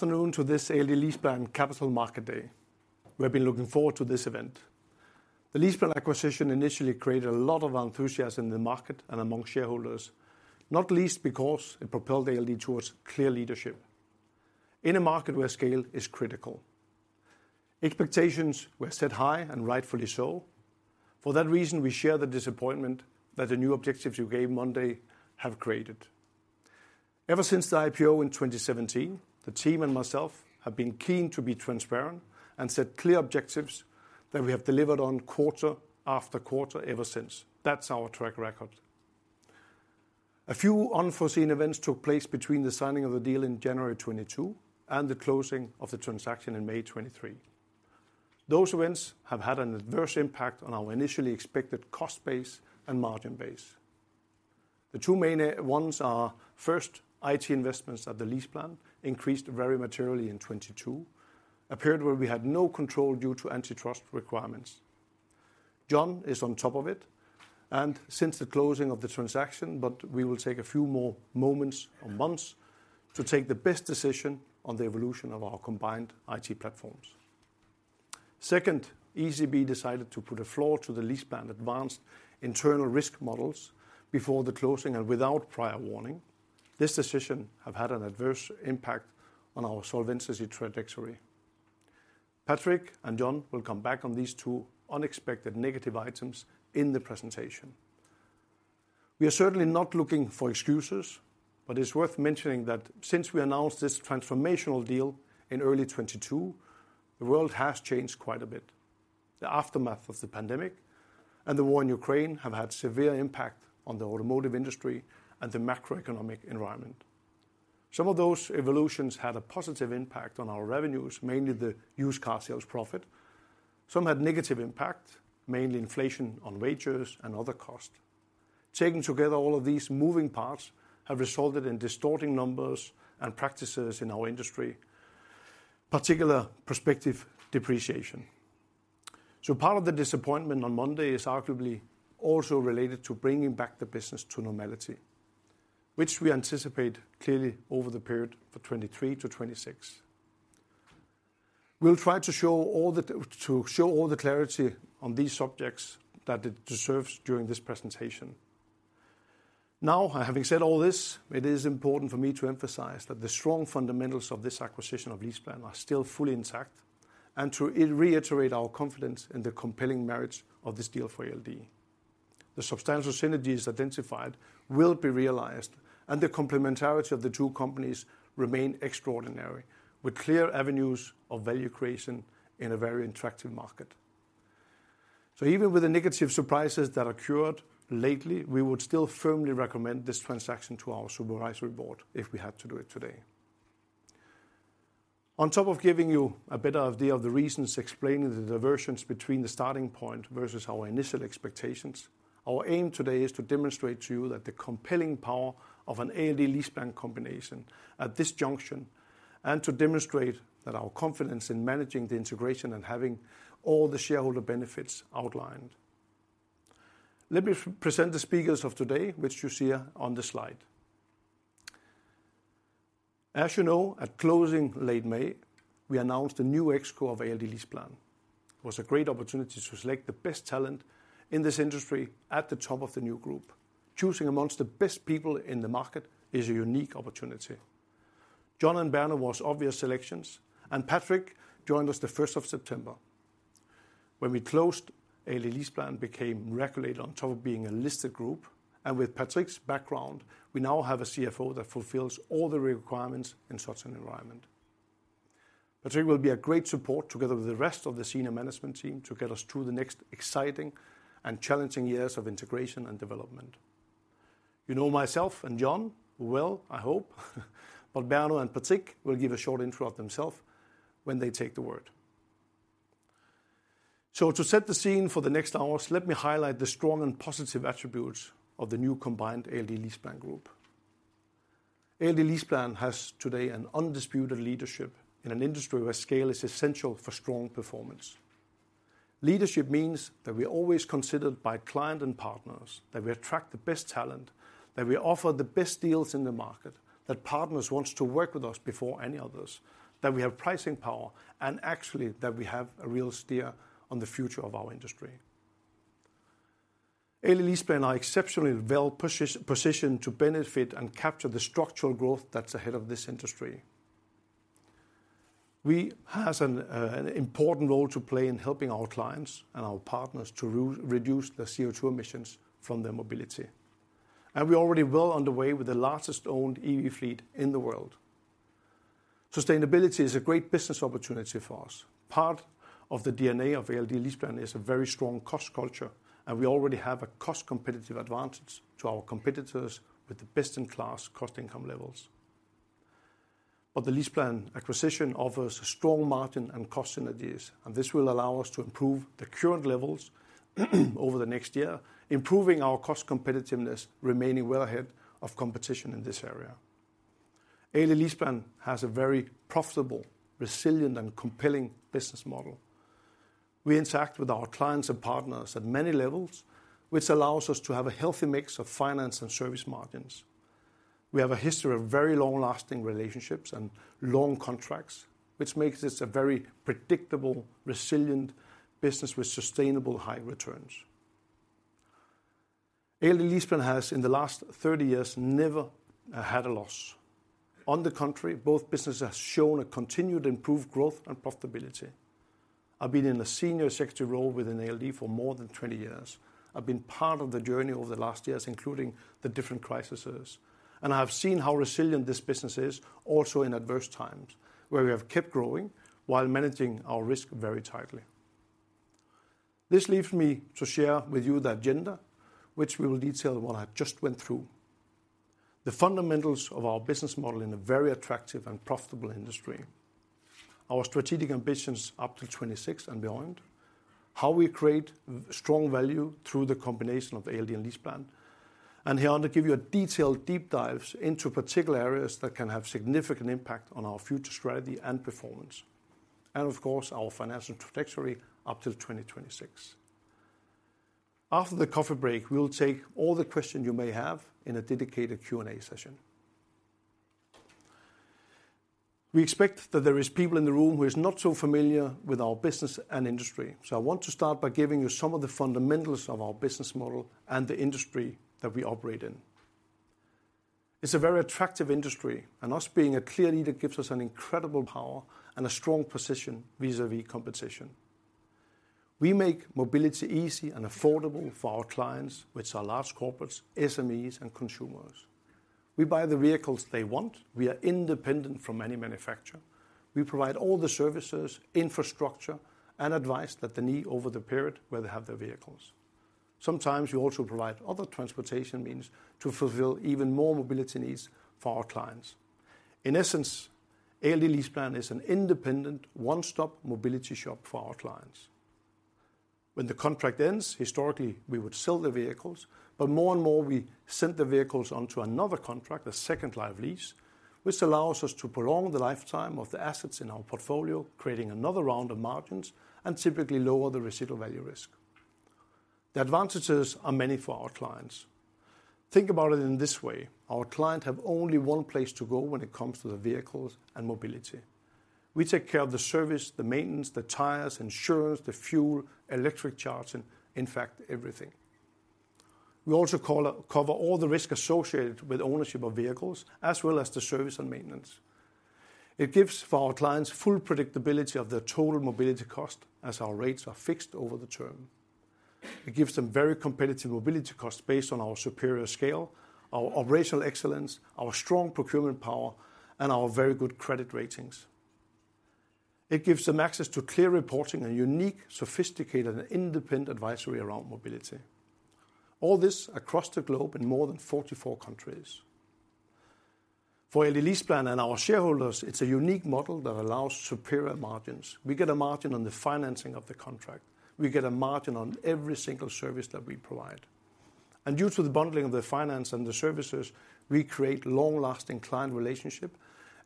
Good afternoon to this ALD LeasePlan Capital Markets Day. We have been looking forward to this event. The LeasePlan acquisition initially created a lot of enthusiasm in the market and among shareholders, not least because it propelled ALD towards clear leadership in a market where scale is critical. Expectations were set high, and rightfully so. For that reason, we share the disappointment that the new objectives we gave Monday have created. Ever since the IPO in 2017, the team and myself have been keen to be transparent and set clear objectives that we have delivered on quarter after quarter ever since. That's our track record. A few unforeseen events took place between the signing of the deal in January 2022 and the closing of the transaction in May 2023. Those events have had an adverse impact on our initially expected cost base and margin base. The two main ones are, first, IT investments at LeasePlan increased very materially in 2022, a period where we had no control due to antitrust requirements. John is on top of it, and since the closing of the transaction, but we will take a few more moments or months to take the best decision on the evolution of our combined IT platforms. Second, ECB decided to put a floor to the LeasePlan advanced internal risk models before the closing and without prior warning. This decision have had an adverse impact on our solvency trajectory. Patrick and John will come back on these two unexpected negative items in the presentation. We are certainly not looking for excuses, but it's worth mentioning that since we announced this transformational deal in early 2022, the world has changed quite a bit. The aftermath of the pandemic and the war in Ukraine have had severe impact on the automotive industry and the macroeconomic environment. Some of those evolutions had a positive impact on our revenues, mainly the used car sales profit. Some had negative impact, mainly inflation on wages and other costs. Taken together, all of these moving parts have resulted in distorting numbers and practices in our industry, particular prospective depreciation. So part of the disappointment on Monday is arguably also related to bringing back the business to normality, which we anticipate clearly over the period for 2023-2026. We'll try to show all the clarity on these subjects that it deserves during this presentation. Now, having said all this, it is important for me to emphasize that the strong fundamentals of this acquisition of LeasePlan are still fully intact, and to reiterate our confidence in the compelling merits of this deal for ALD. The substantial synergies identified will be realized, and the complementarity of the two companies remain extraordinary, with clear avenues of value creation in a very attractive market. So even with the negative surprises that occurred lately, we would still firmly recommend this transaction to our supervisory board if we had to do it today. On top of giving you a better idea of the reasons explaining the deviations between the starting point versus our initial expectations, our aim today is to demonstrate to you that the compelling power of an ALD LeasePlan combination at this juncture, and to demonstrate that our confidence in managing the integration and having all the shareholder benefits outlined. Let me present the speakers of today, which you see on the slide. As you know, at closing late May, we announced a new ExCo of ALD LeasePlan. It was a great opportunity to select the best talent in this industry at the top of the new group. Choosing amongst the best people in the market is a unique opportunity. John and Berno was obvious selections, and Patrick joined us the first of September. When we closed, ALD LeasePlan became regulated on top of being a listed group, and with Patrick's background, we now have a CFO that fulfills all the requirements in such an environment. Patrick will be a great support, together with the rest of the senior management team, to get us through the next exciting and challenging years of integration and development. You know myself and John well, I hope, but Berno and Patrick will give a short intro of themselves when they take the word. So to set the scene for the next hours, let me highlight the strong and positive attributes of the new combined ALD LeasePlan group. ALD LeasePlan has today an undisputed leadership in an industry where scale is essential for strong performance. Leadership means that we are always considered by client and partners, that we attract the best talent, that we offer the best deals in the market, that partners wants to work with us before any others, that we have pricing power, and actually, that we have a real steer on the future of our industry. ALD LeasePlan are exceptionally well positioned to benefit and capture the structural growth that's ahead of this industry. We has an, an important role to play in helping our clients and our partners to reduce their CO2 emissions from their mobility, and we are already well underway with the largest owned EV fleet in the world. Sustainability is a great business opportunity for us. Part of the DNA of ALD LeasePlan is a very strong cost culture, and we already have a cost competitive advantage to our competitors, with the best-in-class cost income levels. But the LeasePlan acquisition offers a strong margin and cost synergies, and this will allow us to improve the current levels, over the next year, improving our cost competitiveness, remaining well ahead of competition in this area. ALD LeasePlan has a very profitable, resilient, and compelling business model.... We interact with our clients and partners at many levels, which allows us to have a healthy mix of finance and service margins. We have a history of very long-lasting relationships and long contracts, which makes this a very predictable, resilient business with sustainable high returns. ALD LeasePlan has, in the last 30 years, never had a loss. On the contrary, both businesses have shown a continued improved growth and profitability. I've been in a senior executive role within ALD for more than 20 years. I've been part of the journey over the last years, including the different crises, and I have seen how resilient this business is also in adverse times, where we have kept growing while managing our risk very tightly. This leaves me to share with you the agenda, which we will detail what I just went through. The fundamentals of our business model in a very attractive and profitable industry. Our strategic ambitions up to 2026 and beyond. How we create strong value through the combination of ALD and LeasePlan. And here, I want to give you a detailed deep dives into particular areas that can have significant impact on our future strategy and performance, and of course, our financial trajectory up to 2026. After the coffee break, we'll take all the questions you may have in a dedicated Q&A session. We expect that there is people in the room who is not so familiar with our business and industry, so I want to start by giving you some of the fundamentals of our business model and the industry that we operate in. It's a very attractive industry, and us being a clear leader gives us an incredible power and a strong position vis-à-vis competition. We make mobility easy and affordable for our clients, which are large corporates, SMEs, and consumers. We buy the vehicles they want. We are independent from any manufacturer. We provide all the services, infrastructure, and advice that they need over the period where they have their vehicles. Sometimes we also provide other transportation means to fulfill even more mobility needs for our clients. In essence, ALD LeasePlan is an independent, one-stop mobility shop for our clients. When the contract ends, historically, we would sell the vehicles, but more and more, we send the vehicles onto another contract, a second life lease, which allows us to prolong the lifetime of the assets in our portfolio, creating another round of margins and typically lower the residual value risk. The advantages are many for our clients. Think about it in this way: Our clients have only one place to go when it comes to the vehicles and mobility. We take care of the service, the maintenance, the tires, insurance, the fuel, electric charging, in fact, everything. We also cover all the risk associated with ownership of vehicles, as well as the service and maintenance. It gives for our clients full predictability of their total mobility cost, as our rates are fixed over the term. It gives them very competitive mobility costs based on our superior scale, our operational excellence, our strong procurement power, and our very good credit ratings. It gives them access to clear reporting and unique, sophisticated, and independent advisory around mobility. All this across the globe in more than 44 countries. For ALD LeasePlan and our shareholders, it's a unique model that allows superior margins. We get a margin on the financing of the contract. We get a margin on every single service that we provide. And due to the bundling of the finance and the services, we create long-lasting client relationship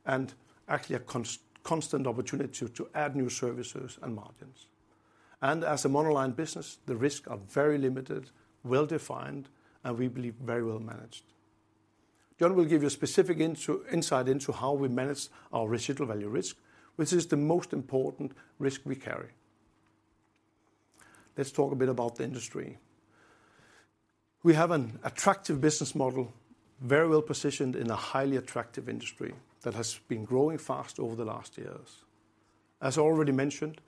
and actually a constant opportunity to add new services and margins. And as a monoline business, the risks are very limited, well-defined, and we believe, very well managed. John will give you specific insight into how we manage our residual value risk, which is the most important risk we carry. Let's talk a bit about the industry. We have an attractive business model, very well positioned in a highly attractive industry, that has been growing fast over the last years. As already mentioned,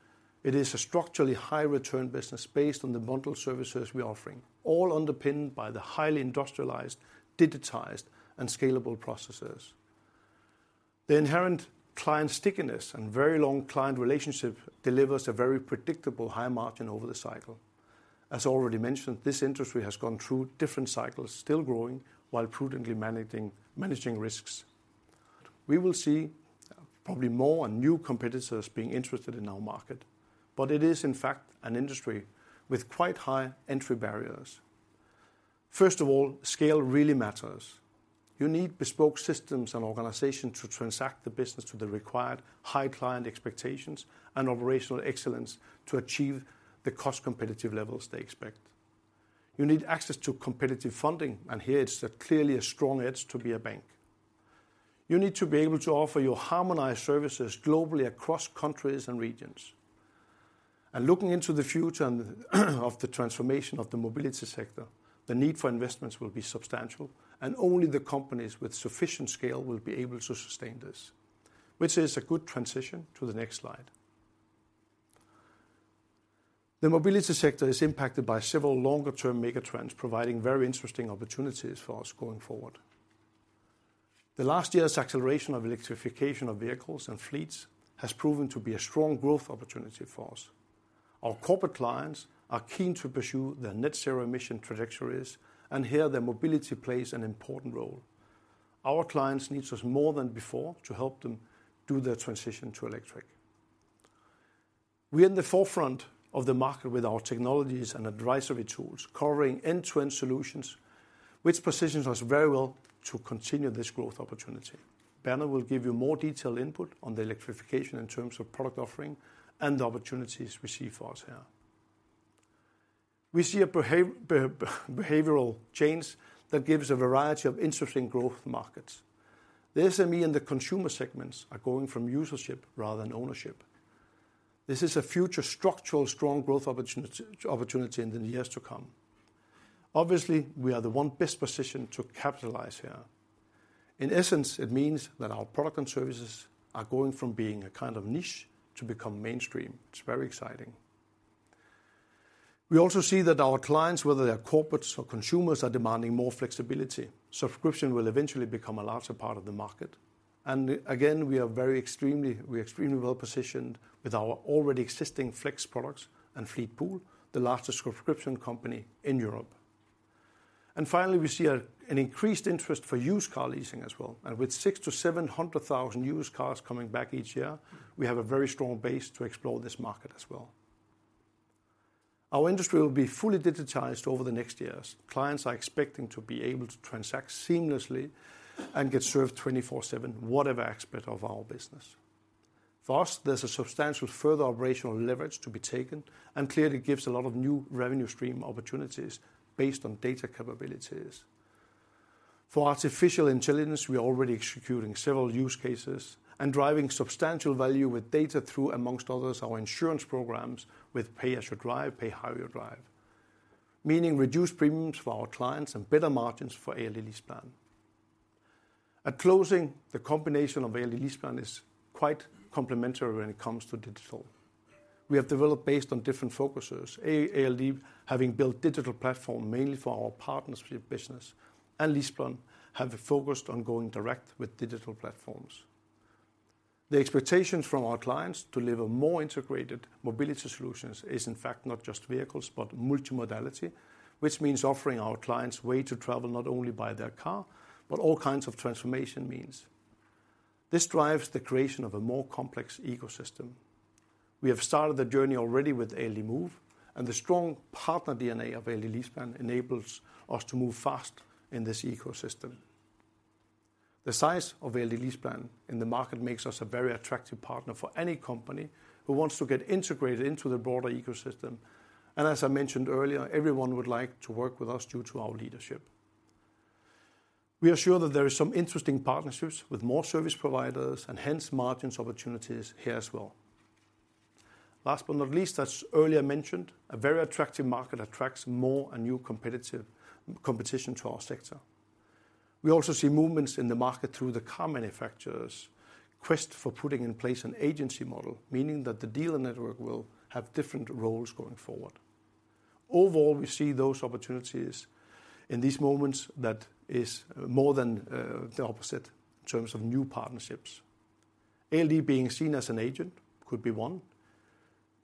it is a structurally high return business based on the bundled services we are offering, all underpinned by the highly industrialized, digitized, and scalable processes. The inherent client stickiness and very long client relationship delivers a very predictable high margin over the cycle. As already mentioned, this industry has gone through different cycles, still growing, while prudently managing risks. We will see probably more and new competitors being interested in our market, but it is, in fact, an industry with quite high entry barriers. First of all, scale really matters. You need bespoke systems and organization to transact the business to the required high client expectations and operational excellence to achieve the cost competitive levels they expect. You need access to competitive funding, and here it's clearly a strong edge to be a bank. You need to be able to offer your harmonized services globally across countries and regions. Looking into the future and, of the transformation of the mobility sector, the need for investments will be substantial, and only the companies with sufficient scale will be able to sustain this, which is a good transition to the next slide. The mobility sector is impacted by several longer-term mega trends, providing very interesting opportunities for us going forward. The last year's acceleration of electrification of vehicles and fleets has proven to be a strong growth opportunity for us. Our corporate clients are keen to pursue their net zero emission trajectories, and here, their mobility plays an important role. Our clients need us more than before to help them do their transition to electric. We are in the forefront of the market with our technologies and advisory tools, covering end-to-end solutions, which positions us very well to continue this growth opportunity. Berno will give you more detailed input on the electrification in terms of product offering and the opportunities we see for us here. We see a behavioral change that gives a variety of interesting growth markets. The SME and the consumer segments are going from usership rather than ownership. This is a future structural strong growth opportunity in the years to come. Obviously, we are the one best positioned to capitalize here. In essence, it means that our product and services are going from being a kind of niche to become mainstream. It's very exciting. We also see that our clients, whether they're corporates or consumers, are demanding more flexibility. Subscription will eventually become a larger part of the market, and again, we are extremely well positioned with our already existing flex products and Fleetpool, the largest subscription company in Europe. And finally, we see an increased interest for used car leasing as well, and with 600,000-700,000 used cars coming back each year, we have a very strong base to explore this market as well. Our industry will be fully digitized over the next years. Clients are expecting to be able to transact seamlessly and get served 24/7, whatever aspect of our business. For us, there's a substantial further operational leverage to be taken and clearly gives a lot of new revenue stream opportunities based on data capabilities. For artificial intelligence, we are already executing several use cases and driving substantial value with data through, amongst others, our insurance programs with pay as you drive, pay how you drive, meaning reduced premiums for our clients and better margins for ALD LeasePlan. At closing, the combination of ALD LeasePlan is quite complementary when it comes to digital. We have developed based on different focuses. ALD, having built digital platform mainly for our partnership business, and LeasePlan have focused on going direct with digital platforms. The expectations from our clients to deliver more integrated mobility solutions is, in fact, not just vehicles, but multimodality, which means offering our clients way to travel not only by their car, but all kinds of transformation means. This drives the creation of a more complex ecosystem. We have started the journey already with ALD Move, and the strong partner DNA of ALD LeasePlan enables us to move fast in this ecosystem. The size of ALD LeasePlan in the market makes us a very attractive partner for any company who wants to get integrated into the broader ecosystem, and as I mentioned earlier, everyone would like to work with us due to our leadership. We are sure that there is some interesting partnerships with more service providers and hence margins opportunities here as well. Last but not least, as earlier mentioned, a very attractive market attracts more and new competitive competition to our sector. We also see movements in the market through the car manufacturers' quest for putting in place an agency model, meaning that the dealer network will have different roles going forward. Overall, we see those opportunities in these moments that is more than the opposite in terms of new partnerships. ALD being seen as an agent could be one.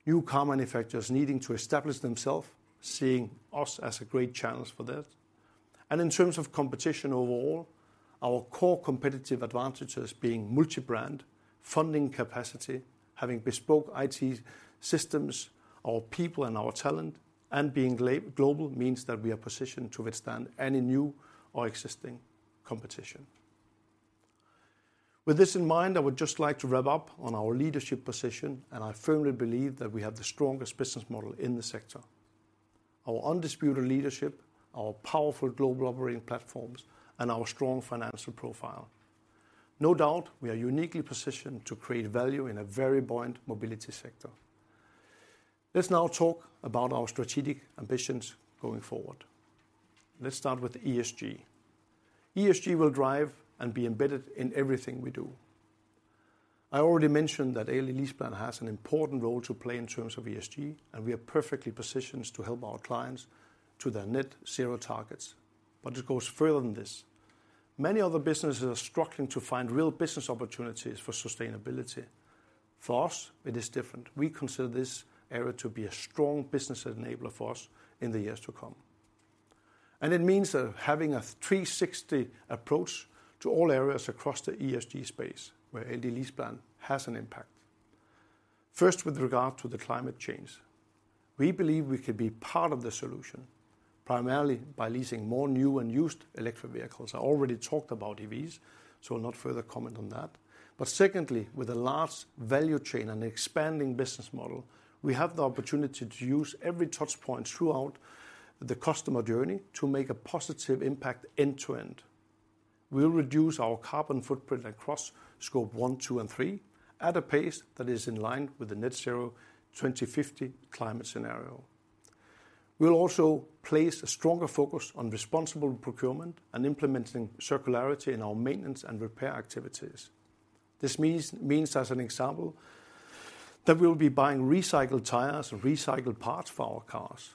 New car manufacturers needing to establish themselves, seeing us as a great chance for this. And in terms of competition overall, our core competitive advantages being multi-brand, funding capacity, having bespoke IT systems, our people and our talent, and being global means that we are positioned to withstand any new or existing competition. With this in mind, I would just like to wrap up on our leadership position, and I firmly believe that we have the strongest business model in the sector. Our undisputed leadership, our powerful global operating platforms, and our strong financial profile. No doubt, we are uniquely positioned to create value in a very buoyant mobility sector. Let's now talk about our strategic ambitions going forward. Let's start with ESG. ESG will drive and be embedded in everything we do. I already mentioned that ALD LeasePlan has an important role to play in terms of ESG, and we are perfectly positioned to help our clients to their net zero targets. But it goes further than this. Many other businesses are struggling to find real business opportunities for sustainability. For us, it is different. We consider this area to be a strong business enabler for us in the years to come, and it means that having a 360 approach to all areas across the ESG space, where ALD LeasePlan has an impact. First, with regard to the climate change, we believe we could be part of the solution, primarily by leasing more new and used electric vehicles. I already talked about EVs, so I'll not further comment on that. But secondly, with a large value chain and expanding business model, we have the opportunity to use every touchpoint throughout the customer journey to make a positive impact end to end. We'll reduce our carbon footprint across Scope 1, 2, and 3 at a pace that is in line with the net zero 2050 climate scenario. We'll also place a stronger focus on responsible procurement and implementing circularity in our maintenance and repair activities. This means, as an example, that we'll be buying recycled tires and recycled parts for our cars.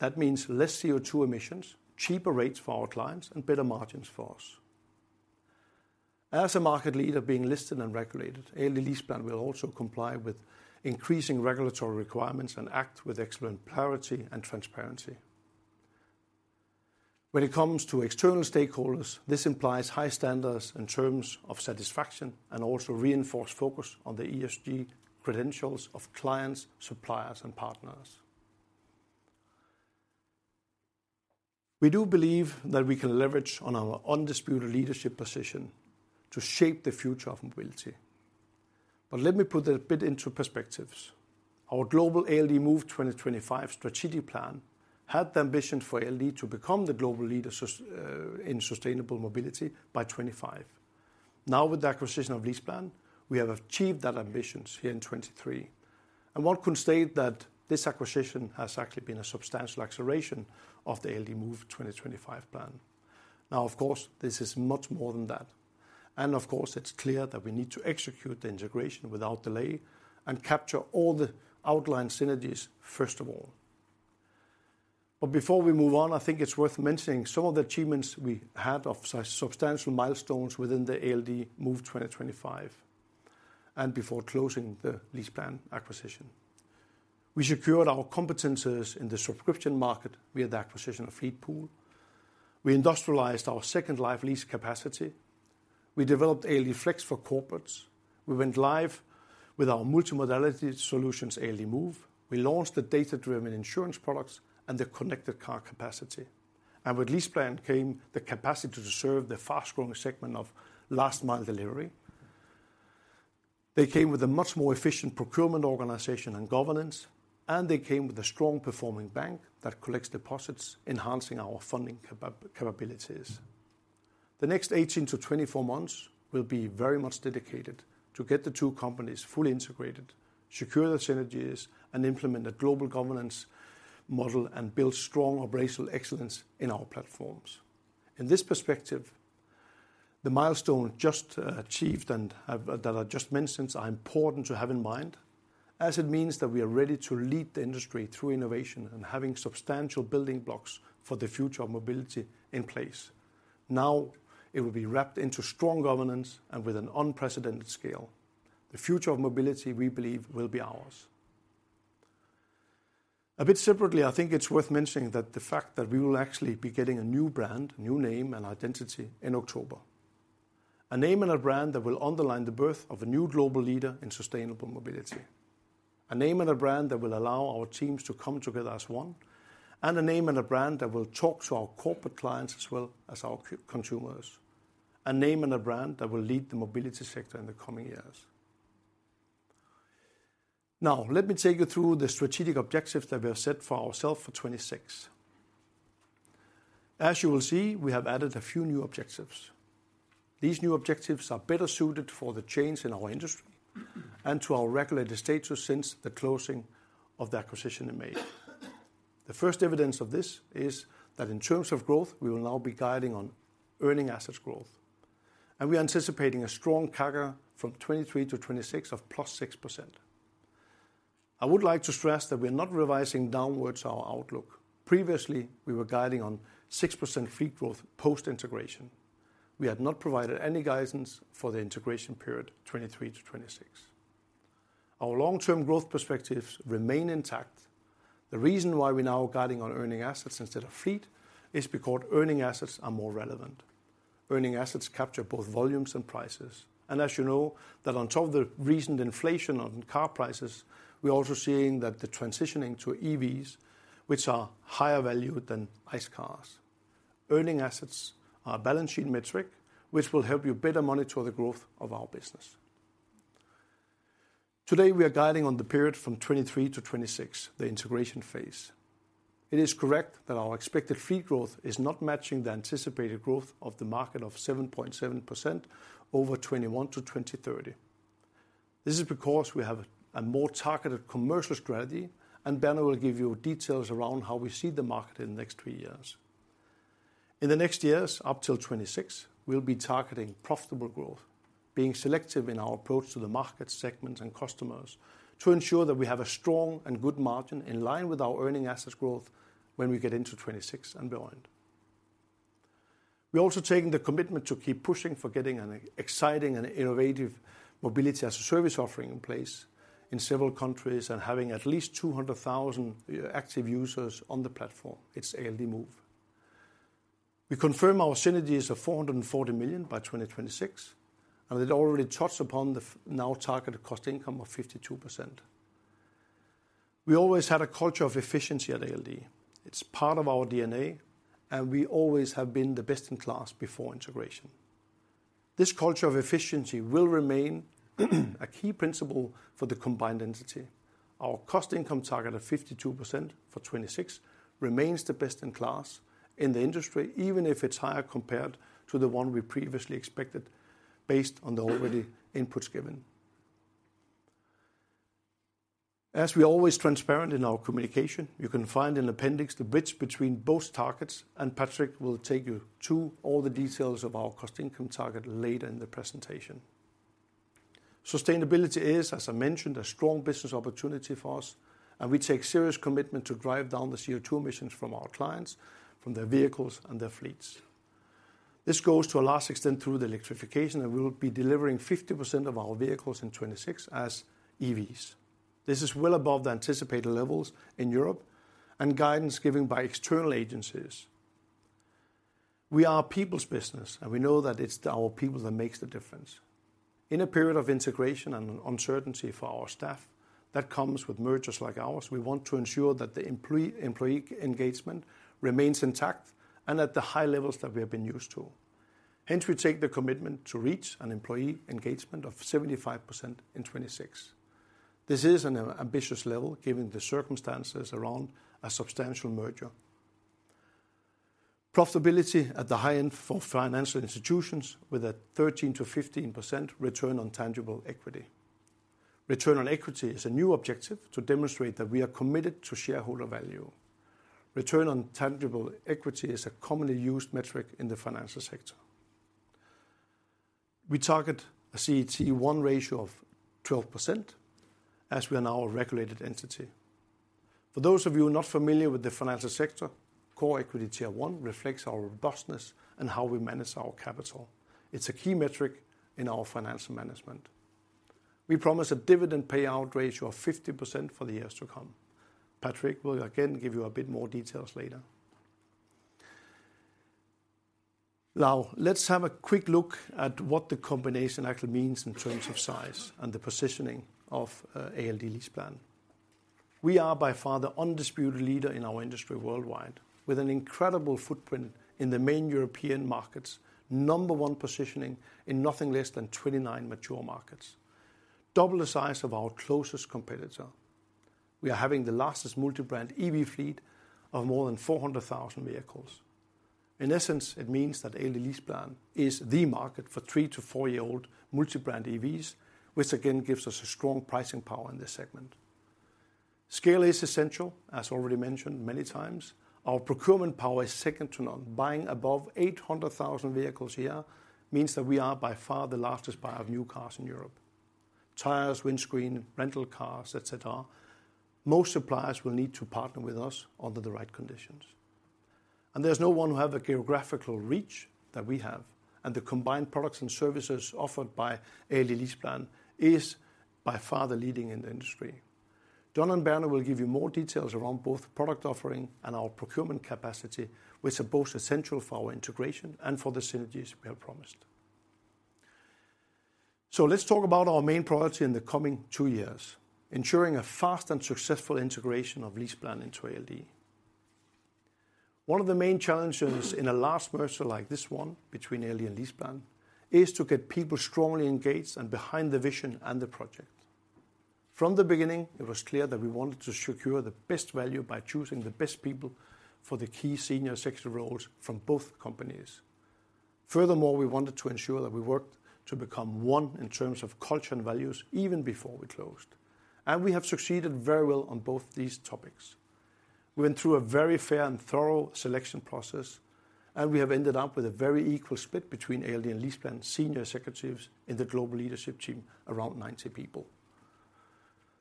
That means less CO2 emissions, cheaper rates for our clients, and better margins for us. As a market leader being listed and regulated, ALD LeasePlan will also comply with increasing regulatory requirements and act with excellent parity and transparency. When it comes to external stakeholders, this implies high standards in terms of satisfaction and also reinforced focus on the ESG credentials of clients, suppliers, and partners. We do believe that we can leverage on our undisputed leadership position to shape the future of mobility. But let me put that a bit into perspectives. Our global ALD Move 2025 strategic plan had the ambition for ALD to become the global leader in sustainable mobility by 2025. Now, with the acquisition of LeasePlan, we have achieved that ambitions here in 2023, and one could state that this acquisition has actually been a substantial acceleration of the ALD Move 2025 plan. Now, of course, this is much more than that, and of course, it's clear that we need to execute the integration without delay and capture all the outlined synergies, first of all. But before we move on, I think it's worth mentioning some of the achievements we had of substantial milestones within the ALD Move 2025, and before closing the LeasePlan acquisition. We secured our competencies in the subscription market via the acquisition of Fleetpool. We industrialized our Second Life Lease capacity. We developed ALD Flex for corporates. We went live with our multimodality solutions, ALD Move. We launched the data-driven insurance products and the connected car capacity, and with LeasePlan came the capacity to serve the fast-growing segment of last mile delivery. They came with a much more efficient procurement organization and governance, and they came with a strong performing bank that collects deposits, enhancing our funding capabilities. The next 18-24 months will be very much dedicated to get the two companies fully integrated, secure the synergies, and implement a global governance model, and build strong operational excellence in our platforms. In this perspective, the milestone just achieved and that I just mentioned are important to have in mind, as it means that we are ready to lead the industry through innovation and having substantial building blocks for the future of mobility in place. Now, it will be wrapped into strong governance and with an unprecedented scale. The future of mobility, we believe, will be ours. A bit separately, I think it's worth mentioning that the fact that we will actually be getting a new brand, new name and identity in October. A name and a brand that will underline the birth of a new global leader in sustainable mobility. A name and a brand that will allow our teams to come together as one, and a name and a brand that will talk to our corporate clients as well as our consumers. A name and a brand that will lead the mobility sector in the coming years. Now, let me take you through the strategic objectives that we have set for ourselves for 2026. As you will see, we have added a few new objectives. These new objectives are better suited for the change in our industry and to our regulated status since the closing of the acquisition in May. The first evidence of this is that in terms of growth, we will now be guiding on Earning Assets growth, and we are anticipating a strong CAGR from 2023 to 2026 of +6%. I would like to stress that we're not revising downwards our outlook. Previously, we were guiding on 6% fleet growth post-integration. We had not provided any guidance for the integration period 2023-2026. Our long-term growth perspectives remain intact. The reason why we're now guiding on Earning Assets instead of fleet, is because Earning Assets are more relevant. Earning Assets capture both volumes and prices, and as you know, that on top of the recent inflation on car prices, we are also seeing that the transitioning to EVs, which are higher value than ICE cars. Earning Assets are a balance sheet metric, which will help you better monitor the growth of our business. Today, we are guiding on the period from 2023-2026, the integration phase. It is correct that our expected fleet growth is not matching the anticipated growth of the market of 7.7% over 2021 to 2030. This is because we have a more targeted commercial strategy, and Bernard will give you details around how we see the market in the next three years. In the next years, up till 2026, we'll be targeting profitable growth, being selective in our approach to the market segments and customers to ensure that we have a strong and good margin in line with our earning assets growth when we get into 2026 and beyond. We're also taking the commitment to keep pushing for getting an exciting and innovative Mobility-as-a-Service offering in place in several countries and having at least 200,000 active users on the platform. It's ALD Move. We confirm our synergies of 440 million by 2026, and it already touched upon the now targeted cost income of 52%. We always had a culture of efficiency at ALD. It's part of our DNA, and we always have been the best in class before integration. This culture of efficiency will remain, a key principle for the combined entity. Our cost income target of 52% for 2026 remains the best in class in the industry, even if it's higher compared to the one we previously expected, based on the early inputs given. As we are always transparent in our communication, you can find in appendix the bridge between both targets, and Patrick will take you through all the details of our cost income target later in the presentation. Sustainability is, as I mentioned, a strong business opportunity for us, and we take serious commitment to drive down the CO2 emissions from our clients, from their vehicles and their fleets. This goes to a large extent through the electrification, and we will be delivering 50% of our vehicles in 2026 as EVs. This is well above the anticipated levels in Europe and guidance given by external agencies. We are a people's business, and we know that it's our people that makes the difference. In a period of integration and uncertainty for our staff, that comes with mergers like ours, we want to ensure that the employee engagement remains intact and at the high levels that we have been used to. Hence, we take the commitment to reach an employee engagement of 75% in 2026. This is an ambitious level, given the circumstances around a substantial merger. Profitability at the high end for financial institutions with a 13 to 15% return on tangible equity. Return on equity is a new objective to demonstrate that we are committed to shareholder value. Return on tangible equity is a commonly used metric in the financial sector. We target a CET1 ratio of 12%, as we are now a regulated entity. For those of you not familiar with the financial sector, Core Equity Tier 1 reflects our robustness and how we manage our capital. It's a key metric in our financial management. We promise a dividend payout ratio of 50% for the years to come. Patrick will again give you a bit more details later. Now, let's have a quick look at what the combination actually means in terms of size and the positioning of ALD LeasePlan. We are by far the undisputed leader in our industry worldwide, with an incredible footprint in the main European markets, number one positioning in nothing less than 29 mature markets. Double the size of our closest competitor. We are having the largest multi-brand EV fleet of more than 400,000 vehicles. In essence, it means that ALD LeasePlan is the market for 3-4-year-old multi-brand EVs, which again, gives us a strong pricing power in this segment. Scale is essential, as already mentioned many times. Our procurement power is second to none. Buying above 800,000 vehicles a year means that we are by far the largest buyer of new cars in Europe. Tires, windscreen, rental cars, et cetera, most suppliers will need to partner with us under the right conditions. There's no one who have the geographical reach that we have, and the combined products and services offered by ALD LeasePlan is by far the leading in the industry. John and Bernard will give you more details around both product offering and our procurement capacity, which are both essential for our integration and for the synergies we have promised. Let's talk about our main priority in the coming two years, ensuring a fast and successful integration of LeasePlan into ALD. One of the main challenges in a large merger like this one, between ALD and LeasePlan, is to get people strongly engaged and behind the vision and the project. From the beginning, it was clear that we wanted to secure the best value by choosing the best people for the key senior executive roles from both companies. Furthermore, we wanted to ensure that we worked to become one in terms of culture and values, even before we closed, and we have succeeded very well on both these topics. We went through a very fair and thorough selection process, and we have ended up with a very equal split between ALD and LeasePlan senior executives in the global leadership team, around 90 people.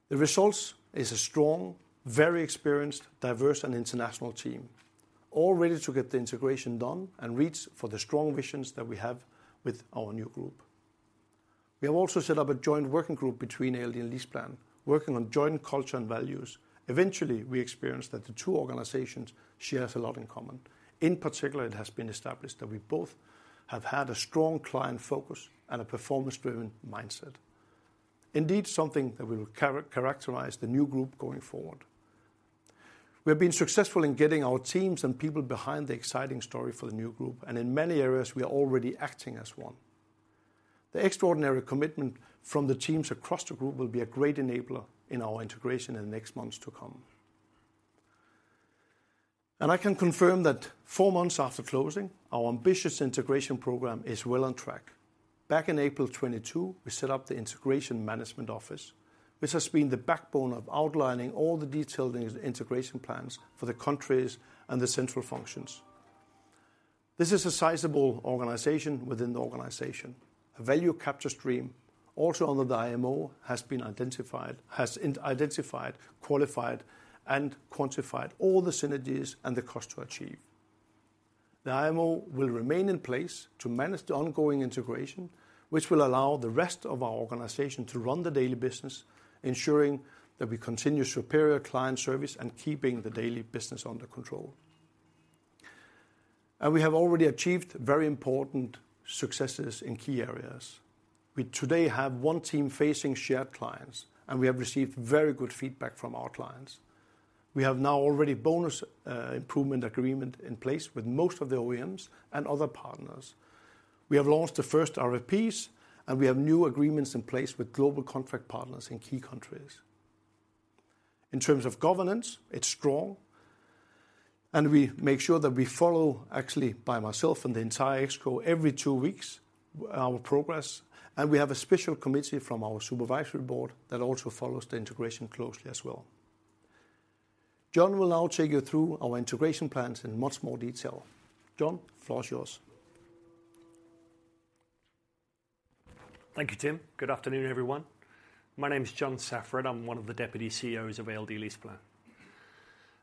The results is a strong, very experienced, diverse, and international team, all ready to get the integration done and reach for the strong visions that we have with our new group. We have also set up a joint working group between ALD and LeasePlan, working on joint culture and values. Eventually, we experienced that the two organizations shares a lot in common. In particular, it has been established that we both have had a strong client focus and a performance-driven mindset. Indeed, something that will characterize the new group going forward. We have been successful in getting our teams and people behind the exciting story for the new group, and in many areas, we are already acting as one. The extraordinary commitment from the teams across the group will be a great enabler in our integration in the next months to come. I can confirm that four months after closing, our ambitious integration program is well on track. Back in April 2022, we set up the Integration Management Office, which has been the backbone of outlining all the detailed integration plans for the countries and the central functions. This is a sizable organization within the organization. A value capture stream, also under the IMO, has been identified, qualified, and quantified all the synergies and the cost to achieve. The IMO will remain in place to manage the ongoing integration, which will allow the rest of our organization to run the daily business, ensuring that we continue superior client service and keeping the daily business under control. We have already achieved very important successes in key areas. We today have one team facing shared clients, and we have received very good feedback from our clients. We have now already bonus improvement agreement in place with most of the OEMs and other partners. We have launched the first RFPs, and we have new agreements in place with global contract partners in key countries. In terms of governance, it's strong, and we make sure that we follow, actually, by myself and the entire ExCo, every two weeks, our progress, and we have a special committee from our supervisory board that also follows the integration closely as well. John will now take you through our integration plans in much more detail. John, floor is yours. Thank you, Tim. Good afternoon, everyone. My name is John Saffrett. I'm one of the deputy CEOs of ALD LeasePlan.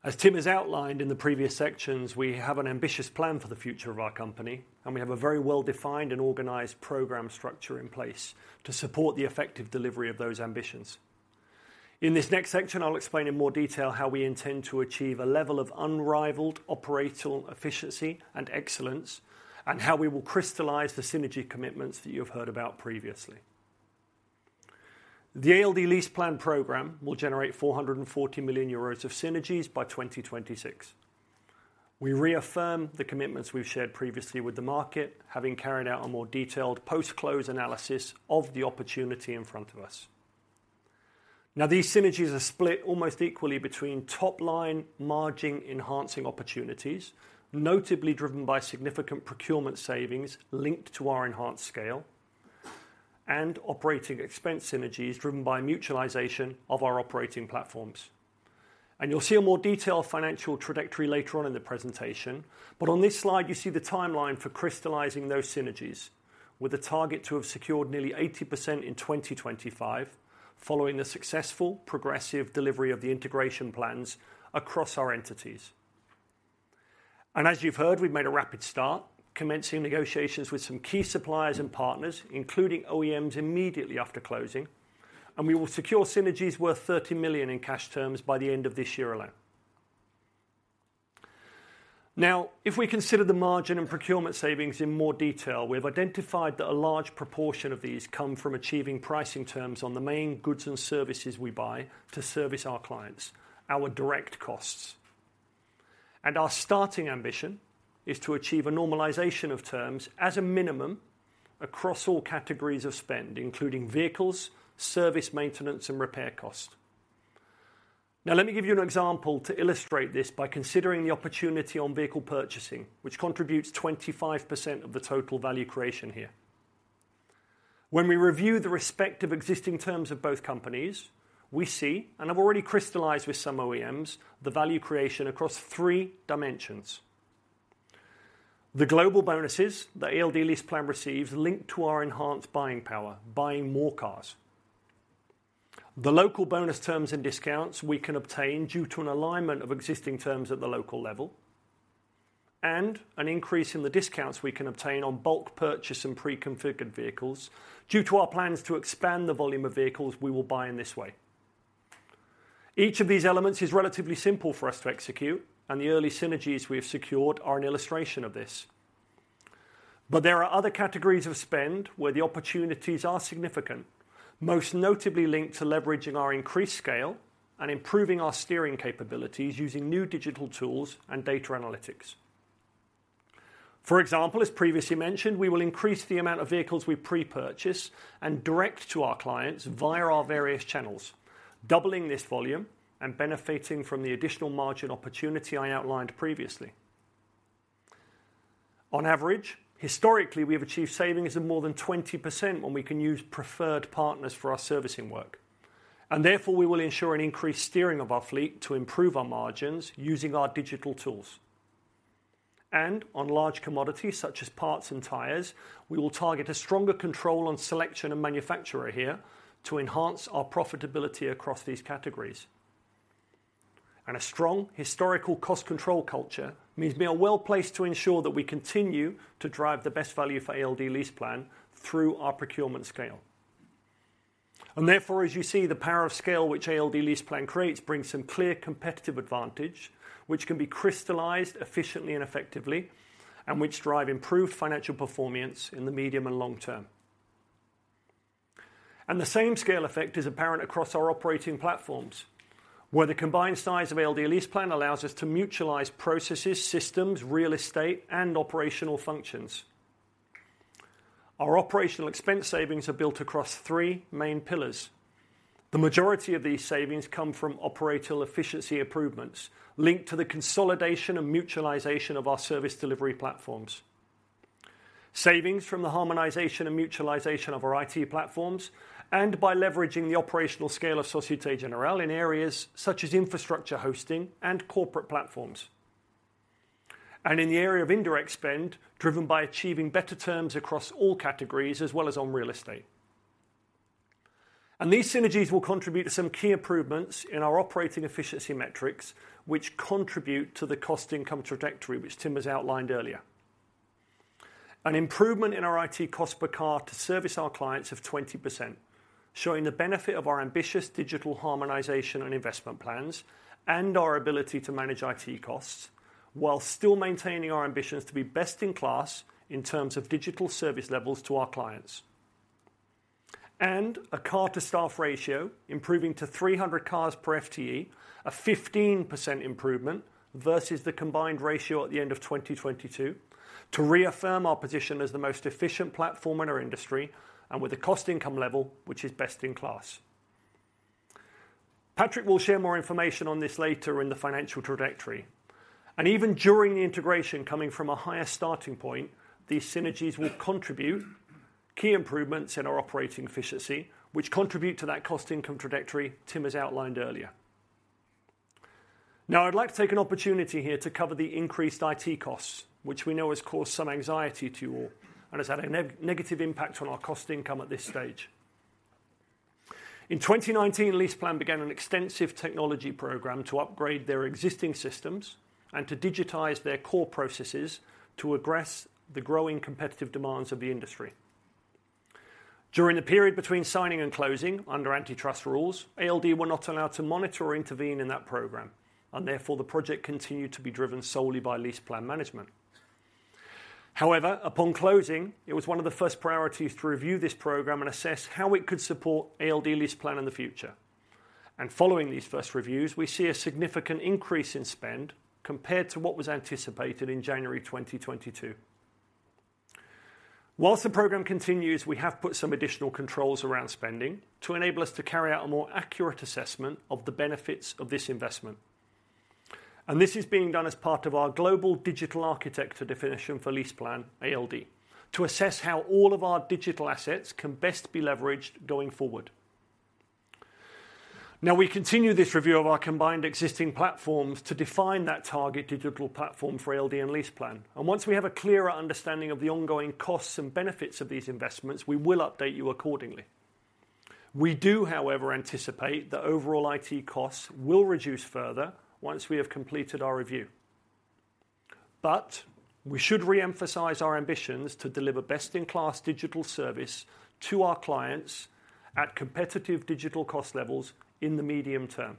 As Tim has outlined in the previous sections, we have an ambitious plan for the future of our company, and we have a very well-defined and organized program structure in place to support the effective delivery of those ambitions. In this next section, I'll explain in more detail how we intend to achieve a level of unrivaled operational efficiency and excellence, and how we will crystallize the synergy commitments that you have heard about previously. The ALD LeasePlan program will generate 440 million euros of synergies by 2026. We reaffirm the commitments we've shared previously with the market, having carried out a more detailed post-close analysis of the opportunity in front of us. Now, these synergies are split almost equally between top line, margin, enhancing opportunities, notably driven by significant procurement savings linked to our enhanced scale and operating expense synergies driven by mutualization of our operating platforms. And you'll see a more detailed financial trajectory later on in the presentation. But on this slide, you see the timeline for crystallizing those synergies with a target to have secured nearly 80% in 2025, following the successful progressive delivery of the integration plans across our entities. And as you've heard, we've made a rapid start, commencing negotiations with some key suppliers and partners, including OEMs, immediately after closing, and we will secure synergies worth 30 million in cash terms by the end of this year alone. Now, if we consider the margin and procurement savings in more detail, we've identified that a large proportion of these come from achieving pricing terms on the main goods and services we buy to service our clients, our direct costs. Our starting ambition is to achieve a normalization of terms as a minimum across all categories of spend, including vehicles, service, maintenance, and repair cost. Now, let me give you an example to illustrate this by considering the opportunity on vehicle purchasing, which contributes 25% of the total value creation here. When we review the respective existing terms of both companies, we see, and have already crystallized with some OEMs, the value creation across three dimensions. The global bonuses that ALD LeasePlan receives link to our enhanced buying power, buying more cars. The local bonus terms and discounts we can obtain due to an alignment of existing terms at the local level, and an increase in the discounts we can obtain on bulk purchase and pre-configured vehicles, due to our plans to expand the volume of vehicles we will buy in this way. Each of these elements is relatively simple for us to execute, and the early synergies we have secured are an illustration of this. But there are other categories of spend where the opportunities are significant, most notably linked to leveraging our increased scale and improving our steering capabilities using new digital tools and data analytics. For example, as previously mentioned, we will increase the amount of vehicles we pre-purchase and direct to our clients via our various channels, doubling this volume and benefiting from the additional margin opportunity I outlined previously. On average, historically, we have achieved savings of more than 20% when we can use preferred partners for our servicing work, and therefore, we will ensure an increased steering of our fleet to improve our margins using our digital tools. On large commodities, such as parts and tires, we will target a stronger control on selection and manufacturer here to enhance our profitability across these categories. A strong historical cost control culture means we are well-placed to ensure that we continue to drive the best value for ALD LeasePlan through our procurement scale. As you see, the power of scale which ALD LeasePlan creates brings some clear competitive advantage, which can be crystallized efficiently and effectively, and which drive improved financial performance in the medium and long term. The same scale effect is apparent across our operating platforms, where the combined size of ALD LeasePlan allows us to mutualize processes, systems, real estate, and operational functions. Our operational expense savings are built across three main pillars. The majority of these savings come from operational efficiency improvements linked to the consolidation and mutualization of our service delivery platforms. Savings from the harmonization and mutualization of our IT platforms, and by leveraging the operational scale of Société Générale in areas such as infrastructure hosting and corporate platforms. In the area of indirect spend, driven by achieving better terms across all categories as well as on real estate. These synergies will contribute to some key improvements in our operating efficiency metrics, which contribute to the cost income trajectory, which Tim has outlined earlier. An improvement in our IT cost per car to service our clients of 20%, showing the benefit of our ambitious digital harmonization and investment plans, and our ability to manage IT costs, while still maintaining our ambitions to be best in class in terms of digital service levels to our clients. A car-to-staff ratio improving to 300 cars per FTE, a 15% improvement versus the combined ratio at the end of 2022, to reaffirm our position as the most efficient platform in our industry and with a cost income level, which is best in class. Patrick will share more information on this later in the financial trajectory. Even during the integration coming from a higher starting point, these synergies will contribute key improvements in our operating efficiency, which contribute to that cost income trajectory Tim has outlined earlier. Now, I'd like to take an opportunity here to cover the increased IT costs, which we know has caused some anxiety to you all and has had a negative impact on our cost income at this stage. In 2019, LeasePlan began an extensive technology program to upgrade their existing systems and to digitize their core processes to address the growing competitive demands of the industry. During the period between signing and closing, under antitrust rules, ALD were not allowed to monitor or intervene in that program, and therefore, the project continued to be driven solely by LeasePlan management. However, upon closing, it was one of the first priorities to review this program and assess how it could support ALD LeasePlan in the future. Following these first reviews, we see a significant increase in spend compared to what was anticipated in January 2022. While the program continues, we have put some additional controls around spending to enable us to carry out a more accurate assessment of the benefits of this investment. This is being done as part of our global digital architecture definition for LeasePlan ALD, to assess how all of our digital assets can best be leveraged going forward. Now, we continue this review of our combined existing platforms to define that target digital platform for ALD and LeasePlan. Once we have a clearer understanding of the ongoing costs and benefits of these investments, we will update you accordingly. We do, however, anticipate that overall IT costs will reduce further once we have completed our review. We should re-emphasize our ambitions to deliver best-in-class digital service to our clients at competitive digital cost levels in the medium term.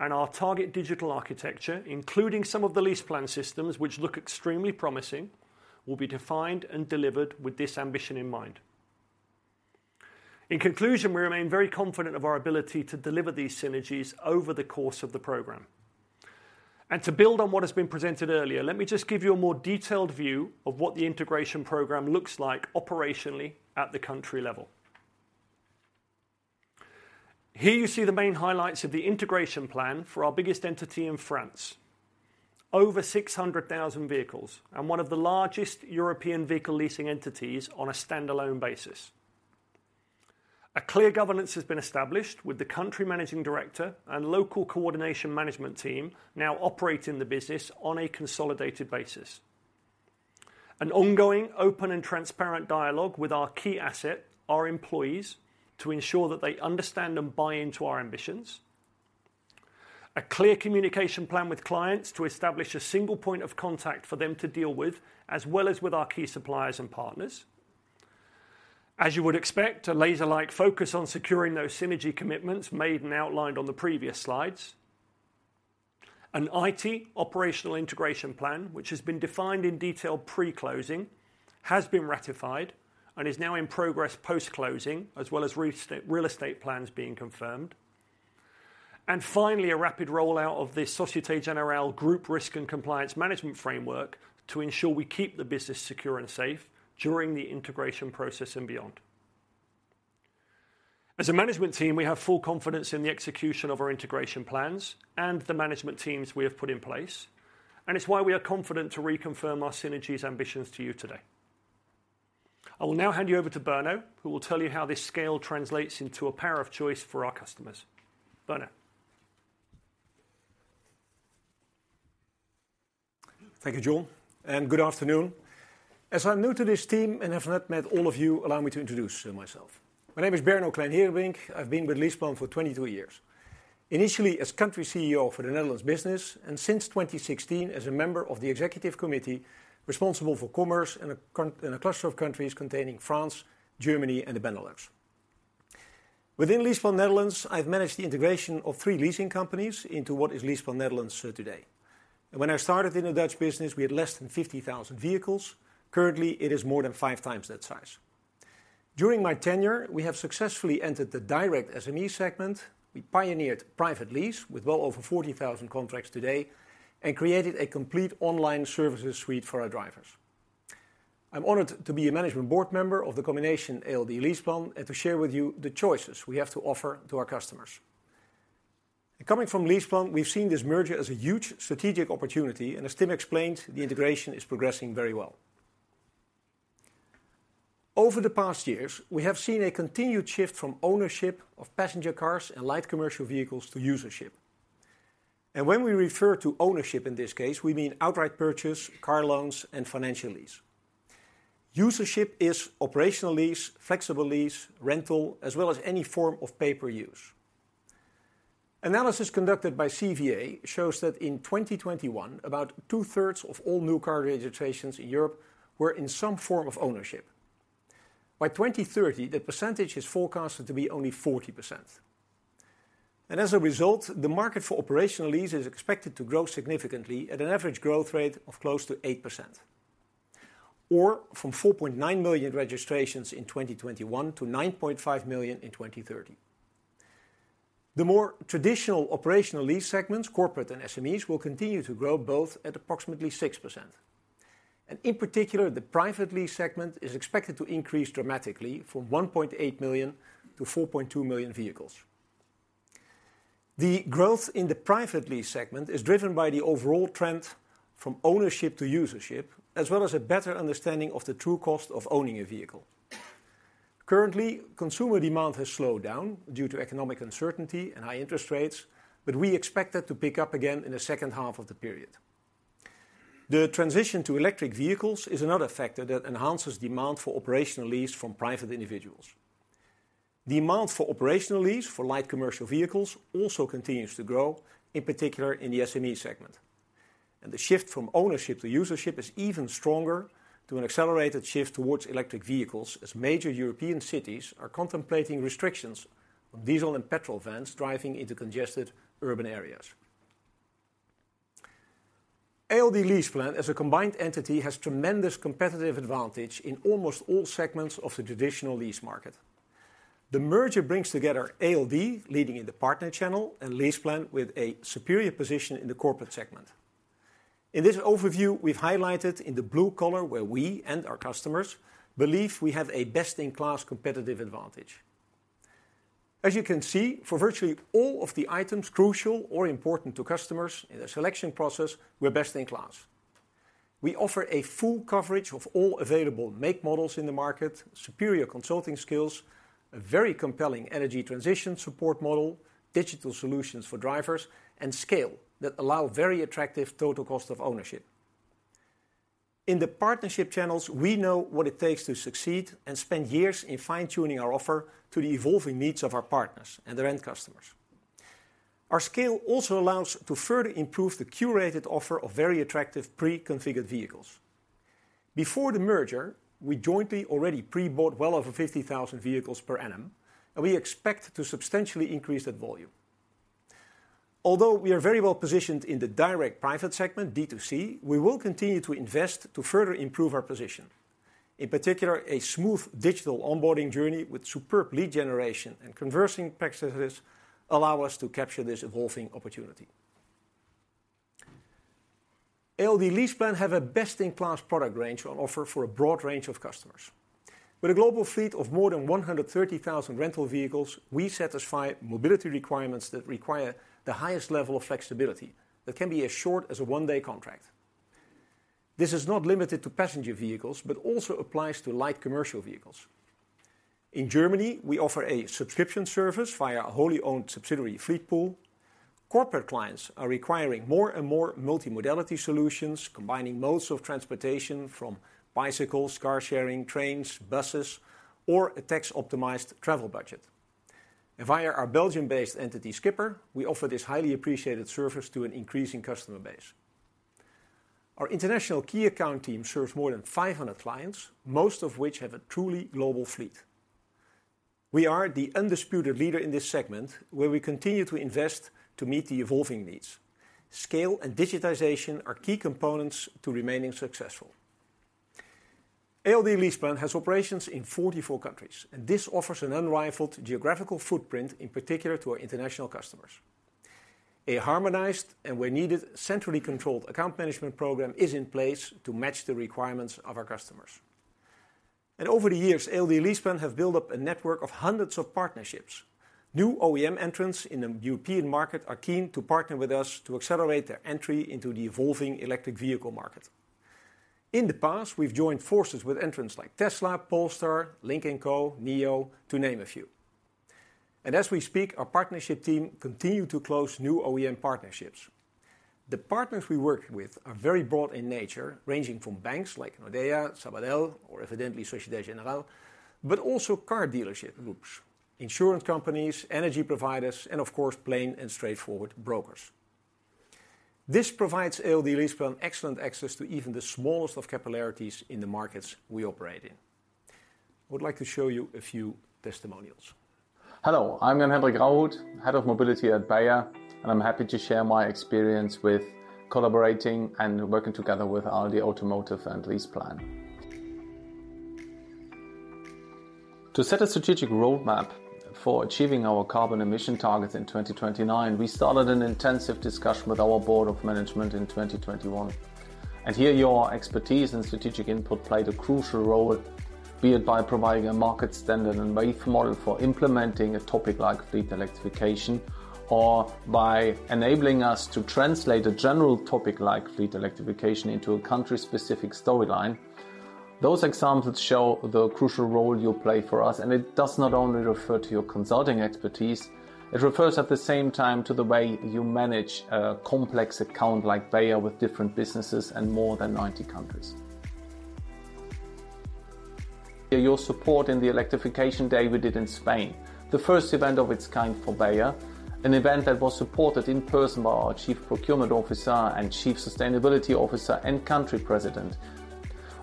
Our target digital architecture, including some of the LeasePlan systems, which look extremely promising, will be defined and delivered with this ambition in mind. In conclusion, we remain very confident of our ability to deliver these synergies over the course of the program. To build on what has been presented earlier, let me just give you a more detailed view of what the integration program looks like operationally at the country level. Here you see the main highlights of the integration plan for our biggest entity in France. Over 600,000 vehicles and one of the largest European vehicle leasing entities on a standalone basis. A clear governance has been established with the country managing director and local coordination management team now operating the business on a consolidated basis. An ongoing, open, and transparent dialogue with our key asset, our employees, to ensure that they understand and buy into our ambitions. A clear communication plan with clients to establish a single point of contact for them to deal with, as well as with our key suppliers and partners. As you would expect, a laser-like focus on securing those synergy commitments made and outlined on the previous slides. An IT operational integration plan, which has been defined in detail pre-closing, has been ratified, and is now in progress post-closing, as well as real estate plans being confirmed. And finally, a rapid rollout of the Société Générale group risk and compliance management framework to ensure we keep the business secure and safe during the integration process and beyond. As a management team, we have full confidence in the execution of our integration plans and the management teams we have put in place, and it's why we are confident to reconfirm our synergies ambitions to you today. I will now hand you over to Berno, who will tell you how this scale translates into a power of choice for our customers. Berno? Thank you, John, and good afternoon. As I'm new to this team and have not met all of you, allow me to introduce myself. My name is Berno Kleinherenbrink. I've been with LeasePlan for 22 years. Initially as Country CEO for the Netherlands business, and since 2016, as a member of the executive committee responsible for commerce in a cluster of countries containing France, Germany, and the Benelux. Within LeasePlan Netherlands, I've managed the integration of 3 leasing companies into what is LeasePlan Netherlands today. When I started in the Dutch business, we had less than 50,000 vehicles. Currently, it is more than 5 times that size. During my tenure, we have successfully entered the direct SME segment. We pioneered private lease with well over 40,000 contracts today and created a complete online services suite for our drivers. I'm honored to be a management board member of the combination ALD LeasePlan, and to share with you the choices we have to offer to our customers. Coming from LeasePlan, we've seen this merger as a huge strategic opportunity, and as Tim explained, the integration is progressing very well. Over the past years, we have seen a continued shift from ownership of passenger cars and light commercial vehicles to usership. When we refer to ownership in this case, we mean outright purchase, car loans, and financial lease. Usership is operational lease, flexible lease, rental, as well as any form of pay-per-use. Analysis conducted by CVA shows that in 2021, about two-thirds of all new car registrations in Europe were in some form of ownership. By 2030, the percentage is forecasted to be only 40%. As a result, the market for operational lease is expected to grow significantly at an average growth rate of close to 8%, or from 4.9 million registrations in 2021 to 9.5 million in 2030. The more traditional operational lease segments, corporate and SMEs, will continue to grow, both at approximately 6%. In particular, the private lease segment is expected to increase dramatically from 1.8 million to 4.2 million vehicles. The growth in the private lease segment is driven by the overall trend from ownership to usership, as well as a better understanding of the true cost of owning a vehicle. Currently, consumer demand has slowed down due to economic uncertainty and high interest rates, but we expect that to pick up again in the second half of the period. The transition to electric vehicles is another factor that enhances demand for operational lease from private individuals. Demand for operational lease for light commercial vehicles also continues to grow, in particular in the SME segment. The shift from ownership to usership is even stronger to an accelerated shift towards electric vehicles, as major European cities are contemplating restrictions on diesel and petrol vans driving into congested urban areas. ALD LeasePlan, as a combined entity, has tremendous competitive advantage in almost all segments of the traditional lease market. The merger brings together ALD, leading in the partner channel, and LeasePlan with a superior position in the corporate segment. In this overview, we've highlighted in the blue color where we and our customers believe we have a best-in-class competitive advantage. As you can see, for virtually all of the items crucial or important to customers in the selection process, we're best in class. We offer a full coverage of all available make models in the market, superior consulting skills, a very compelling energy transition support model, digital solutions for drivers, and scale that allow very attractive total cost of ownership. In the partnership channels, we know what it takes to succeed and spend years in fine-tuning our offer to the evolving needs of our partners and their end customers. Our scale also allows to further improve the curated offer of very attractive pre-configured vehicles. Before the merger, we jointly already pre-bought well over 50,000 vehicles per annum, and we expect to substantially increase that volume. Although we are very well positioned in the direct private segment, D2C, we will continue to invest to further improve our position. In particular, a smooth digital onboarding journey with superb lead generation and conversion practices allow us to capture this evolving opportunity. ALD LeasePlan have a best-in-class product range on offer for a broad range of customers. With a global fleet of more than 130,000 rental vehicles, we satisfy mobility requirements that require the highest level of flexibility, that can be as short as a one-day contract. This is not limited to passenger vehicles, but also applies to light commercial vehicles. In Germany, we offer a subscription service via our wholly-owned subsidiary, Fleetpool. Corporate clients are requiring more and more multimodality solutions, combining modes of transportation from bicycles, car sharing, trains, buses, or a tax-optimized travel budget. And via our Belgium-based entity, Skipr, we offer this highly appreciated service to an increasing customer base. Our international key account team serves more than 500 clients, most of which have a truly global fleet. We are the undisputed leader in this segment, where we continue to invest to meet the evolving needs. Scale and digitization are key components to remaining successful. ALD LeasePlan has operations in 44 countries, and this offers an unrivaled geographical footprint, in particular to our international customers. A harmonized, and where needed, centrally controlled account management program is in place to match the requirements of our customers. And over the years, ALD LeasePlan have built up a network of hundreds of partnerships. New OEM entrants in the European market are keen to partner with us to accelerate their entry into the evolving electric vehicle market. In the past, we've joined forces with entrants like Tesla, Polestar, Lynk & Co, NIO, to name a few. As we speak, our partnership team continue to close new OEM partnerships. The partners we work with are very broad in nature, ranging from banks like Nordea, Sabadell, or evidently Société Générale, but also car dealership groups, insurance companies, energy providers, and of course, plain and straightforward brokers. This provides ALD LeasePlan excellent access to even the smallest of capillaries in the markets we operate in. I would like to show you a few testimonials. Hello, I'm Jan-Hendrik Rauhut, Head of Mobility at Bayer, and I'm happy to share my experience with collaborating and working together with ALD Automotive and LeasePlan. To set a strategic roadmap for achieving our carbon emission targets in 2029, we started an intensive discussion with our board of management in 2021. Here, your expertise and strategic input played a crucial role, be it by providing a market standard and base model for implementing a topic like fleet electrification, or by enabling us to translate a general topic like fleet electrification into a country-specific storyline. Those examples show the crucial role you play for us, and it does not only refer to your consulting expertise, it refers at the same time to the way you manage a complex account like Bayer with different businesses and more than 90 countries. Your support in the electrification day we did in Spain, the first event of its kind for Bayer, an event that was supported in person by our Chief Procurement Officer and Chief Sustainability Officer and Country President.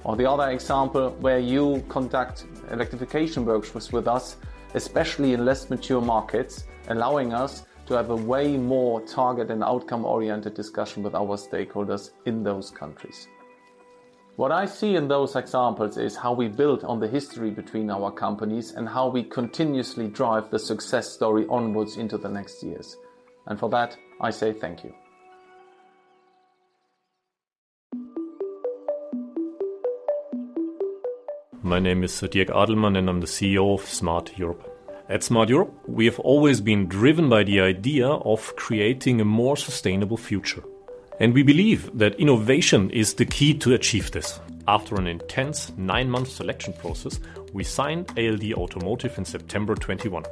On the other example, where you conduct electrification workshops with us, especially in less mature markets, allowing us to have a way more target and outcome-oriented discussion with our stakeholders in those countries. What I see in those examples is how we built on the history between our companies, and how we continuously drive the success story onwards into the next years. For that, I say thank you. My name is Dirk Adelmann, and I'm the CEO of Smart Europe. At Smart Europe, we have always been driven by the idea of creating a more sustainable future, and we believe that innovation is the key to achieve this. After an intense 9-month selection process, we signed ALD Automotive in September 2021.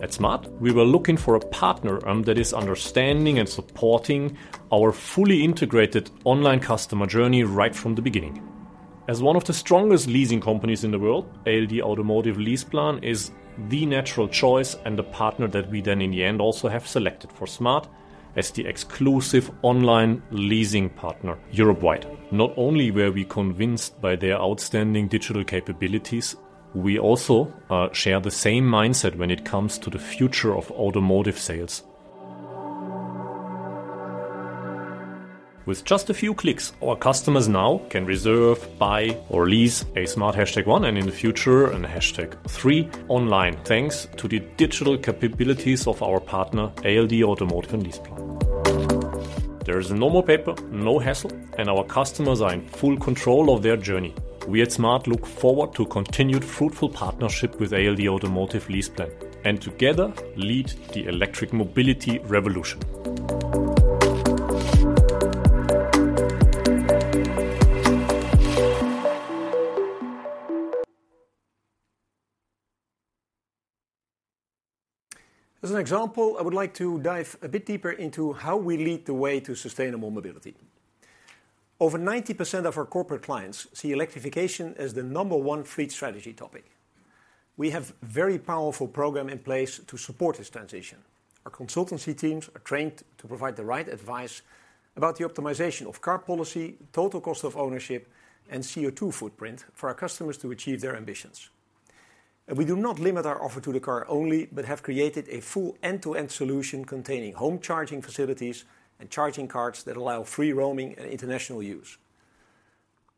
At smart, we were looking for a partner that is understanding and supporting our fully integrated online customer journey right from the beginning. As one of the strongest leasing companies in the world, ALD Automotive LeasePlan is the natural choice and the partner that we then in the end also have selected for smart as the exclusive online leasing partner Europe-wide. Not only were we convinced by their outstanding digital capabilities, we also share the same mindset when it comes to the future of automotive sales. With just a few clicks, our customers now can reserve, buy, or lease a smart #1, and in the future, and a #3 online, thanks to the digital capabilities of our partner, ALD Automotive and LeasePlan. There is no more paper, no hassle, and our customers are in full control of their journey. We at smart look forward to continued fruitful partnership with ALD Automotive LeasePlan, and together lead the electric mobility revolution. As an example, I would like to dive a bit deeper into how we lead the way to sustainable mobility. Over 90% of our corporate clients see electrification as the number one fleet strategy topic. We have very powerful program in place to support this transition. Our consultancy teams are trained to provide the right advice about the optimization of car policy, total cost of ownership, and CO₂ footprint for our customers to achieve their ambitions. And we do not limit our offer to the car only, but have created a full end-to-end solution containing home charging facilities and charging cards that allow free roaming and international use.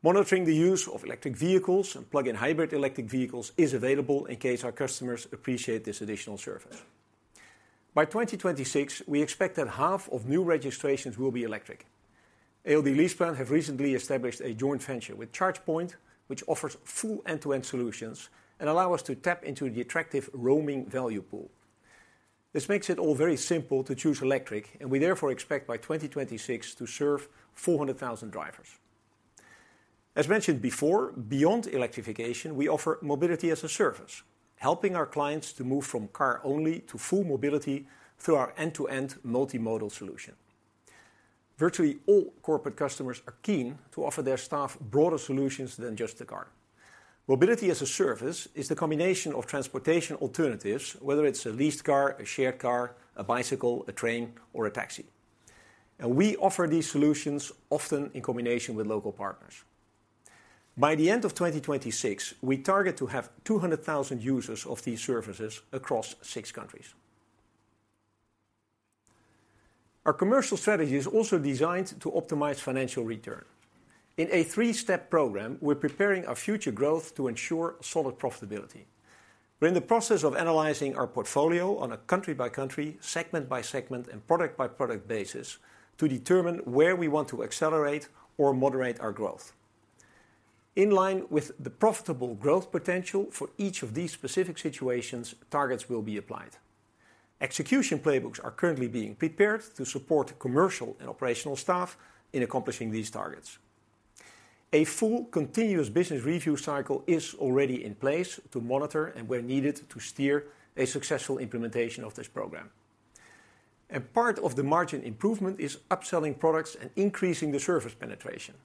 Monitoring the use of electric vehicles and plug-in hybrid electric vehicles is available in case our customers appreciate this additional service. By 2026, we expect that half of new registrations will be electric. ALD LeasePlan have recently established a joint venture with ChargePoint, which offers full end-to-end solutions and allow us to tap into the attractive roaming value pool. This makes it all very simple to choose electric, and we therefore expect by 2026 to serve 400,000 drivers. As mentioned before, beyond electrification, we offer mobility as a service, helping our clients to move from car-only to full mobility through our end-to-end multimodal solution. Virtually all corporate customers are keen to offer their staff broader solutions than just the car. Mobility as a service is the combination of transportation alternatives, whether it's a leased car, a shared car, a bicycle, a train, or a taxi, and we offer these solutions often in combination with local partners. By the end of 2026, we target to have 200,000 users of these services across six countries. Our commercial strategy is also designed to optimize financial return. In a three-step program, we're preparing our future growth to ensure solid profitability. We're in the process of analyzing our portfolio on a country-by-country, segment-by-segment, and product-by-product basis to determine where we want to accelerate or moderate our growth. In line with the profitable growth potential for each of these specific situations, targets will be applied. Execution playbooks are currently being prepared to support commercial and operational staff in accomplishing these targets. A full continuous business review cycle is already in place to monitor and, where needed, to steer a successful implementation of this program. Part of the margin improvement is upselling products and increasing the service penetration.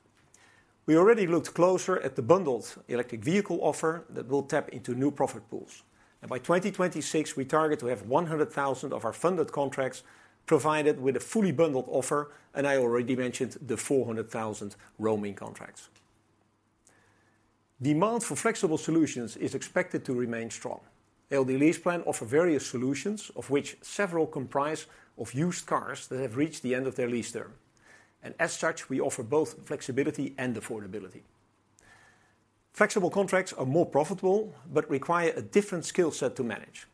We already looked closer at the bundled electric vehicle offer that will tap into new profit pools. By 2026, we target to have 100,000 of our funded contracts provided with a fully bundled offer. I already mentioned the 400,000 roaming contracts. Demand for flexible solutions is expected to remain strong. ALD LeasePlan offer various solutions, of which several comprise of used cars that have reached the end of their lease term. As such, we offer both flexibility and affordability. Flexible contracts are more profitable, but require a different skill set to manage.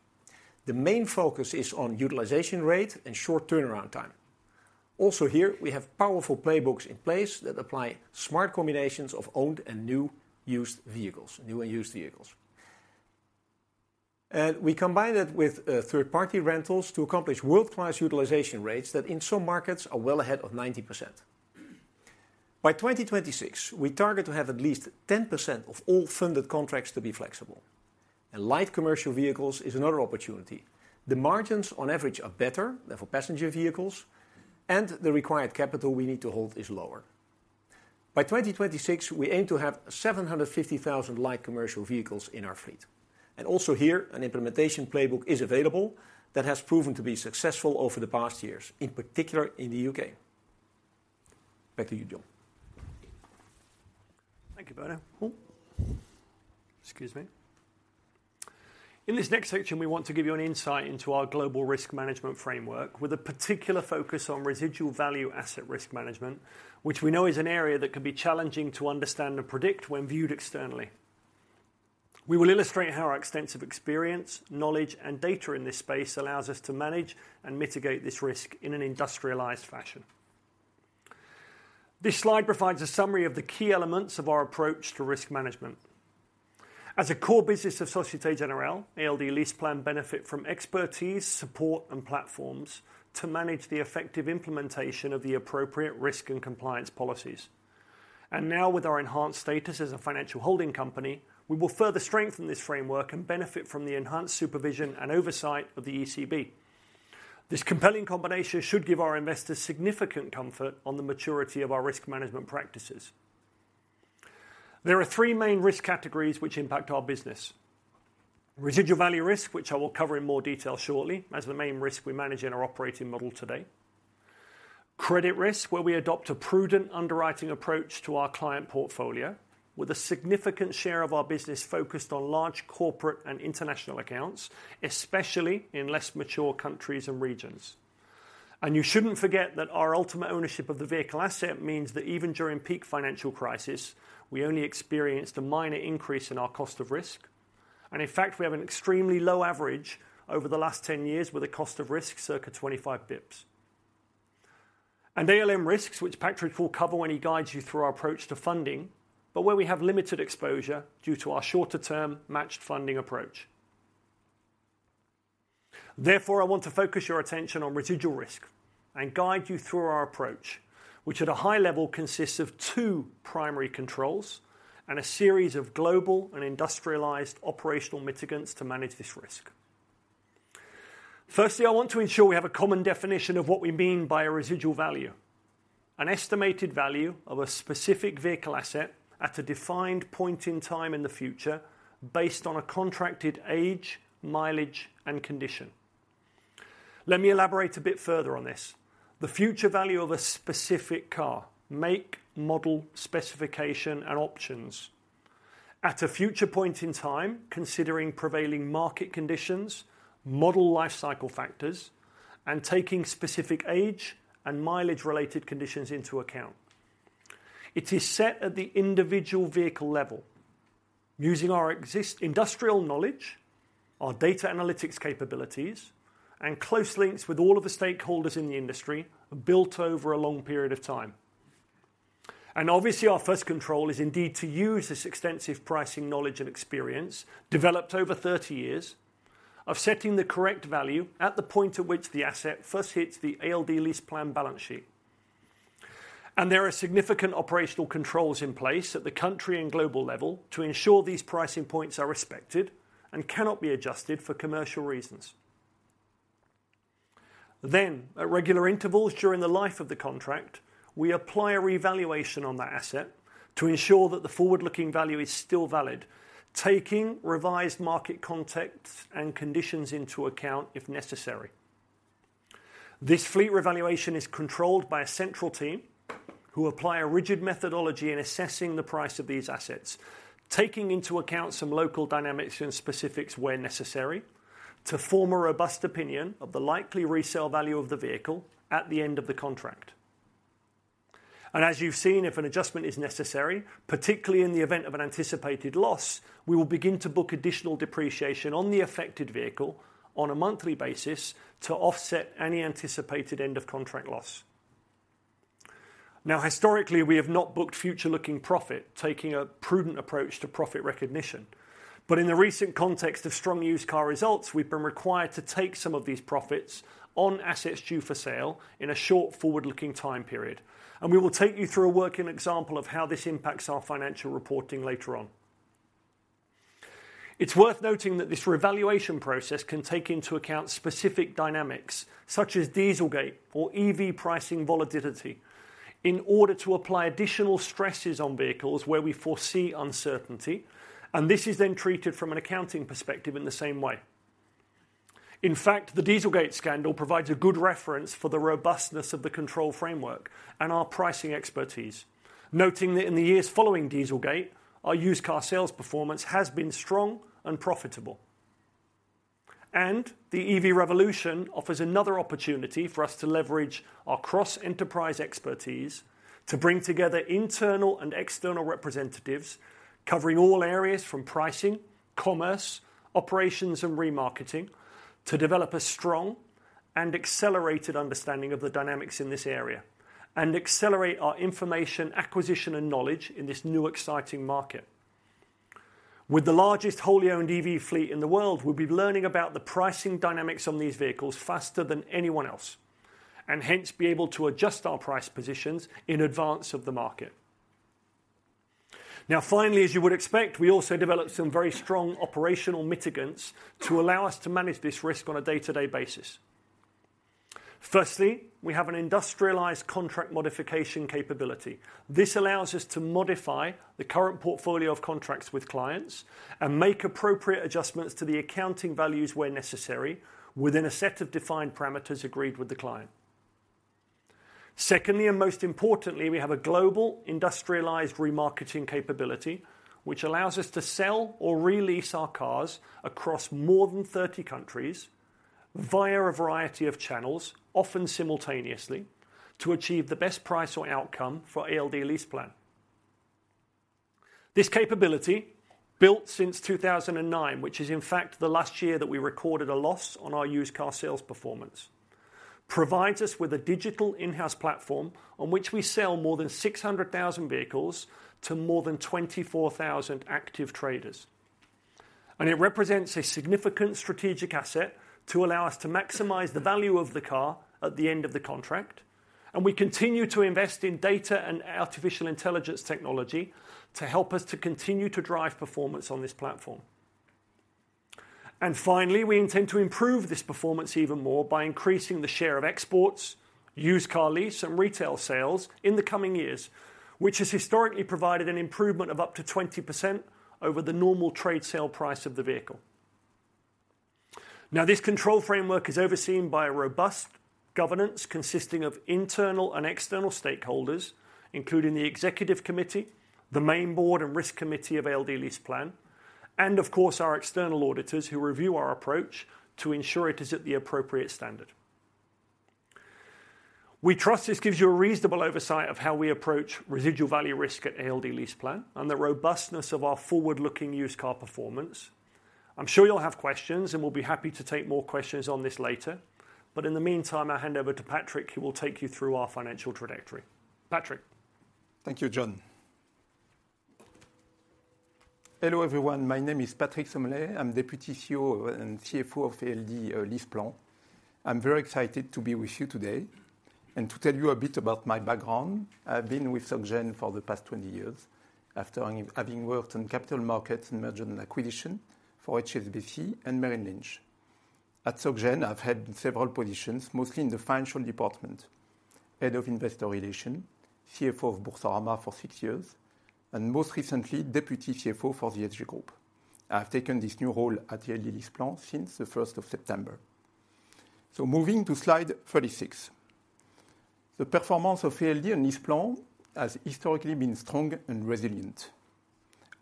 The main focus is on utilization rate and short turnaround time. Also here, we have powerful playbooks in place that apply smart combinations of new and used vehicles. We combine that with third-party rentals to accomplish world-class utilization rates that, in some markets, are well ahead of 90%. By 2026, we target to have at least 10% of all funded contracts to be flexible. Light commercial vehicles is another opportunity. The margins on average are better than for passenger vehicles, and the required capital we need to hold is lower. By 2026, we aim to have 750,000 light commercial vehicles in our fleet. Also here, an implementation playbook is available that has proven to be successful over the past years, in particular in the UK. Back to you, John. Thank you, Bernard. Cool. Excuse me. In this next section, we want to give you an insight into our global risk management framework with a particular focus on residual value asset risk management, which we know is an area that can be challenging to understand and predict when viewed externally. We will illustrate how our extensive experience, knowledge, and data in this space allows us to manage and mitigate this risk in an industrialized fashion. This slide provides a summary of the key elements of our approach to risk management. As a core business of Société Générale, ALD LeasePlan benefit from expertise, support, and platforms to manage the effective implementation of the appropriate risk and compliance policies... and now with our enhanced status as a financial holding company, we will further strengthen this framework and benefit from the enhanced supervision and oversight of the ECB. This compelling combination should give our investors significant comfort on the maturity of our risk management practices. There are three main risk categories which impact our business. Residual value risk, which I will cover in more detail shortly, as the main risk we manage in our operating model today. Credit risk, where we adopt a prudent underwriting approach to our client portfolio, with a significant share of our business focused on large corporate and international accounts, especially in less mature countries and regions. You shouldn't forget that our ultimate ownership of the vehicle asset means that even during peak financial crisis, we only experienced a minor increase in our cost of risk. In fact, we have an extremely low average over the last 10 years, with a cost of risk circa 25 basis points. ALM risks, which Patrick will cover when he guides you through our approach to funding, but where we have limited exposure due to our shorter term matched funding approach. Therefore, I want to focus your attention on residual risk and guide you through our approach, which at a high level consists of two primary controls and a series of global and industrialized operational mitigants to manage this risk. Firstly, I want to ensure we have a common definition of what we mean by a residual value. An estimated value of a specific vehicle asset at a defined point in time in the future, based on a contracted age, mileage, and condition. Let me elaborate a bit further on this. The future value of a specific car, make, model, specification and options. At a future point in time, considering prevailing market conditions, model life cycle factors, and taking specific age and mileage related conditions into account. It is set at the individual vehicle level, using our existing industrial knowledge, our data analytics capabilities, and close links with all of the stakeholders in the industry, built over a long period of time. Obviously, our first control is indeed to use this extensive pricing knowledge and experience, developed over 30 years, of setting the correct value at the point at which the asset first hits the ALD LeasePlan balance sheet. There are significant operational controls in place at the country and global level to ensure these pricing points are respected and cannot be adjusted for commercial reasons. Then, at regular intervals during the life of the contract, we apply a revaluation on that asset to ensure that the forward-looking value is still valid, taking revised market context and conditions into account, if necessary. This fleet revaluation is controlled by a central team, who apply a rigid methodology in assessing the price of these assets, taking into account some local dynamics and specifics where necessary, to form a robust opinion of the likely resale value of the vehicle at the end of the contract. And as you've seen, if an adjustment is necessary, particularly in the event of an anticipated loss, we will begin to book additional depreciation on the affected vehicle on a monthly basis to offset any anticipated end of contract loss. Now, historically, we have not booked future looking profit, taking a prudent approach to profit recognition. But in the recent context of strong used car results, we've been required to take some of these profits on assets due for sale in a short, forward-looking time period. And we will take you through a working example of how this impacts our financial reporting later on. It's worth noting that this revaluation process can take into account specific dynamics such as Dieselgate or EV pricing volatility, in order to apply additional stresses on vehicles where we foresee uncertainty, and this is then treated from an accounting perspective in the same way. In fact, the Dieselgate scandal provides a good reference for the robustness of the control framework and our pricing expertise. Noting that in the years following Dieselgate, our used car sales performance has been strong and profitable. The EV revolution offers another opportunity for us to leverage our cross-enterprise expertise to bring together internal and external representatives, covering all areas from pricing, commerce, operations, and remarketing, to develop a strong and accelerated understanding of the dynamics in this area, and accelerate our information, acquisition, and knowledge in this new, exciting market. With the largest wholly owned EV fleet in the world, we'll be learning about the pricing dynamics on these vehicles faster than anyone else, and hence be able to adjust our price positions in advance of the market. Now, finally, as you would expect, we also developed some very strong operational mitigants to allow us to manage this risk on a day-to-day basis. Firstly, we have an industrialized contract modification capability. This allows us to modify the current portfolio of contracts with clients and make appropriate adjustments to the accounting values where necessary, within a set of defined parameters agreed with the client. Secondly, and most importantly, we have a global industrialized remarketing capability, which allows us to sell or re-lease our cars across more than 30 countries via a variety of channels, often simultaneously, to achieve the best price or outcome for ALD LeasePlan. This capability, built since 2009, which is in fact the last year that we recorded a loss on our used car sales performance, provides us with a digital in-house platform on which we sell more than 600,000 vehicles to more than 24,000 active traders, and it represents a significant strategic asset to allow us to maximize the value of the car at the end of the contract. And we continue to invest in data and artificial intelligence technology to help us to continue to drive performance on this platform. And finally, we intend to improve this performance even more by increasing the share of exports, used car sales, and retail sales in the coming years, which has historically provided an improvement of up to 20% over the normal trade sale price of the vehicle. Now, this control framework is overseen by a robust governance, consisting of internal and external stakeholders, including the Executive Committee, the main Board and Risk Committee of ALD LeasePlan, and of course, our external auditors, who review our approach to ensure it is at the appropriate standard. We trust this gives you a reasonable oversight of how we approach residual value risk at ALD LeasePlan and the robustness of our forward-looking used car performance. I'm sure you'll have questions, and we'll be happy to take more questions on this later. In the meantime, I'll hand over to Patrick, who will take you through our financial trajectory. Patrick? Thank you, John. Hello, everyone. My name is Patrick Sommelet. I'm Deputy CEO and CFO of ALD LeasePlan. I'm very excited to be with you today, and to tell you a bit about my background. I've been with SocGen for the past 20 years, after having worked in capital markets and merger and acquisition for HSBC and Merrill Lynch. At SocGen, I've had several positions, mostly in the financial department, Head of Investor Relations, CFO of Boursorama for 6 years, and most recently, Deputy CFO for the SG Group. I've taken this new role at ALD LeasePlan since the first of September. So moving to slide 36. The performance of ALD and LeasePlan has historically been strong and resilient.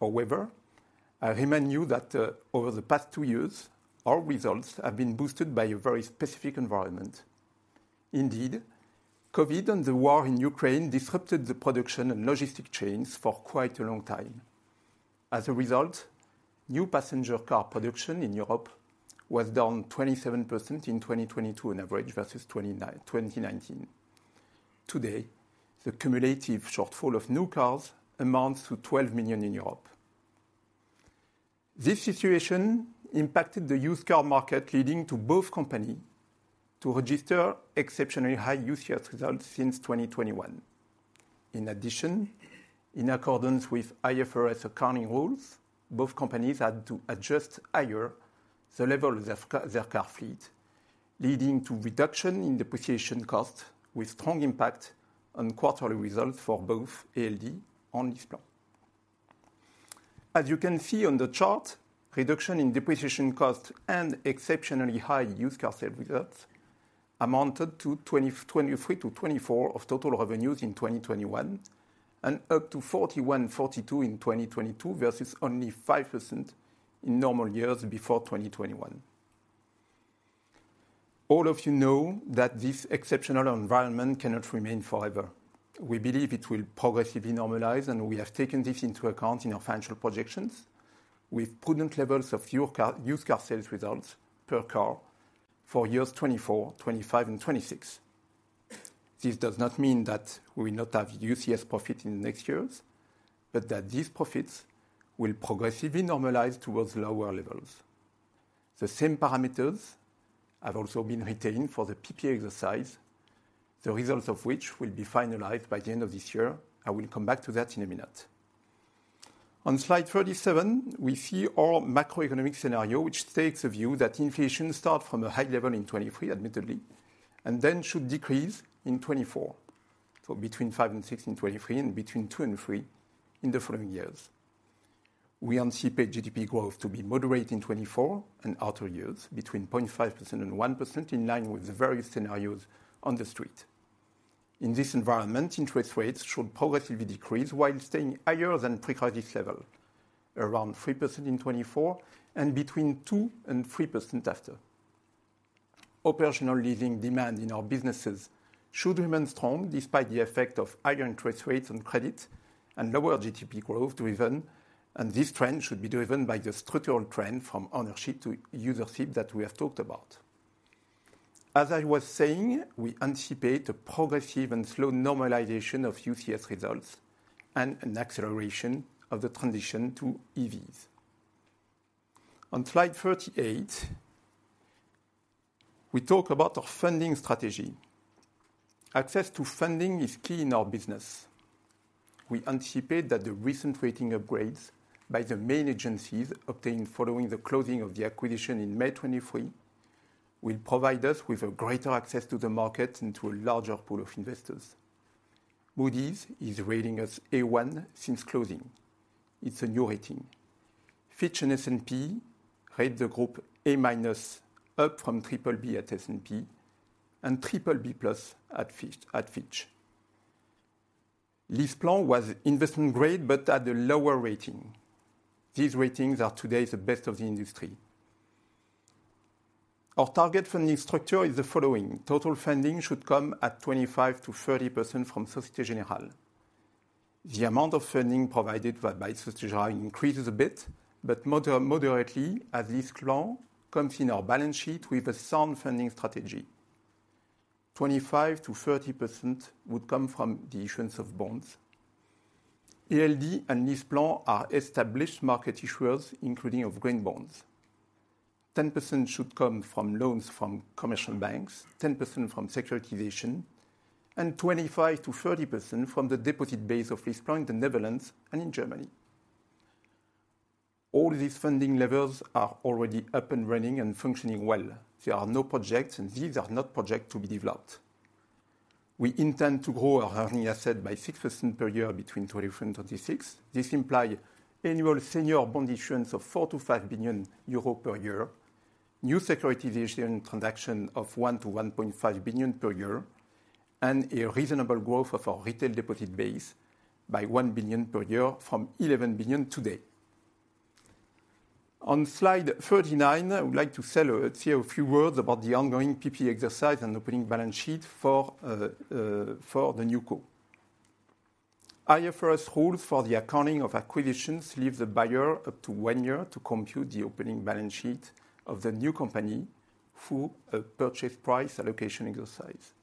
However, I remind you that, over the past 2 years, our results have been boosted by a very specific environment. Indeed, COVID and the war in Ukraine disrupted the production and logistic chains for quite a long time. As a result, new passenger car production in Europe was down 27% in 2022 on average, versus 2019. Today, the cumulative shortfall of new cars amounts to 12 million in Europe. This situation impacted the used car market, leading to both companies to register exceptionally high UCS results since 2021. In addition, in accordance with IFRS accounting rules, both companies had to adjust higher the level of their car fleet, leading to reduction in depreciation costs, with strong impact on quarterly results for both ALD and LeasePlan. As you can see on the chart, reduction in depreciation costs and exceptionally high used car sales results amounted to 20 to 23% to 24% of total revenues in 2021, and up to 41 to 42% in 2022, versus only 5% in normal years before 2021. All of you know that this exceptional environment cannot remain forever. We believe it will progressively normalize, and we have taken this into account in our financial projections, with prudent levels of used car, used car sales results per car for years 2024, 2025 and 2026. This does not mean that we will not have UCS profit in the next years, but that these profits will progressively normalize towards lower levels. The same parameters have also been retained for the PPA exercise, the results of which will be finalized by the end of this year. I will come back to that in a minute. On slide 37, we see our macroeconomic scenario, which takes a view that inflation start from a high level in 2023, admittedly, and then should decrease in 2024. So between 5 and 6 in 2023, and between 2 and 3 in the following years. We anticipate GDP growth to be moderate in 2024 and outer years, between 0.5% and 1%, in line with the various scenarios on the street. In this environment, interest rates should progressively decrease while staying higher than pre-COVID level, around 3% in 2024, and between 2% and 3% after. Operational leasing demand in our businesses should remain strong, despite the effect of higher interest rates on credit and lower GDP growth driven, and this trend should be driven by the structural trend from ownership to usership that we have talked about. As I was saying, we anticipate a progressive and slow normalization of UCS results and an acceleration of the transition to EVs. On slide 38, we talk about our funding strategy. Access to funding is key in our business. We anticipate that the recent rating upgrades by the main agencies, obtained following the closing of the acquisition in May 2023, will provide us with a greater access to the market and to a larger pool of investors. Moody's is rating us A1 since closing. It's a new rating. Fitch and S&P rate the group A-, up from BBB at S&P and BBB+ at Fitch. LeasePlan was investment grade, but at a lower rating. These ratings are today the best of the industry. Our target funding structure is the following: Total funding should come at 25%-30% from Société Générale. The amount of funding provided by Société Générale increases a bit, but moderately, as this loan comes in our balance sheet with a sound funding strategy. 25 to 30% would come from the issuance of bonds. ALD and LeasePlan are established market issuers, including of green bonds. 10% should come from loans from commercial banks, 10% from securitization, and 25 to 30% from the deposit base of LeasePlan in the Netherlands and in Germany. All these funding levels are already up and running and functioning well. There are no projects, and these are not projects to be developed. We intend to grow our earning asset by 6% per year between 2023 and 2026. This implies annual senior bond issuance of 4 billion-5 billion euro per year, new securitization transaction of 1 billion-1.5 billion per year, and a reasonable growth of our retail deposit base by 1 billion per year from 11 billion today. On slide 39, I would like to say a few words about the ongoing PPA exercise and opening balance sheet for the NewCo. IFRS rules for the accounting of acquisitions leave the buyer up to one year to compute the opening balance sheet of the new company through a purchase price allocation exercise.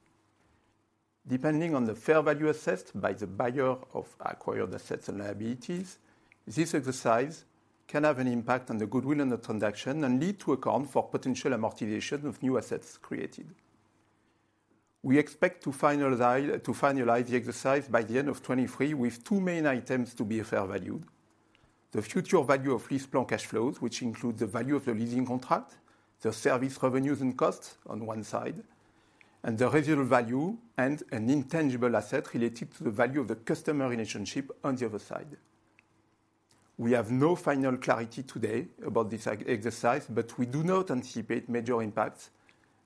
Depending on the fair value assessed by the buyer of acquired assets and liabilities, this exercise can have an impact on the goodwill and the transaction, and lead to account for potential amortization of new assets created. We expect to finalize the exercise by the end of 2023, with two main items to be a fair value. The future value of LeasePlan cash flows, which include the value of the leasing contract, the service revenues and costs on one side, and the residual value and an intangible asset related to the value of the customer relationship on the other side. We have no final clarity today about this exercise, but we do not anticipate major impacts,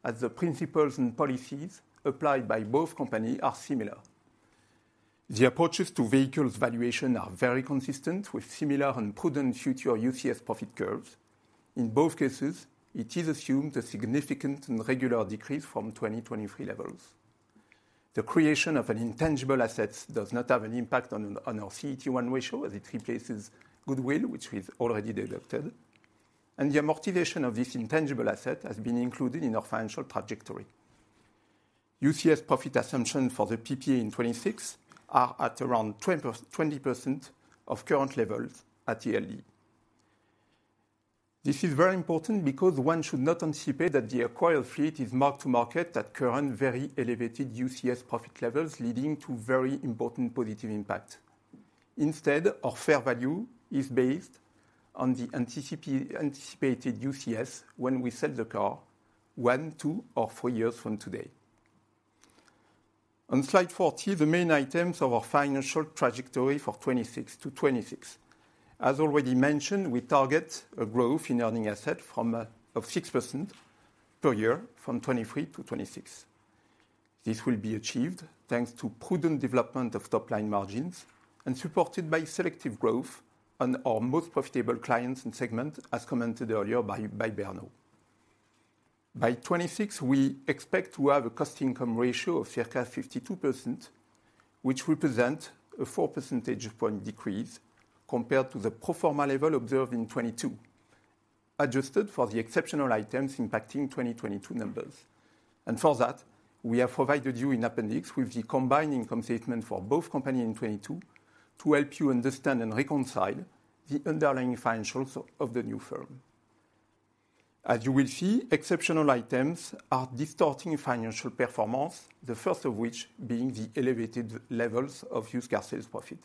as the principles and policies applied by both companies are similar. The approaches to vehicles valuation are very consistent, with similar and prudent future UCS profit curves. In both cases, it is assumed a significant and regular decrease from 2023 levels. The creation of an intangible asset does not have an impact on our CET1 ratio, as it replaces goodwill, which is already deducted. The amortization of this intangible asset has been included in our financial trajectory. UCS profit assumption for the PPE in 2026 are at around 20% of current levels at the ALD. This is very important because one should not anticipate that the acquired fleet is mark to market at current very elevated UCS profit levels, leading to very important positive impact. Instead, our fair value is based on the anticipated UCS when we sell the car one, two, or four years from today. On slide 40, the main items of our financial trajectory for 2026 to 2026. As already mentioned, we target a growth in earning asset from, of 6% per year from 2023 to 2026. This will be achieved thanks to prudent development of top-line margins and supported by selective growth on our most profitable clients and segment, as commented earlier by, by Berno. By 2026, we expect to have a cost income ratio of circa 52%, which represents a four percentage point decrease compared to the pro forma level observed in 2022, adjusted for the exceptional items impacting 2022 numbers. For that, we have provided you in appendix with the combined income statement for both companies in 2022, to help you understand and reconcile the underlying financials of, of the new firm. As you will see, exceptional items are distorting financial performance, the first of which being the elevated levels of used car sales profit.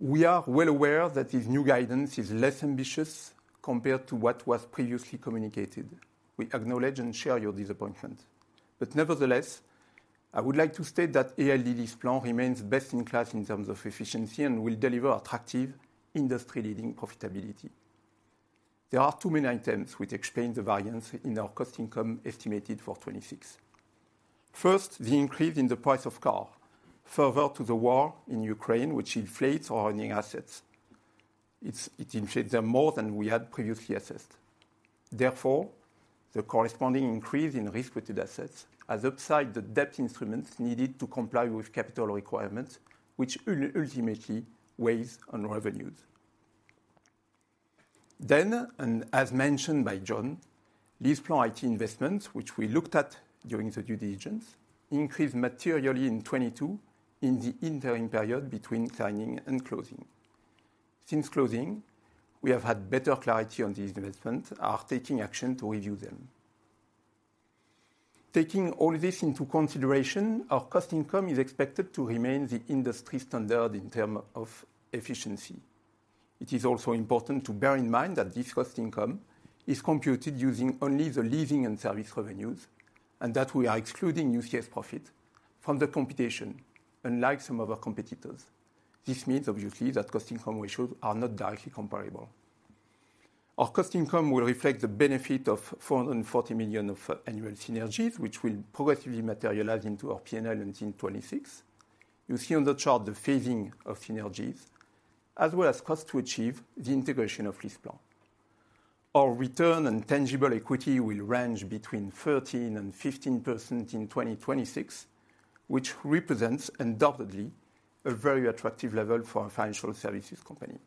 We are well aware that this new guidance is less ambitious compared to what was previously communicated. We acknowledge and share your disappointment. Nevertheless, I would like to state that ALD LeasePlan remains best in class in terms of efficiency and will deliver attractive, industry-leading profitability. There are two main items which explain the variance in our cost-income estimated for 2026. First, the increase in the price of car further to the war in Ukraine, which inflates our earning assets. It, it inflates them more than we had previously assessed. Therefore, the corresponding increase in risk-weighted assets has upped the debt instruments needed to comply with capital requirements, which ultimately weighs on revenues. Then, and as mentioned by John, LeasePlan IT investments, which we looked at during the due diligence, increased materially in 2022, in the interim period between signing and closing. Since closing, we have had better clarity on the investment, are taking action to review them. Taking all this into consideration, our cost income is expected to remain the industry standard in terms of efficiency. It is also important to bear in mind that this cost income is computed using only the leasing and service revenues, and that we are excluding UCS profit from the computation, unlike some of our competitors. This means, obviously, that cost income ratios are not directly comparable. Our cost income will reflect the benefit of 440 million of annual synergies, which will progressively materialize into our PNL in 2026. You see on the chart the phasing of synergies, as well as cost to achieve the integration of LeasePlan. Our return on tangible equity will range between 13 to 15% in 2026, which represents, undoubtedly, a very attractive level for a financial services company...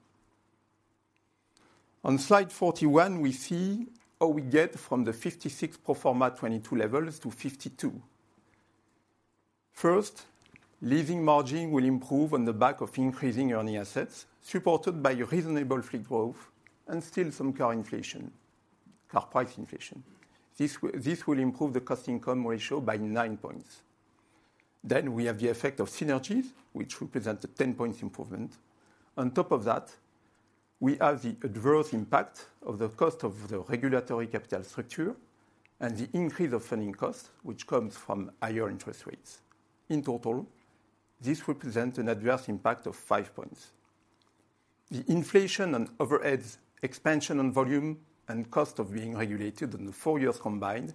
On slide 41, we see how we get from the 56 pro forma 2022 levels to 52. First, leasing margin will improve on the back of increasing earning assets, supported by a reasonable fleet growth and still some car inflation, car price inflation. This will improve the cost-income ratio by 9 points. We have the effect of synergies, which represent a 10-point improvement. On top of that, we have the adverse impact of the cost of the regulatory capital structure and the increase of funding costs, which comes from higher interest rates. In total, this represents an adverse impact of 5 points. The inflation and overheads, expansion and volume, and cost of being regulated in the 4 years combined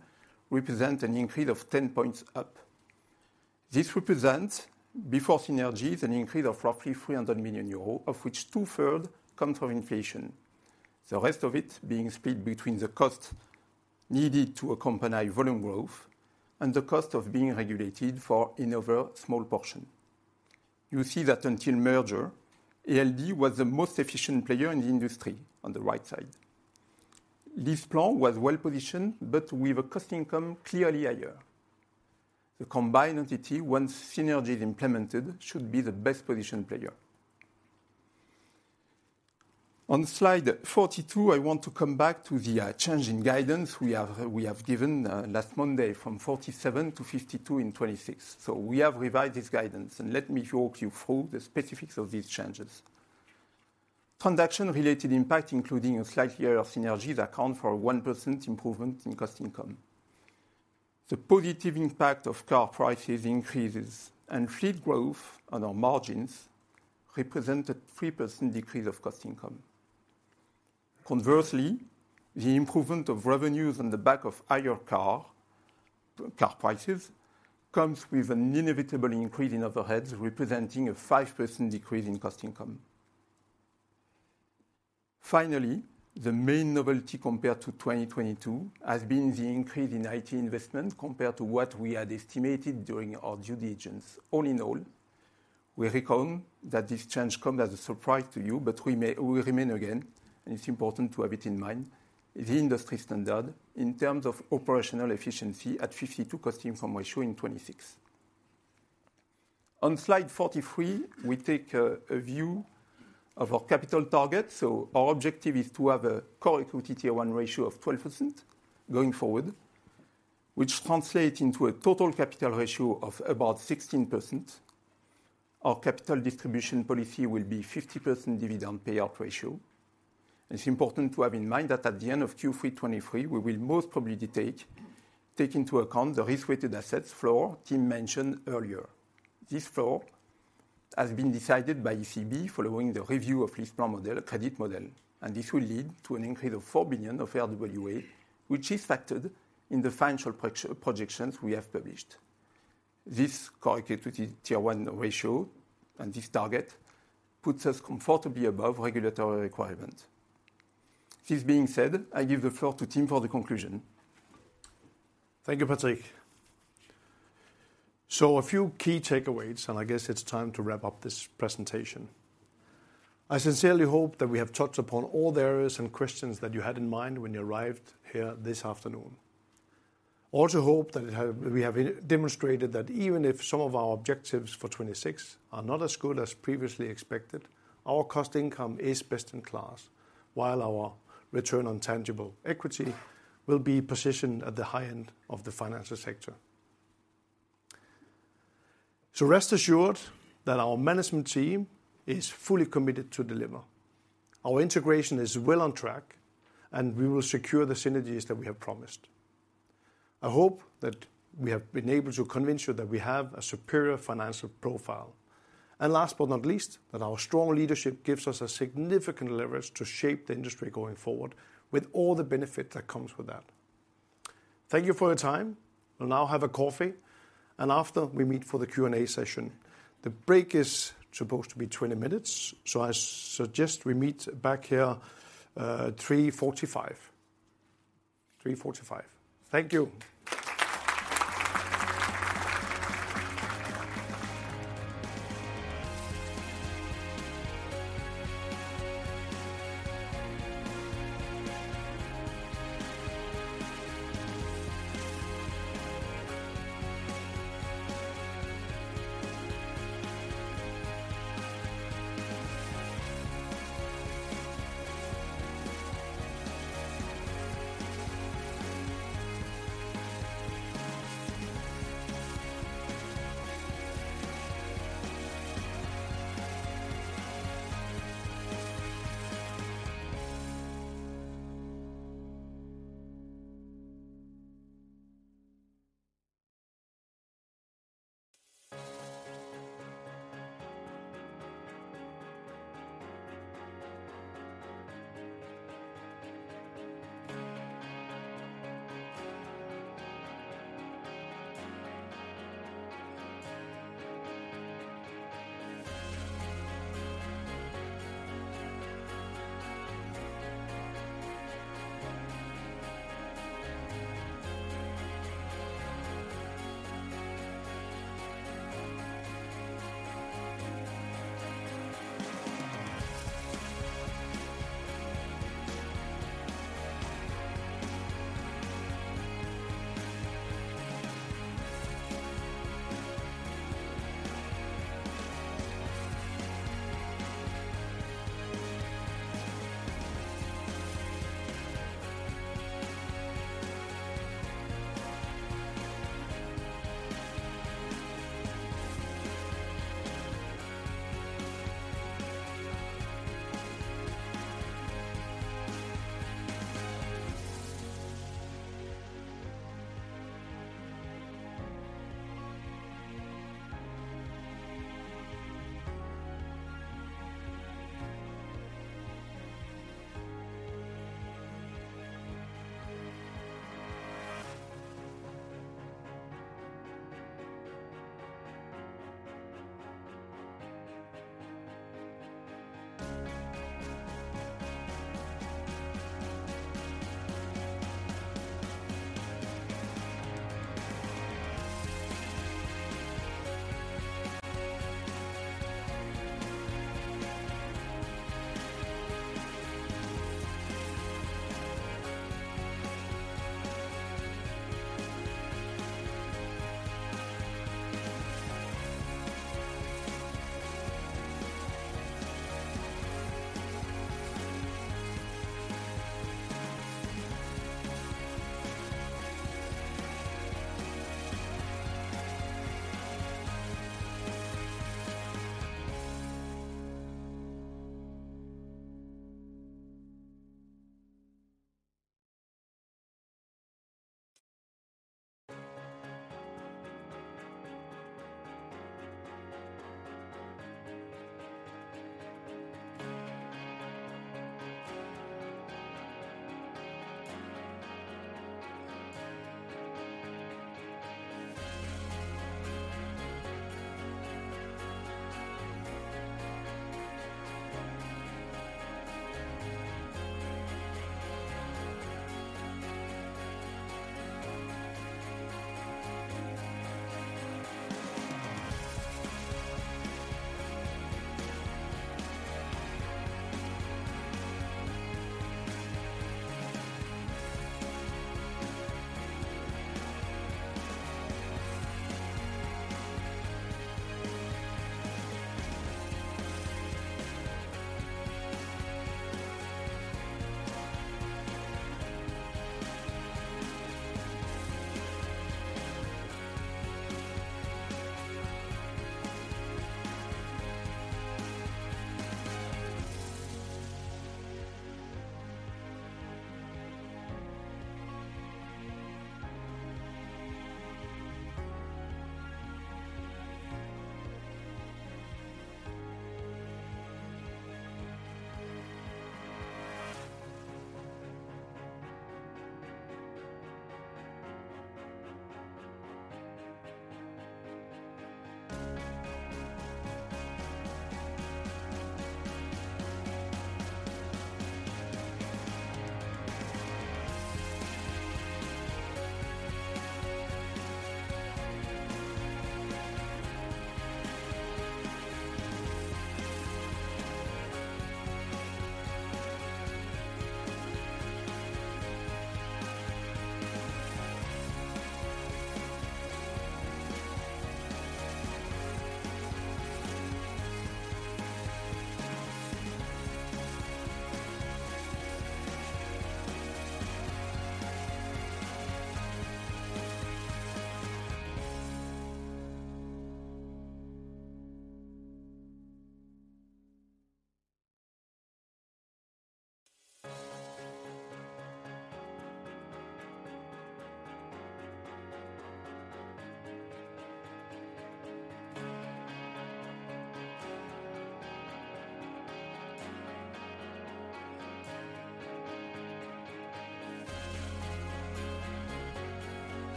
represent an increase of 10 points up. This represents, before synergies, an increase of roughly 300 million euros, of which two-thirds comes from inflation, the rest of it being split between the cost needed to accompany volume growth and the cost of being regulated for another small portion. You see that until merger, ALD was the most efficient player in the industry on the right side. This plan was well-positioned, but with a cost income clearly higher. The combined entity, once synergy is implemented, should be the best-positioned player. On slide 42, I want to come back to the change in guidance we have, we have given last Monday from 47 to 52% in 2026. So we have revised this guidance, and let me walk you through the specifics of these changes. Transaction-related impact, including a slight year of synergies, account for a 1% improvement in cost income. The positive impact of car prices increases and fleet growth on our margins represented 3% decrease of cost income. Conversely, the improvement of revenues on the back of higher car prices comes with an inevitable increase in overheads, representing a 5% decrease in cost income. Finally, the main novelty compared to 2022 has been the increase in IT investment compared to what we had estimated during our due diligence. All in all, we reckon that this change come as a surprise to you, but we remain again, and it's important to have it in mind, the industry standard in terms of operational efficiency at 52 cost income ratio in 2026. On slide 43, we take a view of our capital target. So our objective is to have a Core Equity Tier 1 ratio of 12% going forward, which translates into a total capital ratio of about 16%. Our capital distribution policy will be 50% dividend payout ratio. It's important to have in mind that at the end of Q3 2023, we will most probably take into account the risk-weighted assets floor Tim mentioned earlier. This floor has been decided by ECB following the review of LeasePlan model, credit model, and this will lead to an increase of 4 billion of RWA, which is factored in the financial projections we have published. This Core Equity Tier 1 ratio, and this target, puts us comfortably above regulatory requirement. This being said, I give the floor to Tim for the conclusion. Thank you, Patrick. So a few key takeaways, and I guess it's time to wrap up this presentation. I sincerely hope that we have touched upon all the areas and questions that you had in mind when you arrived here this afternoon. I also hope that we have demonstrated that even if some of our objectives for 2026 are not as good as previously expected, our cost income is best in class, while our return on tangible equity will be positioned at the high end of the financial sector. So rest assured that our management team is fully committed to deliver. Our integration is well on track, and we will secure the synergies that we have promised. I hope that we have been able to convince you that we have a superior financial profile. Last but not least, that our strong leadership gives us a significant leverage to shape the industry going forward, with all the benefit that comes with that. Thank you for your time. We'll now have a coffee, and after, we meet for the Q&A session. The break is supposed to be 20 minutes, so I suggest we meet back here, 3:45 P.M. 3:45 P.M. Thank you. ...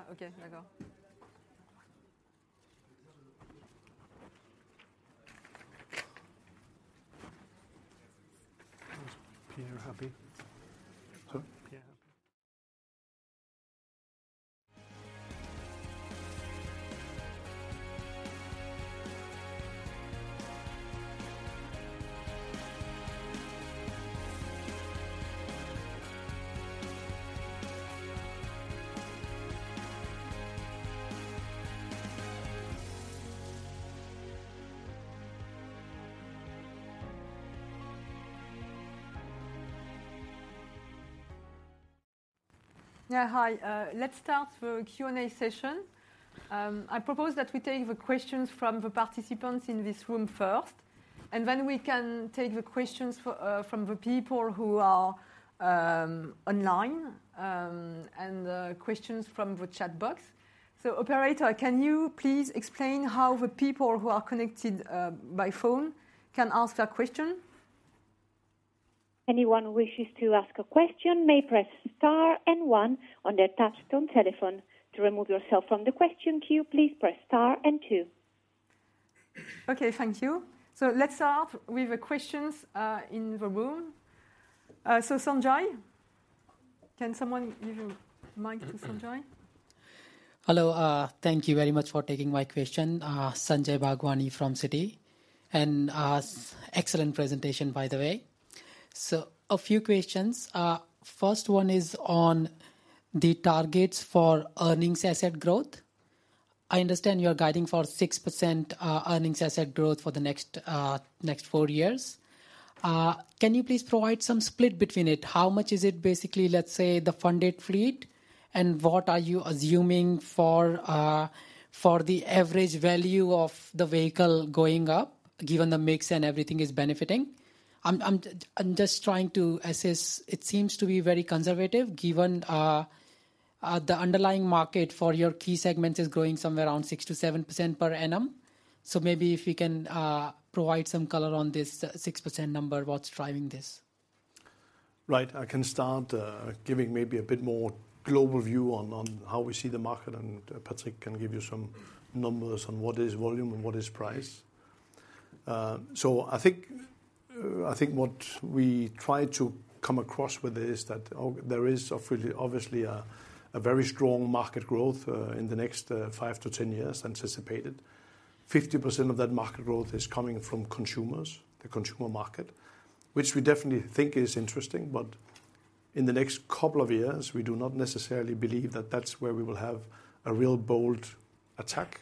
Ah, okay, d'accord. You're happy? Huh? Yeah. Yeah, hi. Let's start the Q&A session. I propose that we take the questions from the participants in this room first, and then we can take the questions from the people who are online, and questions from the chat box. So operator, can you please explain how the people who are connected by phone can ask a question? Anyone who wishes to ask a question may press Star and One on their touchtone telephone. To remove yourself from the question queue, please press Star and Two. Okay, thank you. So let's start with the questions in the room. So Sanjay, can someone give a mic to Sanjay?... Hello, thank you very much for taking my question. Sanjay Bhagwani from Citi. Excellent presentation, by the way. So a few questions. First one is on the targets for earnings asset growth. I understand you're guiding for 6% earnings asset growth for the next four years. Can you please provide some split between it? How much is it basically, let's say, the funded fleet, and what are you assuming for the average value of the vehicle going up, given the mix and everything is benefiting? I'm just trying to assess. It seems to be very conservative, given the underlying market for your key segment is growing somewhere around 6 to 7% per annum. So maybe if you can provide some color on this 6% number, what's driving this? Right. I can start giving maybe a bit more global view on how we see the market, and Patrick can give you some numbers on what is volume and what is price. I think what we try to come across with this is that there is obviously, obviously a very strong market growth in the next 5-10 years, anticipated. 50% of that market growth is coming from consumers, the consumer market, which we definitely think is interesting, but in the next couple of years, we do not necessarily believe that that's where we will have a real bold attack.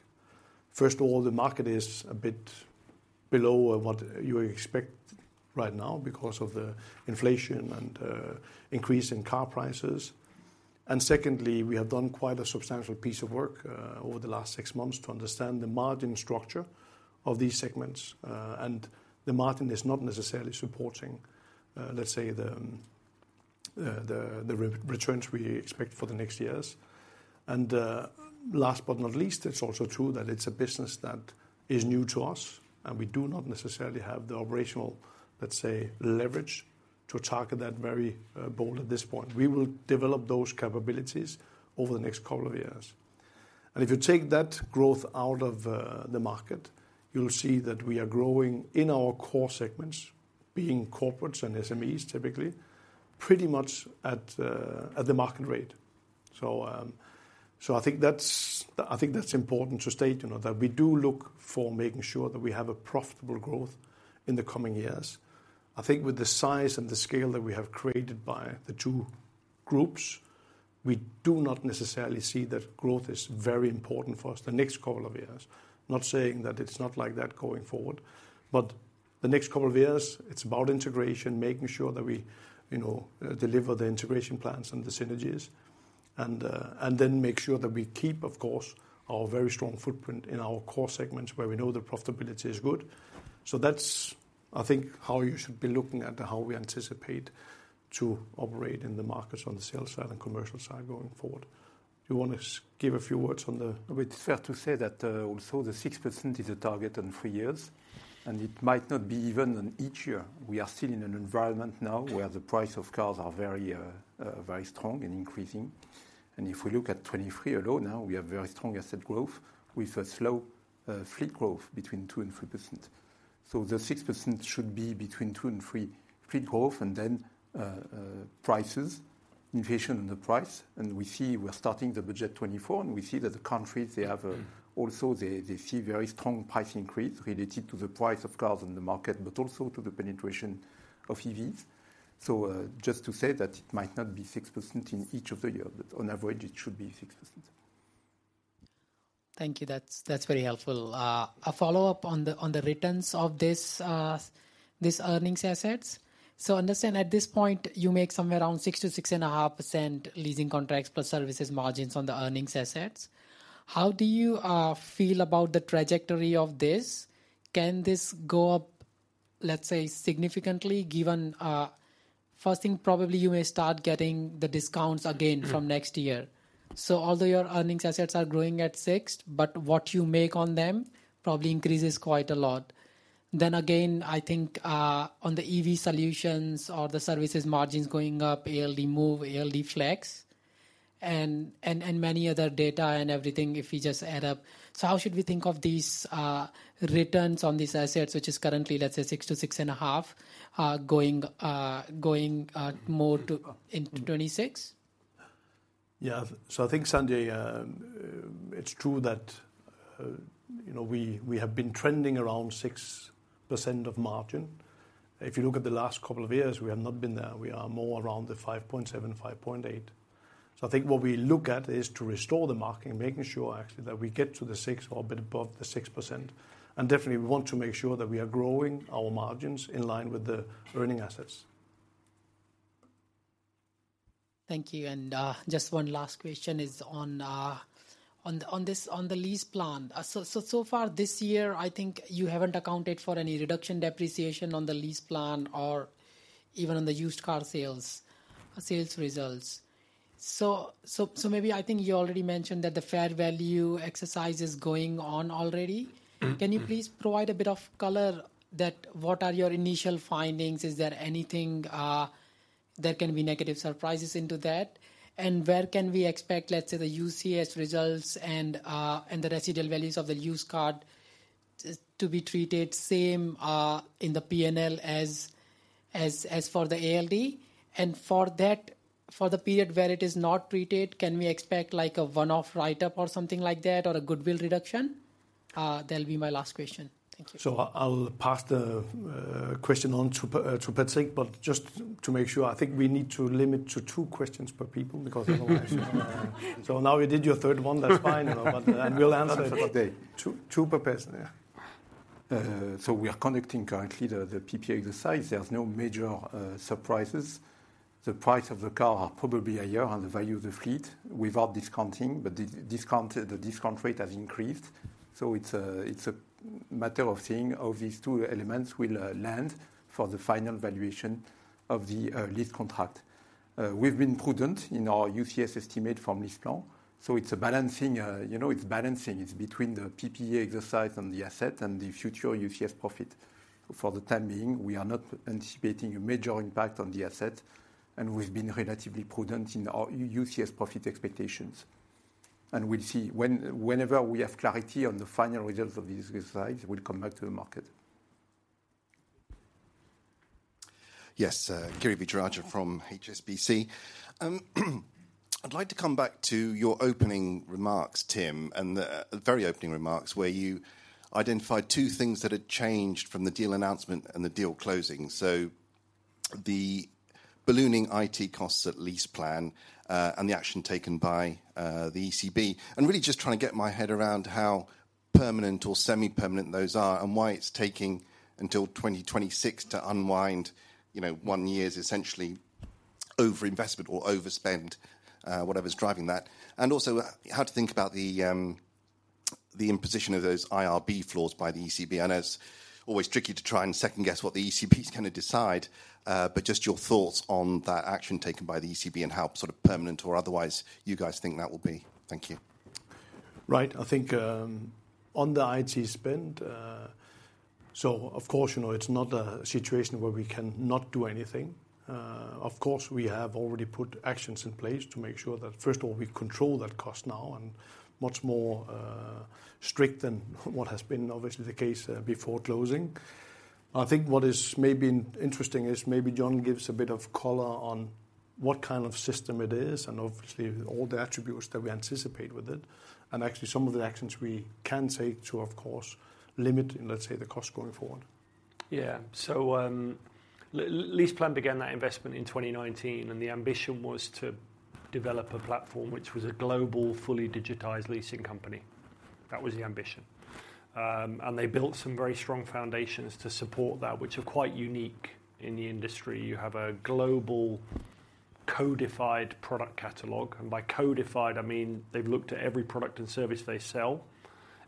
First of all, the market is a bit below what you expect right now because of the inflation and increase in car prices. Secondly, we have done quite a substantial piece of work over the last six months to understand the margin structure of these segments, and the margin is not necessarily supporting, let's say, the returns we expect for the next years. Last but not least, it's also true that it's a business that is new to us, and we do not necessarily have the operational, let's say, leverage to target that very bold at this point. We will develop those capabilities over the next couple of years. And if you take that growth out of the market, you'll see that we are growing in our core segments, being corporates and SMEs, typically, pretty much at the market rate. So, I think that's, I think that's important to state, you know, that we do look for making sure that we have a profitable growth in the coming years. I think with the size and the scale that we have created by the two groups, we do not necessarily see that growth is very important for us the next couple of years. Not saying that it's not like that going forward, but the next couple of years, it's about integration, making sure that we, you know, deliver the integration plans and the synergies, and, and then make sure that we keep, of course, our very strong footprint in our core segments where we know the profitability is good. So that's, I think, how you should be looking at how we anticipate to operate in the markets on the sales side and commercial side going forward. Do you want to give a few words on the- It's fair to say that also, the 6% is a target in three years, and it might not be even in each year. We are still in an environment now where the price of cars are very, very strong and increasing. If we look at 2023 alone, now we have very strong asset growth with a slow fleet growth between 2% and 3%. The 6% should be between 2 to 3% fleet growth and then prices, inflation, and the price. We see we're starting the budget 2024, and we see that the countries, they have, also they, they see very strong price increase related to the price of cars on the market, but also to the penetration of EVs. So, just to say that it might not be 6% in each of the year, but on average, it should be 6%. Thank you. That's, that's very helpful. A follow-up on the returns of this, this earning assets. So I understand at this point, you make somewhere around 6 to 6.5% leasing contracts plus services margins on the earning assets. How do you feel about the trajectory of this? Can this go up, let's say, significantly, given first thing, probably you may start getting the discounts again from next year. Mm-hmm. So although your Earning Assets are growing at 6, but what you make on them probably increases quite a lot. Then again, I think, on the EV solutions or the services margins going up, ALD Move, ALD Flex, and, and, and many other data and everything, if you just add up. So how should we think of these, returns on these assets, which is currently, let's say, 6 to 6.5, going, going, more to into 2026? Yeah. So I think, Sanjay, it's true that, you know, we have been trending around 6% of margin. If you look at the last couple of years, we have not been there. We are more around the 5.7, 5.8. So I think what we look at is to restore the margin, making sure actually that we get to the 6% or a bit above the 6%. And definitely we want to make sure that we are growing our margins in line with the earning assets. Thank you, and just one last question is on this, on the LeasePlan. So, so far this year, I think you haven't accounted for any reduction depreciation on the LeasePlan or even on the used car sales, sales results. So, maybe I think you already mentioned that the fair value exercise is going on already. Mm-hmm. Can you please provide a bit of color that what are your initial findings? Is there anything that can be negative surprises into that? And where can we expect, let's say, the UCS results and the residual values of the used car to be treated same in the PNL as, as for the ALD? And for that, for the period where it is not treated, can we expect like a one-off write-up or something like that, or a goodwill reduction? That'll be my last question. Thank you. So I'll pass the question on to Patrick, but just to make sure, I think we need to limit to two questions per people, because otherwise... So now you did your third one, that's fine, you know, but and we'll answer it. 2, 2 per person, yeah. So we are conducting currently the PPA exercise. There's no major surprises. The price of the car are probably higher on the value of the fleet without discounting, but the discount rate has increased. So it's a matter of seeing how these two elements will land for the final valuation of the lease contract. We've been prudent in our UCS estimate from LeasePlan, so it's a balancing, you know, it's balancing. It's between the PPA exercise and the asset and the future UCS profit. For the time being, we are not anticipating a major impact on the asset, and we've been relatively prudent in our UCS profit expectations. And we'll see. Whenever we have clarity on the final results of this exercise, we'll come back to the market. Yes, Gary Sherlock from HSBC. I'd like to come back to your opening remarks, Tim, and the very opening remarks, where you identified two things that had changed from the deal announcement and the deal closing. The ballooning IT costs at LeasePlan, and the action taken by the ECB. Really just trying to get my head around how permanent or semi-permanent those are, and why it's taking until 2026 to unwind, you know, one year's essentially overinvestment or overspend, whatever's driving that. Also, how to think about the imposition of those IRB floors by the ECB. I know it's always tricky to try and second-guess what the ECB is gonna decide, but just your thoughts on that action taken by the ECB and how sort of permanent or otherwise you guys think that will be. Thank you. Right. I think on the IT spend, so of course, you know, it's not a situation where we can not do anything. Of course, we have already put actions in place to make sure that, first of all, we control that cost now, and much more strict than what has been obviously the case before closing. I think what is maybe interesting is maybe John gives a bit of color on what kind of system it is, and obviously all the attributes that we anticipate with it, and actually some of the actions we can take to, of course, limit, let's say, the cost going forward. Yeah. So, LeasePlan began that investment in 2019, and the ambition was to develop a platform which was a global, fully digitized leasing company. That was the ambition. And they built some very strong foundations to support that, which are quite unique in the industry. You have a global codified product catalog, and by codified, I mean they've looked at every product and service they sell,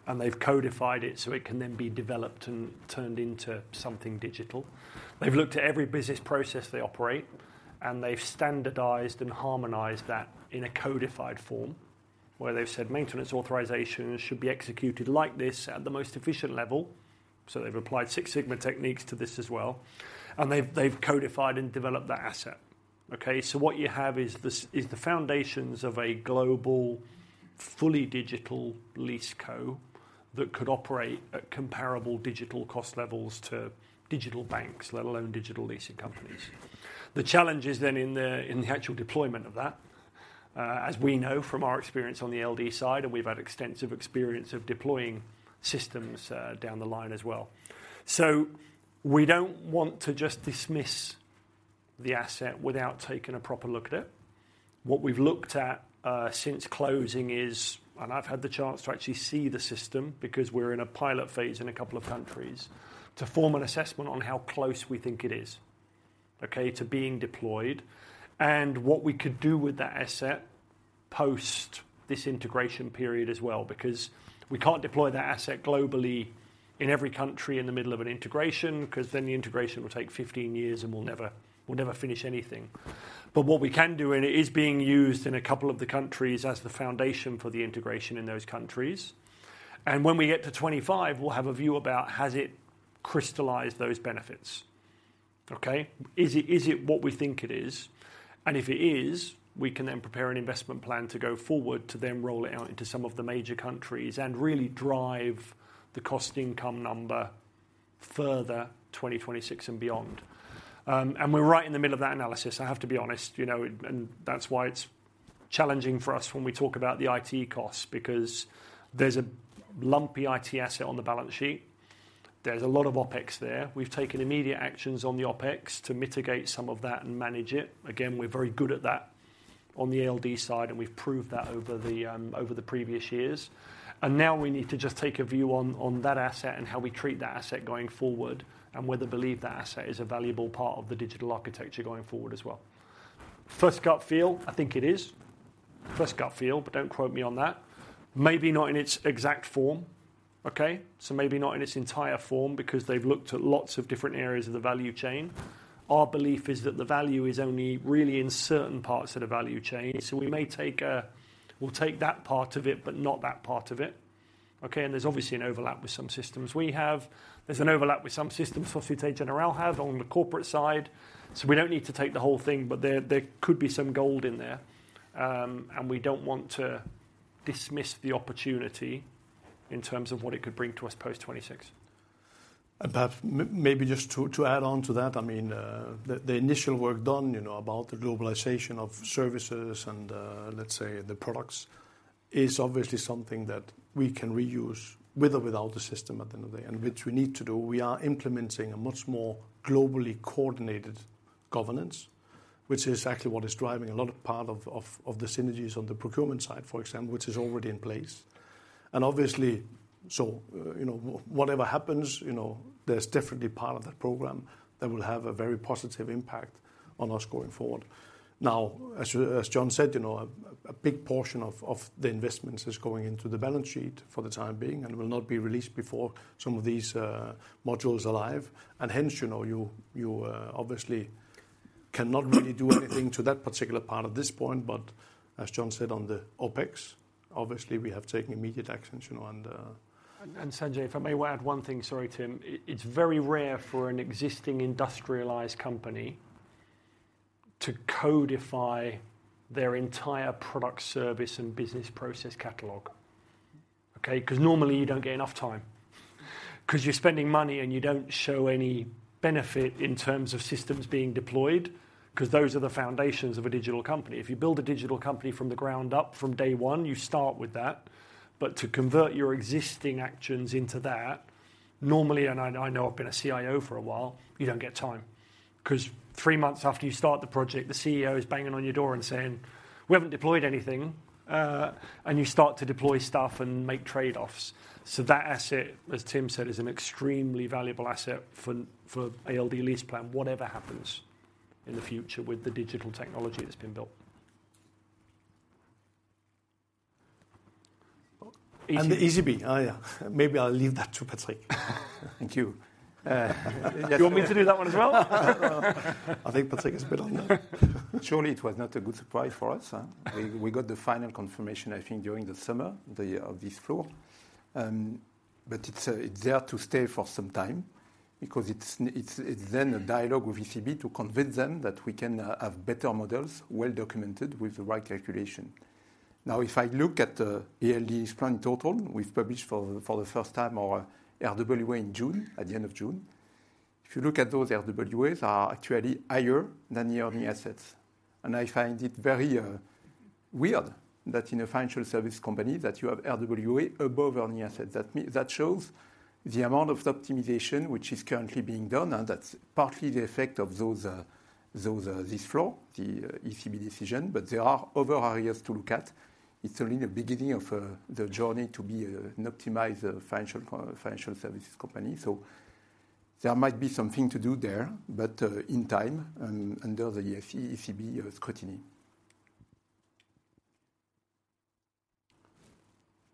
and they've codified it so it can then be developed and turned into something digital. They've looked at every business process they operate, and they've standardized and harmonized that in a codified form, where they've said maintenance authorization should be executed like this at the most efficient level. So they've applied Six Sigma techniques to this as well, and they've codified and developed that asset. Okay? So what you have is this is the foundations of a global, fully digital lease co that could operate at comparable digital cost levels to digital banks, let alone digital leasing companies. The challenge is then in the actual deployment of that, as we know from our experience on the ALD side, and we've had extensive experience of deploying systems down the line as well. So we don't want to just dismiss the asset without taking a proper look at it. What we've looked at since closing is, and I've had the chance to actually see the system, because we're in a pilot phase in a couple of countries, to form an assessment on how close we think it is, okay, to being deployed, and what we could do with that asset post this integration period as well, because we can't deploy that asset globally in every country in the middle of an integration, because then the integration will take 15 years, and we'll never, we'll never finish anything. But what we can do, and it is being used in a couple of the countries as the foundation for the integration in those countries, and when we get to 25, we'll have a view about has it crystallized those benefits? Okay. Is it, is it what we think it is? If it is, we can then prepare an investment plan to go forward to then roll it out into some of the major countries and really drive the cost income number further, 2026 and beyond. We're right in the middle of that analysis, I have to be honest, you know, and that's why it's challenging for us when we talk about the IT costs, because there's a lumpy IT asset on the balance sheet. There's a lot of OpEx there. We've taken immediate actions on the OpEx to mitigate some of that and manage it. Again, we're very good at that on the ALD side, and we've proved that over the previous years. And now we need to just take a view on that asset and how we treat that asset going forward, and whether believe that asset is a valuable part of the digital architecture going forward as well. First gut feel, I think it is. First gut feel, but don't quote me on that. Maybe not in its exact form, okay? So maybe not in its entire form, because they've looked at lots of different areas of the value chain. Our belief is that the value is only really in certain parts of the value chain, so we may take a... We'll take that part of it, but not that part of it, okay? And there's obviously an overlap with some systems. There's an overlap with some systems Faurecia generally have on the corporate side, so we don't need to take the whole thing, but there, there could be some gold in there. We don't want to dismiss the opportunity in terms of what it could bring to us post-2026.... And perhaps maybe just to add on to that, I mean, the initial work done, you know, about the globalization of services and, let's say, the products, is obviously something that we can reuse with or without the system at the end of the day, and which we need to do. We are implementing a much more globally coordinated governance, which is actually what is driving a lot of part of the synergies on the procurement side, for example, which is already in place. And obviously, so, you know, whatever happens, you know, there's definitely part of that program that will have a very positive impact on us going forward. Now, as John said, you know, a big portion of the investments is going into the balance sheet for the time being, and will not be released before some of these modules are live. And hence, you know, you obviously cannot really do anything to that particular part at this point. But as John said, on the OpEx, obviously, we have taken immediate actions, you know, and And, and Sanjay, if I may add one thing. Sorry, Tim. It's very rare for an existing industrialized company to codify their entire product service and business process catalog. Okay? 'Cause normally you don't get enough time, 'cause you're spending money, and you don't show any benefit in terms of systems being deployed, 'cause those are the foundations of a digital company. If you build a digital company from the ground up, from day one, you start with that. But to convert your existing actions into that, normally, and I know I've been a CIO for a while, you don't get time. 'Cause three months after you start the project, the CEO is banging on your door and saying, "We haven't deployed anything," and you start to deploy stuff and make trade-offs. So that asset, as Tim said, is an extremely valuable asset for ALD LeasePlan, whatever happens in the future with the digital technology that's been built. The ECB, oh, yeah. Maybe I'll leave that to Patrick. Thank you. You want me to do that one as well? I think Patrick is better on that. Surely, it was not a good surprise for us, huh? We got the final confirmation, I think, during the summer, this flow. But it's there to stay for some time because it's then a dialogue with ECB to convince them that we can have better models, well documented, with the right calculation. Now, if I look at the ALD's plan total, we've published for the first time our RWA in June, at the end of June. If you look at those, RWAs are actually higher than the earning assets. And I find it very weird that in a financial service company, that you have RWA above earning assets. That shows the amount of optimization which is currently being done, and that's partly the effect of those this flow, the ECB decision. But there are other areas to look at. It's only the beginning of the journey to be an optimized financial services company. So there might be something to do there, but in time, and under the ECB scrutiny.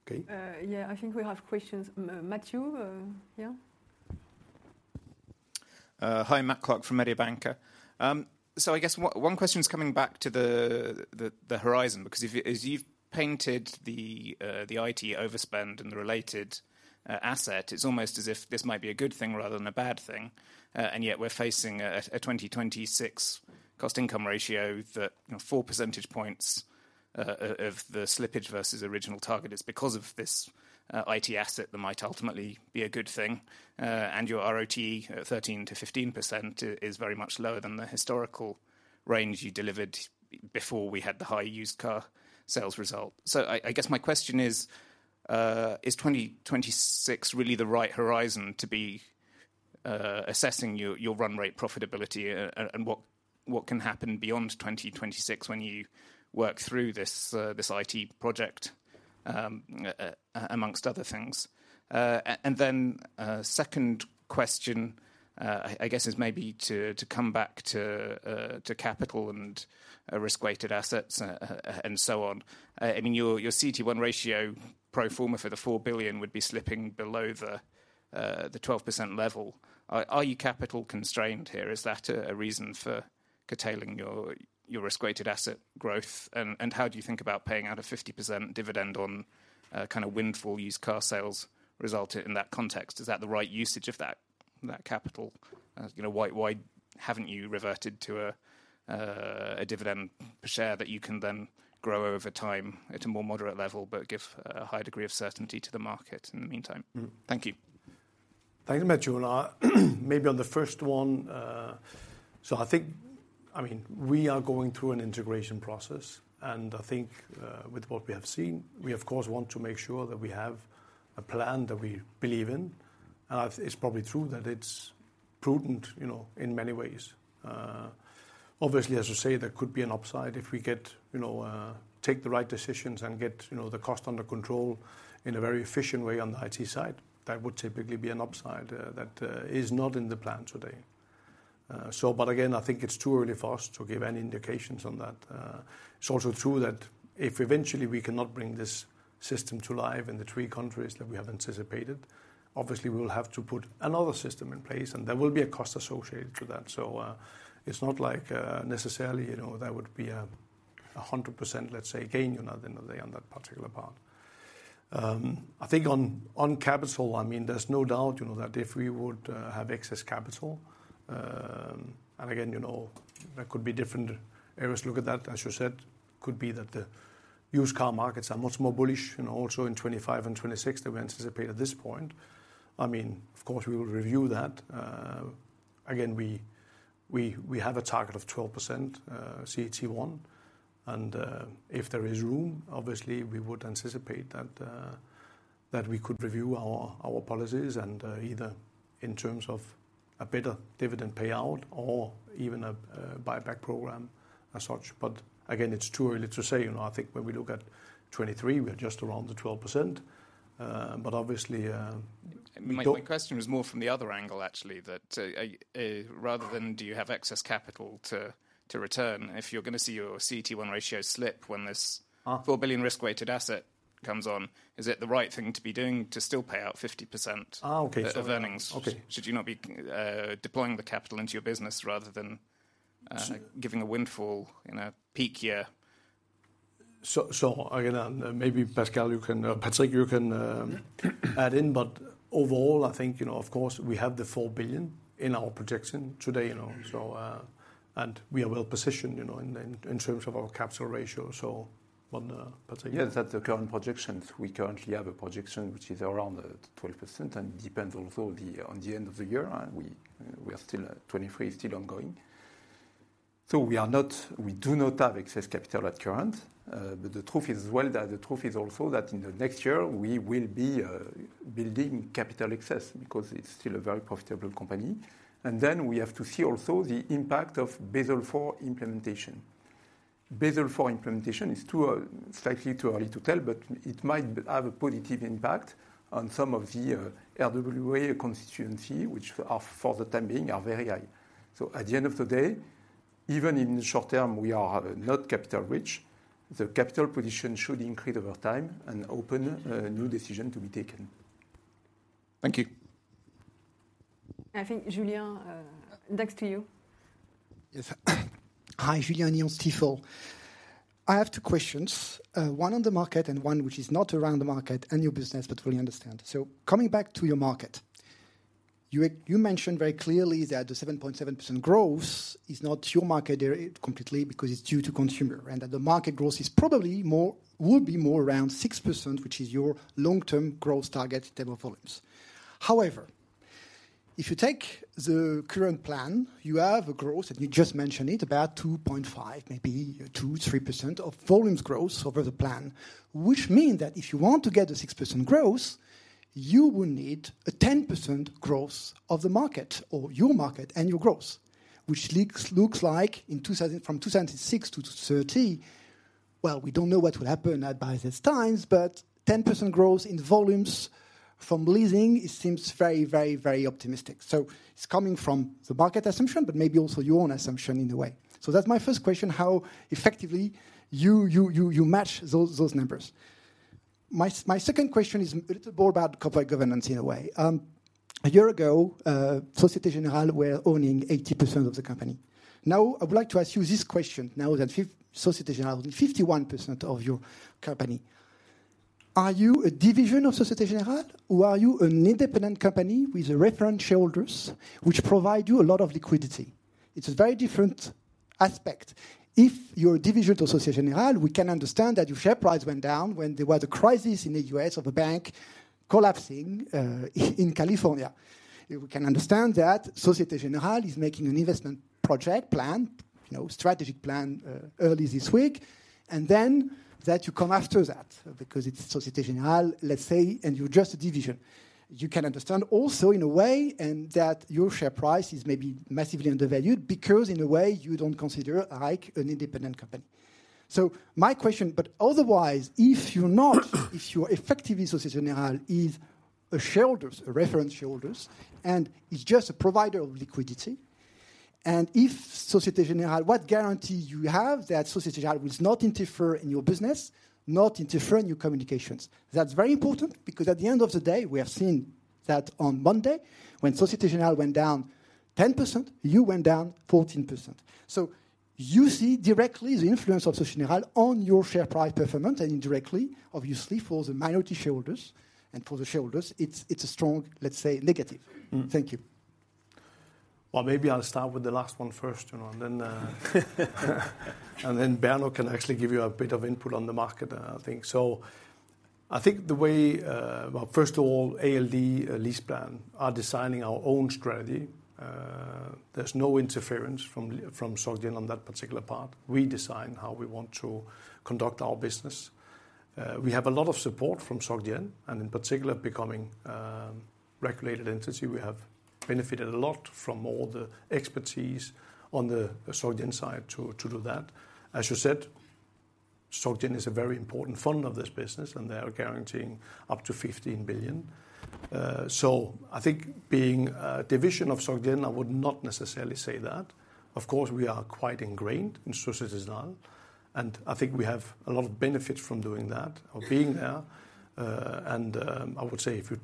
Okay. Yeah, I think we have questions. Matthew, yeah. Hi, Matthew Clark from Mediobanca. So I guess one question is coming back to the horizon, because if as you've painted the IT overspend and the related asset, it's almost as if this might be a good thing rather than a bad thing. And yet we're facing a 2026 cost income ratio that, you know, four percentage points of the slippage versus original target is because of this IT asset that might ultimately be a good thing. And your ROTE 13 to 15% is very much lower than the historical range you delivered before we had the high used car sales result. So I guess my question is, is 2026 really the right horizon to be assessing your run rate profitability, and what can happen beyond 2026 when you work through this IT project, amongst other things? And then, second question, I guess, is maybe to come back to capital and risk-weighted assets, and so on. I mean, your CET1 ratio pro forma for the 4 billion would be slipping below the 12% level. Are you capital constrained here? Is that a reason for curtailing your risk-weighted asset growth? And how do you think about paying out a 50% dividend on a kind of windfall used car sales result in that context? Is that the right usage of that, that capital? You know, why, why haven't you reverted to a, a dividend per share that you can then grow over time at a more moderate level, but give a, a high degree of certainty to the market in the meantime? Thank you. Thank you, Matthew. Maybe on the first one, so I think... I mean, we are going through an integration process, and I think, with what we have seen, we of course want to make sure that we have a plan that we believe in. And it's probably true that it's prudent, you know, in many ways. Obviously, as you say, there could be an upside if we get, you know, take the right decisions and get, you know, the cost under control in a very efficient way on the IT side. That would typically be an upside, that is not in the plan today. So but again, I think it's too early for us to give any indications on that. It's also true that if eventually we cannot bring this system to life in the three countries that we have anticipated, obviously we will have to put another system in place, and there will be a cost associated to that. So, it's not like, necessarily, you know, there would be a 100%, let's say, gain, you know, at the end of the day on that particular part. I think on capital, I mean, there's no doubt, you know, that if we would have excess capital, and again, you know, there could be different areas to look at that, as you said. Could be that the used car markets are much more bullish, and also in 2025 and 2026 than we anticipate at this point. I mean, of course, we will review that. Again, we have a target of 12% CET1. And if there is room, obviously we would anticipate that we could review our policies and either in terms of a better dividend payout or even a buyback program as such. But again, it's too early to say. You know, I think when we look at 2023, we are just around the 12%. But obviously, don- My question was more from the other angle, actually, that rather than do you have excess capital to return, if you're gonna see your CET1 ratio slip when this- Uh- 4 billion risk-weighted asset comes on, is it the right thing to be doing to still pay out 50%? Oh, okay. -of earnings? Okay. Should you not be deploying the capital into your business rather than? So- giving a windfall in a peak year? So, again, and maybe, Pascal, you can, Patrick, you can, add in. But overall, I think, you know, of course, we have the 4 billion in our projection today, you know, so... And we are well positioned, you know, in terms of our capital ratio. So on, Patrick? Yes, that's the current projections. We currently have a projection which is around 12%, and depends also on the end of the year, and we are still, 2023 is still ongoing. So we are not—we do not have excess capital at current, but the truth is, well, the truth is also that in the next year, we will be building capital excess, because it's still a very profitable company. And then we have to see also the impact of Basel IV implementation. Basel IV implementation is too slightly too early to tell, but it might have a positive impact on some of the RWA constituency, which, for the time being, are very high. At the end of the day, even in the short term, we are not capital rich, the capital position should increase over time and open, new decision to be taken. Thank you. I think, Julian, next to you. Yes. Hi, Julian Alligier. I have two questions, one on the market and one which is not around the market and your business, but fully understand. So coming back to your market, you, you mentioned very clearly that the 7.7% growth is not your market area completely because it's due to consumer, and that the market growth is probably will be more around 6%, which is your long-term growth target table volumes. However, if you take the current plan, you have a growth, and you just mentioned it, about 2.5, maybe 2 to 3% of volumes growth over the plan, which mean that if you want to get a 6% growth, you will need a 10% growth of the market or your market and your growth, which looks like in 2006 to 2030, well, we don't know what will happen by these times, but 10% growth in volumes from leasing, it seems very, very, very optimistic. It's coming from the market assumption, but maybe also your own assumption in a way. That's my first question: how effectively you, you, you, you match those, those numbers? My second question is a little more about corporate governance, in a way. A year ago, Société Générale were owning 80% of the company. Now, I would like to ask you this question, now that Société Générale, 51% of your company, are you a division of Société Générale, or are you an independent company with a reference shareholders which provide you a lot of liquidity? It's a very different aspect. If you're a division of Société Générale, we can understand that your share price went down when there was a crisis in the U.S. of the bank collapsing in California. We can understand that Société Générale is making an investment project plan, you know, strategic plan, early this week, and then that you come after that, because it's Société Générale, let's say, and you're just a division. You can understand also, in a way, that your share price is maybe massively undervalued, because in a way, you don't consider like an independent company. So my question, but otherwise, if you're not, if you are effectively Société Générale, is a shareholders, a reference shareholders, and is just a provider of liquidity, and if Société Générale, what guarantee you have that Société Générale will not interfere in your business, not interfere in your communications? That's very important, because at the end of the day, we are seeing that on Monday, when Société Générale went down 10%, you went down 14%. So you see directly the influence of Société Générale on your share price performance, and indirectly, obviously, for the minority shareholders and for the shareholders, it's, it's a strong, let's say, negative. Mm. Thank you. Well, maybe I'll start with the last one first, you know, and then, and then Bernard can actually give you a bit of input on the market, I think. So I think the way... Well, first of all, Ayvens are designing our own strategy. There's no interference from from Société Générale on that particular part. We design how we want to conduct our business. We have a lot of support from Société Générale, and in particular, becoming a regulated entity. We have benefited a lot from all the expertise on the Société Générale side to do that. As you said, Société Générale is a very important fund of this business, and they are guaranteeing up to 15 billion. So I think being a division of Société Générale, I would not necessarily say that. Of course, we are quite ingrained in Société Générale, and I think we have a lot of benefits from doing that or being there. I would say if you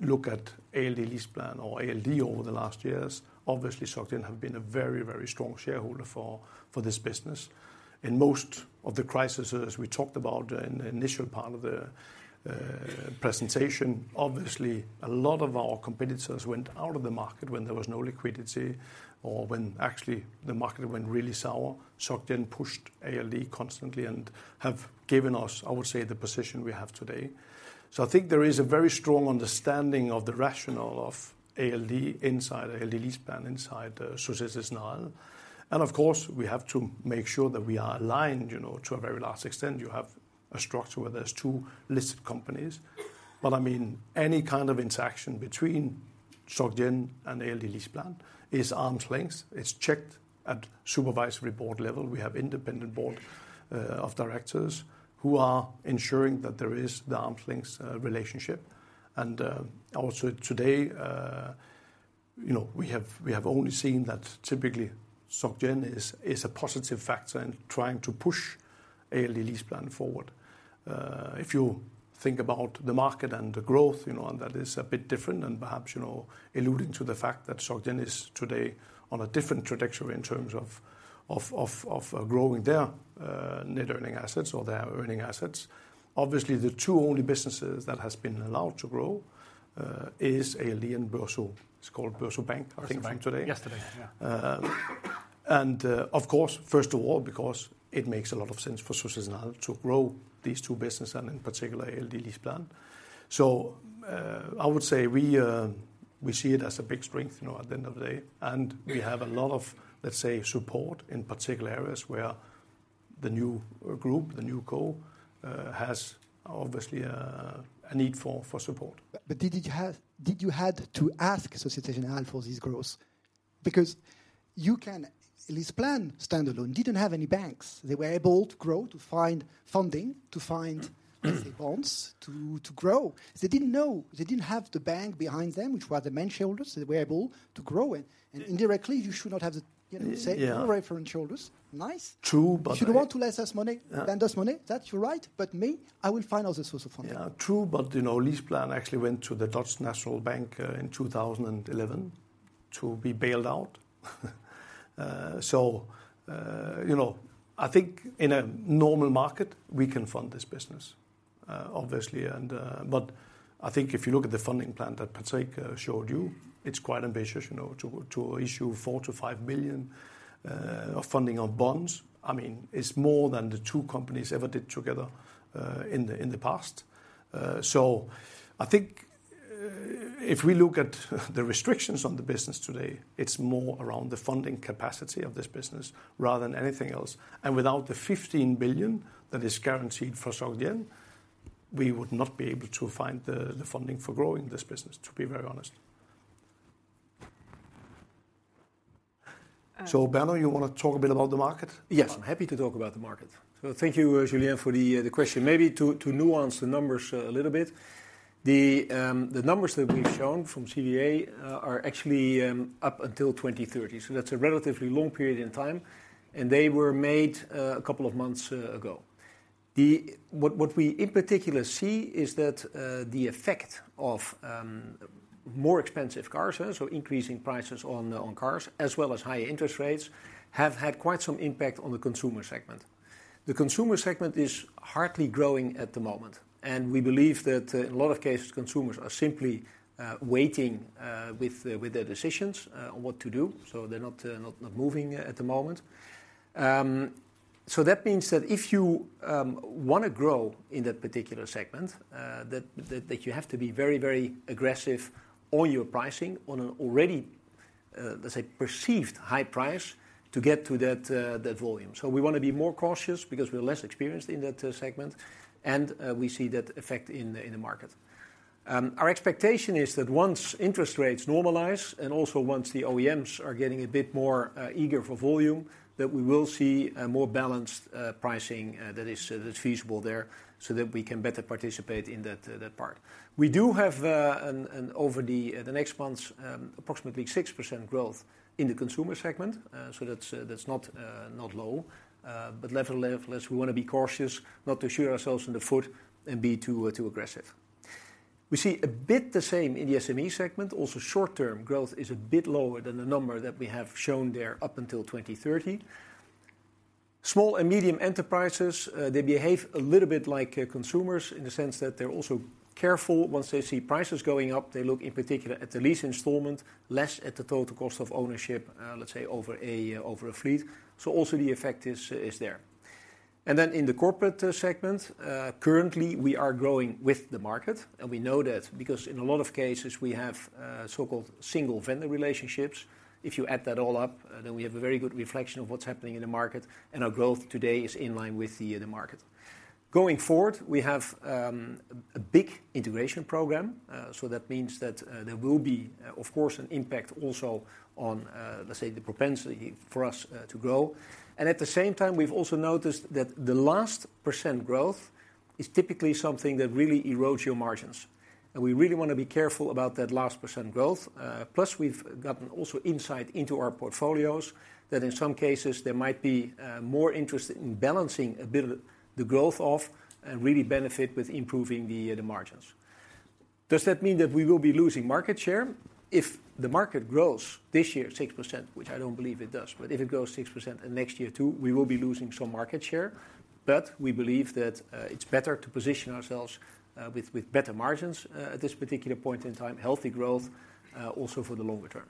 look at ALD LeasePlan or ALD over the last years, obviously, Société Générale have been a very, very strong shareholder for this business. In most of the crises, as we talked about in the initial part of the presentation, obviously, a lot of our competitors went out of the market when there was no liquidity or when actually the market went really sour. Société Générale pushed ALD constantly and have given us, I would say, the position we have today. So I think there is a very strong understanding of the rationale of ALD inside ALD LeasePlan, inside the Société Générale. And of course, we have to make sure that we are aligned, you know, to a very large extent. You have a structure where there's two listed companies. But I mean, any kind of interaction between Société Générale and ALD LeasePlan is arm's length. It's checked at supervisory board level. We have independent board of directors who are ensuring that there is the arm's length relationship. And also today, you know, we have only seen that typically Société Générale is a positive factor in trying to push ALD LeasePlan forward. If you think about the market and the growth, you know, and that is a bit different, and perhaps, you know, alluding to the fact that Société Générale is today on a different trajectory in terms of growing their net earning assets or their earning assets. Obviously, the two only businesses that has been allowed to grow is ALD and BoursoBank. It's called BoursoBank, I think, from today. BoursoBank. Yesterday, yeah. And, of course, first of all, because it makes a lot of sense for Societe Generale to grow these two business, and in particular, ALD LeasePlan. I would say we, we see it as a big strength, you know, at the end of the day. And we have a lot of, let's say, support in particular areas where the new group, the new co, has obviously a, a need for, for support. But did you have- did you had to ask Société Générale for this growth? Because you can... LeasePlan standalone didn't have any banks. They were able to grow, to find funding, to find, let's say, bonds, to, to grow. They didn't know. They didn't have the bank behind them, which were the main shareholders. They were able to grow it. And indirectly, you should not have the, you know, say- Yeah. Reference shareholders. Nice. True, but I- If you want to lend us money- Yeah... lend us money, that's right. But me, I will find other source of funding. Yeah, true, but, you know, LeasePlan actually went to the Dutch National Bank in 2011 to be bailed out. So, you know, I think in a normal market, we can fund this business, obviously, and... But I think if you look at the funding plan that Patrick showed you, it's quite ambitious, you know, to issue 4-5 billion of funding of bonds. I mean, it's more than the two companies ever did together in the past. So I think if we look at the restrictions on the business today, it's more around the funding capacity of this business rather than anything else. And without the 15 billion that is guaranteed for SocGen, we would not be able to find the funding for growing this business, to be very honest. Bernard, you want to talk a bit about the market? Yes, I'm happy to talk about the market. So thank you, Julian, for the question. Maybe to nuance the numbers a little bit, the numbers that we've shown from CVA are actually up until 2030. So that's a relatively long period in time, and they were made a couple of months ago. What we in particular see is that the effect of more expensive cars, so increasing prices on cars, as well as high interest rates, have had quite some impact on the consumer segment. The consumer segment is hardly growing at the moment, and we believe that in a lot of cases, consumers are simply waiting with their decisions on what to do, so they're not moving at the moment. So that means that if you want to grow in that particular segment, that you have to be very, very aggressive on your pricing on an already, let's say, perceived high price to get to that volume. So we want to be more cautious because we're less experienced in that segment, and we see that effect in the market. Our expectation is that once interest rates normalize, and also once the OEMs are getting a bit more eager for volume, that we will see a more balanced pricing that is feasible there so that we can better participate in that part. We do have an over the next months approximately 6% growth in the consumer segment. So that's not low, but nevertheless, we want to be cautious not to shoot ourselves in the foot and be too aggressive. We see a bit the same in the SME segment. Also, short-term growth is a bit lower than the number that we have shown there up until 2030. Small and medium enterprises, they behave a little bit like consumers in the sense that they're also careful. Once they see prices going up, they look in particular at the lease installment, less at the total cost of ownership, let's say, over a fleet. So also the effect is there. And then in the corporate segment, currently, we are growing with the market, and we know that because in a lot of cases we have so-called single vendor relationships. If you add that all up, then we have a very good reflection of what's happening in the market, and our growth today is in line with the market. Going forward, we have a big integration program, so that means that there will be, of course, an impact also on, let's say, the propensity for us to grow. And at the same time, we've also noticed that the last percent growth is typically something that really erodes your margins, and we really want to be careful about that last percent growth. Plus, we've gotten also insight into our portfolios, that in some cases there might be more interest in balancing a bit of the growth off and really benefit with improving the margins. Does that mean that we will be losing market share? If the market grows this year, 6%, which I don't believe it does, if it grows 6% next year, too, we will be losing some market share. We believe that it's better to position ourselves with better margins at this particular point in time, healthy growth also for the longer term.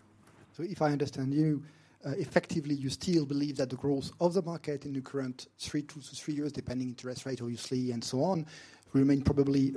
So if I understand you, effectively, you still believe that the growth of the market in the current 2-3 years, depending interest rate, obviously, and so on, will remain probably,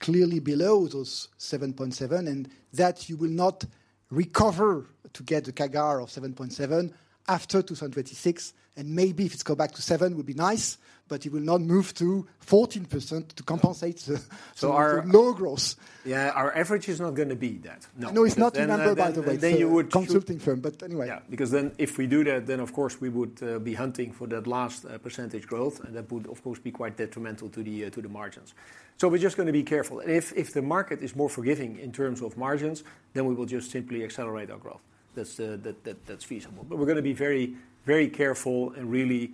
clearly below those 7.7, and that you will not recover to get the CAGR of 7.7 after 2026. And maybe if it's go back to 7, would be nice, but it will not move to 14% to compensate the- So our- No growth. Yeah, our average is not going to be that. No. No, it's not a number, by the way. Then you would- Consulting firm, but anyway. Yeah, because then if we do that, then of course, we would be hunting for that last percentage growth, and that would, of course, be quite detrimental to the margins. So we're just going to be careful. And if the market is more forgiving in terms of margins, then we will just simply accelerate our growth. That's feasible. But we're going to be very, very careful and really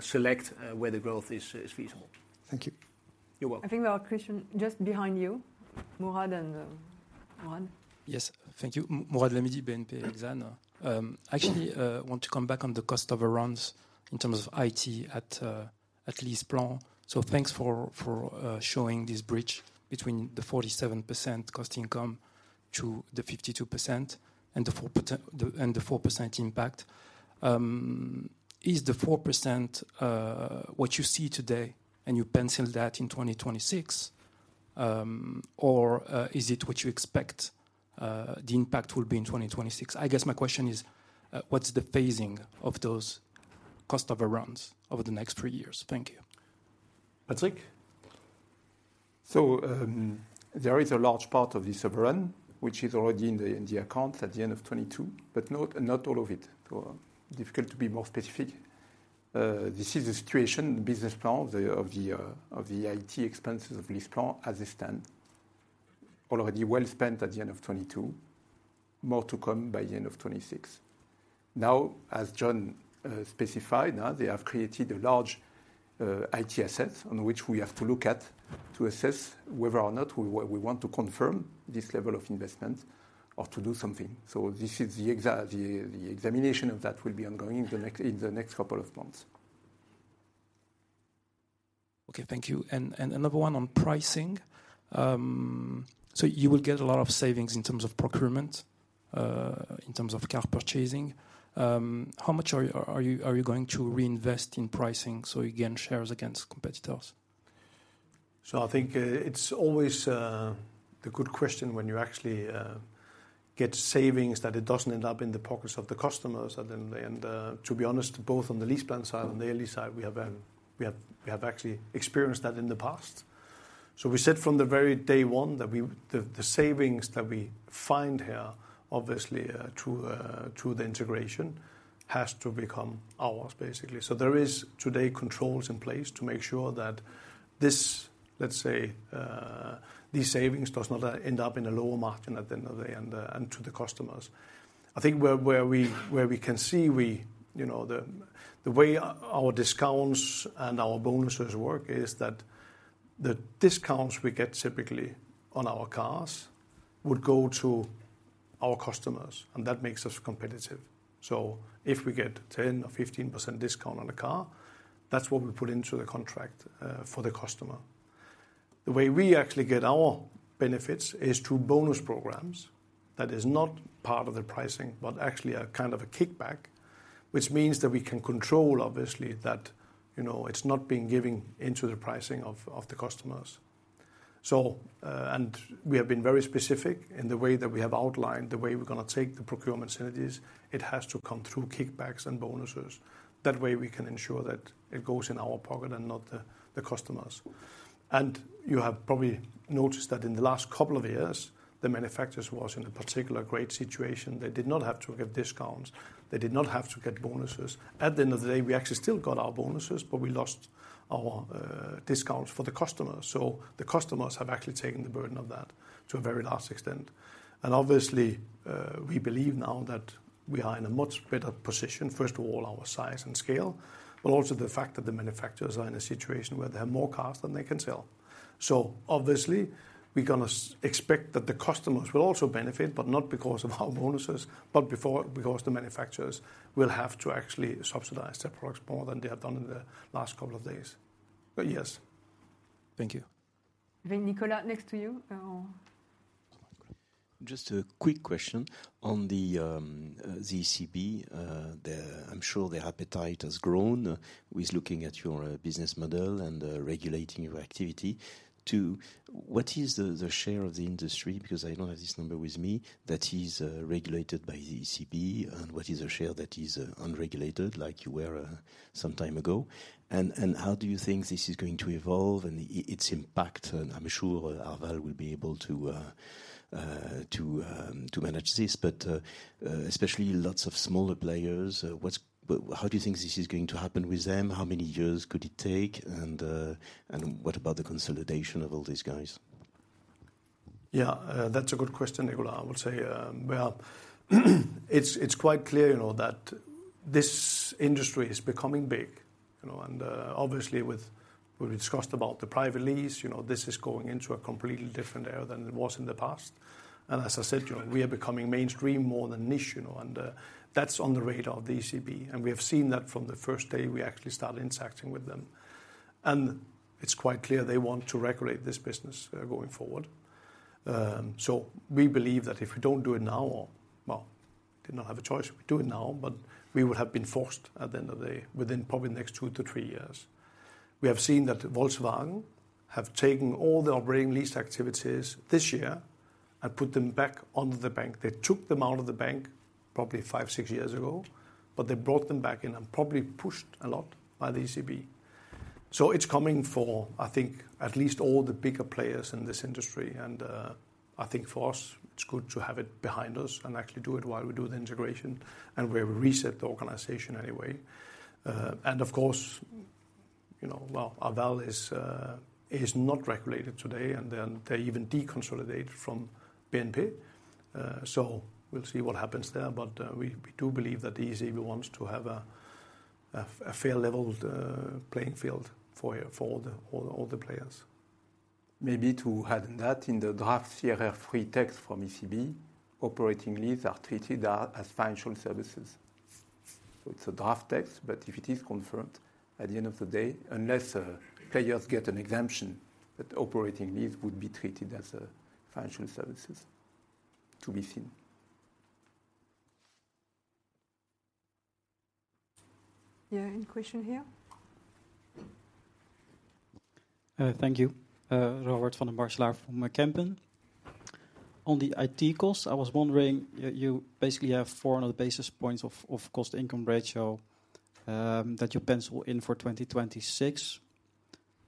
select where the growth is feasible. Thank you. You're welcome. I think there are a question just behind you, Mourad and, Mourad. Yes, thank you. Mourad Lahmidi, BNP Paribas. Actually, want to come back on the cost overruns in terms of IT at LeasePlan. So thanks for showing this bridge between the 47% cost income to the 52% and the 4%, and the 4% impact. Is the 4%, what you see today and you penciled that in 2026? Or, is it what you expect, the impact will be in 2026? I guess my question is, what's the phasing of those cost overruns over the next three years? Thank you. Patrick? So, there is a large part of this overrun, which is already in the accounts at the end of 2022, but not all of it. So difficult to be more specific. This is the situation, the business plan of the IT expenses of LeasePlan as they stand. Already well spent at the end of 2022. More to come by the end of 2026. Now, as John specified, now they have created a large IT asset on which we have to look at to assess whether or not we want to confirm this level of investment or to do something. So this is the examination of that will be ongoing in the next couple of months. Okay, thank you. And another one on pricing. So you will get a lot of savings in terms of procurement, in terms of car purchasing. How much are you going to reinvest in pricing, so you gain shares against competitors? I think it's always the good question when you actually get savings, that it doesn't end up in the pockets of the customers. To be honest, both on the LeasePlan side and the Arval side, we have actually experienced that in the past. We said from day one that the savings that we find here, obviously, through the integration, have to become ours, basically. There are today controls in place to make sure that these savings do not end up in a lower margin at the end of the day and to the customers. I think where we can see, you know, the way our discounts and our bonuses work is that the discounts we get typically on our cars would go to our customers, and that makes us competitive. So if we get 10 to 15% discount on a car, that's what we put into the contract for the customer. The way we actually get our benefits is through bonus programs. That is not part of the pricing, but actually a kind of a kickback, which means that we can control, obviously, that, you know, it's not being given into the pricing of the customers. So and we have been very specific in the way that we have outlined, the way we're going to take the procurement synergies. It has to come through kickbacks and bonuses. That way, we can ensure that it goes in our pocket and not the customers. And you have probably noticed that in the last couple of years, the manufacturers was in a particular great situation. They did not have to give discounts. They did not have to get bonuses. At the end of the day, we actually still got our bonuses, but we lost our discounts for the customers. So the customers have actually taken the burden of that to a very large extent. And obviously, we believe now that we are in a much better position. First of all, our size and scale, but also the fact that the manufacturers are in a situation where they have more cars than they can sell. So obviously, we're gonna expect that the customers will also benefit, but not because of our bonuses, but because the manufacturers will have to actually subsidize their products more than they have done in the last couple of days. But yes. Thank you. I think Nicolas next to you... Just a quick question on the ECB. I'm sure their appetite has grown with looking at your business model and regulating your activity. What is the share of the industry, because I don't have this number with me, that is regulated by the ECB, and what is the share that is unregulated, like you were some time ago? How do you think this is going to evolve and its impact? I'm sure Arval will be able to manage this, but especially lots of smaller players, what's—how do you think this is going to happen with them? How many years could it take? What about the consolidation of all these guys? Yeah, that's a good question, Nicolas. I would say, well, it's quite clear, you know, that this industry is becoming big... you know, and, obviously, we discussed about the private lease, you know, this is going into a completely different era than it was in the past. As I said, you know, we are becoming mainstream more than niche, you know, and that's on the radar of the ECB, and we have seen that from the first day we actually start interacting with them. It's quite clear they want to regulate this business, going forward. We believe that if we don't do it now, well, did not have a choice but to do it now, but we would have been forced, at the end of the day, within probably the next two to three years. We have seen that Volkswagen have taken all the operating lease activities this year and put them back on the bank. They took them out of the bank probably 5, 6 years ago, but they brought them back in and probably pushed a lot by the ECB. So it's coming for, I think, at least all the bigger players in this industry, and I think for us, it's good to have it behind us and actually do it while we do the integration and where we reset the organization anyway. And of course, you know, well, Arval is not regulated today, and then they even deconsolidate from BNP. So we'll see what happens there, but we do believe that the ECB wants to have a fair, level playing field for all the players. Maybe to add on that, in the draft CRR free text from ECB, operating lease are treated as financial services. So it's a draft text, but if it is confirmed, at the end of the day, unless players get an exemption, that operating lease would be treated as a financial services. To be seen. Yeah, any question here? Thank you. Robert van der Meulen from Kempen. On the IT cost, I was wondering, you basically have 400 basis points of cost income ratio that you pencil in for 2026.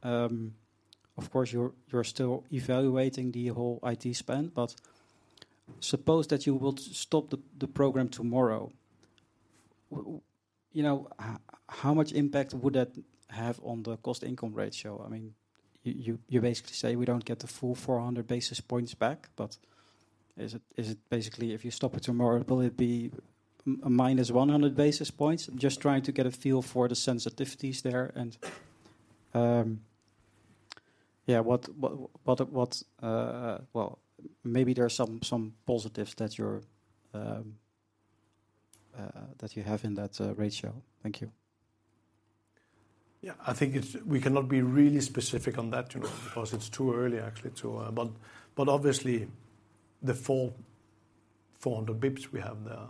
Of course, you're still evaluating the whole IT spend, but suppose that you will stop the program tomorrow, you know, how much impact would that have on the cost income ratio? I mean, you basically say we don't get the full 400 basis points back, but is it basically if you stop it tomorrow, will it be minus 100 basis points? I'm just trying to get a feel for the sensitivities there and, yeah, what, well, maybe there are some positives that you have in that ratio. Thank you. Yeah, I think it's... We cannot be really specific on that, you know, because it's too early actually to. But, but obviously, the full 400 basis points we have there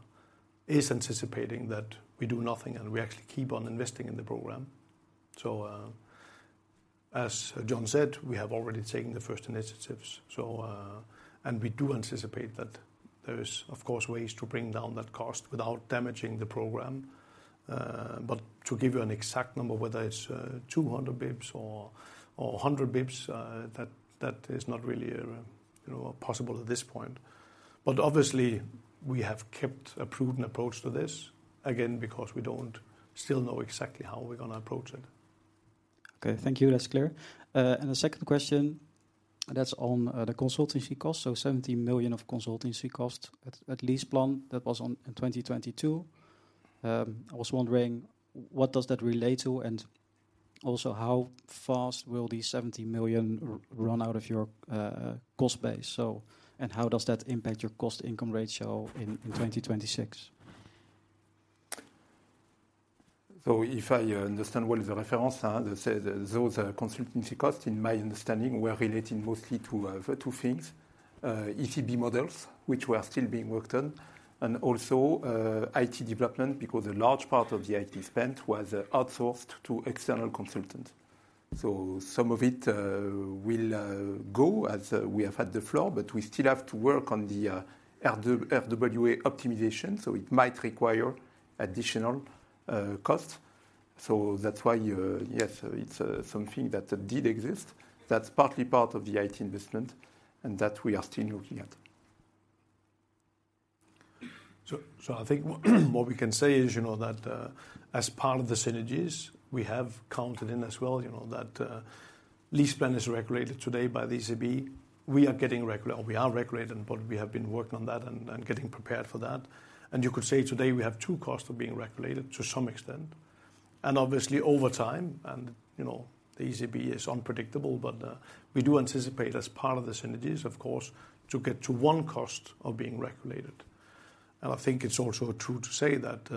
is anticipating that we do nothing, and we actually keep on investing in the program. So, as John said, we have already taken the first initiatives, so, and we do anticipate that there is, of course, ways to bring down that cost without damaging the program. But to give you an exact number, whether it's, 200 basis points or, or 100 basis points, that, that is not really, you know, possible at this point. But obviously, we have kept a prudent approach to this, again, because we don't still know exactly how we're going to approach it. Okay, thank you. That's clear. And the second question, that's on the consultancy cost. So 70 million of consultancy cost at LeasePlan, that was on in 2022. I was wondering, what does that relate to? And also, how fast will the 70 million run out of your cost base, so, and how does that impact your cost income ratio in 2026? So if I understand well the reference that says those are consultancy costs, in my understanding, were relating mostly to two things: ECB models, which were still being worked on, and also IT development, because a large part of the IT spend was outsourced to external consultants. So some of it will go as we have had the floor, but we still have to work on the RWA optimization, so it might require additional costs. So that's why, yes, it's something that did exist. That's partly part of the IT investment, and that we are still looking at. So, I think, what we can say is, you know, that, as part of the synergies we have counted in as well, you know, that, LeasePlan is regulated today by the ECB. We are getting regulated – or we are regulated, but we have been working on that and getting prepared for that. And you could say today we have two costs of being regulated to some extent, and obviously, over time, and, you know, the ECB is unpredictable, but, we do anticipate as part of the synergies, of course, to get to one cost of being regulated. And I think it's also true to say that,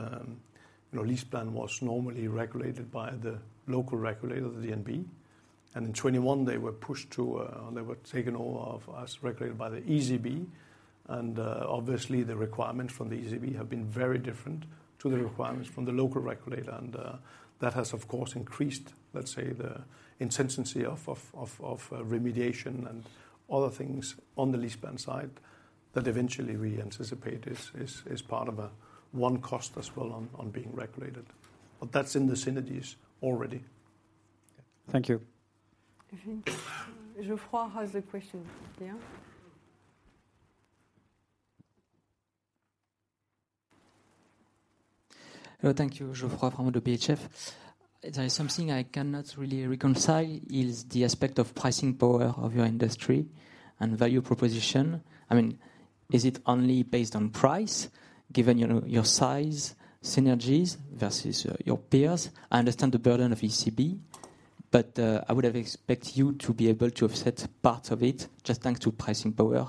you know, LeasePlan was normally regulated by the local regulator, the DNB, and in 2021, they were pushed to, they were taken all of as regulated by the ECB. Obviously, the requirements from the ECB have been very different to the requirements from the local regulator, and that has, of course, increased, let's say, the intensity of remediation and other things on the LeasePlan side that eventually we anticipate is part of a one cost as well on being regulated. But that's in the synergies already. Thank you. Geoffroy has a question. Yeah? Hello, thank you. Geoffroy from PHF. There is something I cannot really reconcile, is the aspect of pricing power of your industry and value proposition. I mean- Is it only based on price, given your size, synergies versus your peers? I understand the burden of ECB, but I would have expect you to be able to offset parts of it just thanks to pricing power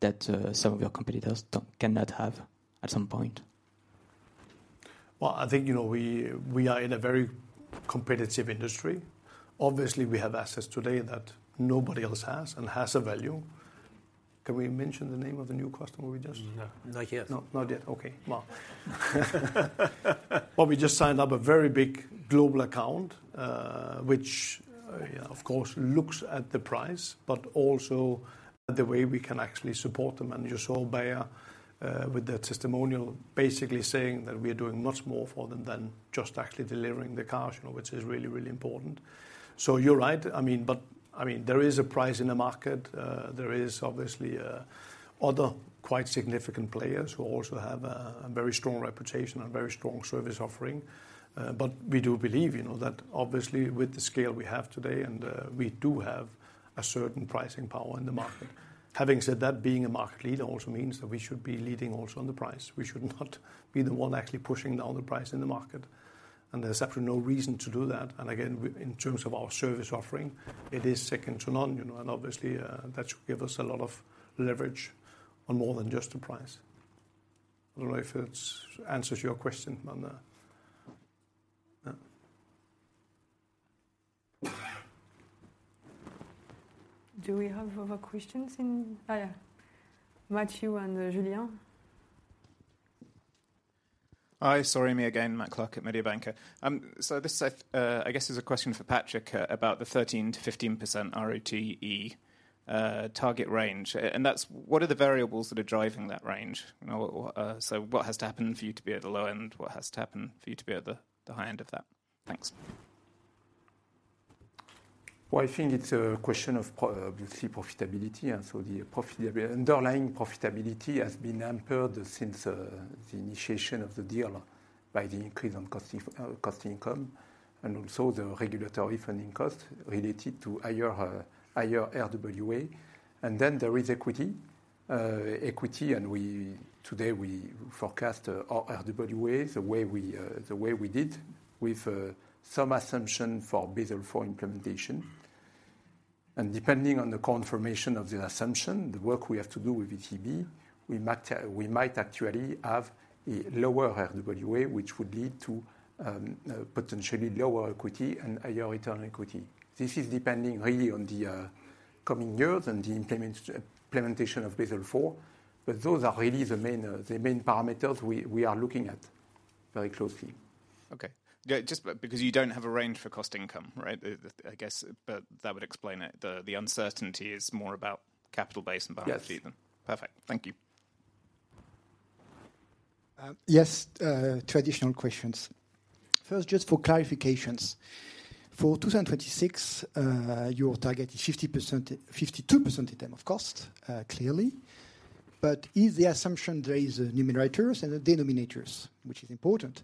that some of your competitors don't, cannot have at some point. Well, I think, you know, we are in a very competitive industry. Obviously, we have assets today that nobody else has and has a value. Can we mention the name of the new customer we just- No, not yet. No, not yet. Okay, well, we just signed up a very big global account, which, of course, looks at the price, but also the way we can actually support them. You saw Bayer, with that testimonial, basically saying that we are doing much more for them than just actually delivering the cars, you know, which is really, really important. You're right. I mean, there is a price in the market. There are obviously other quite significant players who also have a very strong reputation and very strong service offering. We do believe, you know, that obviously with the scale we have today, we do have a certain pricing power in the market. Having said that, being a market leader also means that we should be leading also on the price. We should not be the one actually pushing down the price in the market, and there's actually no reason to do that. In terms of our service offering, it is second to none, you know, and obviously, that should give us a lot of leverage on more than just the price. I don't know if that answers your question on the... Yeah. Do we have other questions in... Oh, yeah. Matthew and Julian? Hi, sorry, me again, Matt Clark at Mediobanca. This is, I guess, a question for Patrick about the 13 to 15% ROTE target range. What are the variables that are driving that range? You know, what has to happen for you to be at the low end? What has to happen for you to be at the high end of that? Thanks. Well, I think it's a question of probably obviously, profitability, and so the underlying profitability has been hampered since the initiation of the deal by the increase in cost/income and also the regulatory funding cost related to higher RWA. And then there is equity, and today we forecast our RWA the way we did with some assumption for Basel IV implementation. And depending on the confirmation of the assumption, the work we have to do with ECB, we might actually have a lower RWA, which would lead to potentially lower equity and higher return equity. This is depending really on the coming years and the implementation of Basel IV, but those are really the main parameters we are looking at very closely. Okay. Yeah, just because you don't have a range for cost income, right? I guess, but that would explain it. The uncertainty is more about capital base and balance sheet. Yes. Perfect. Thank you. Yes, traditional questions. First, just for clarifications. For 2026, your target is 50%, 52% in terms of cost, clearly. But is the assumption there in numerators and denominators, which is important?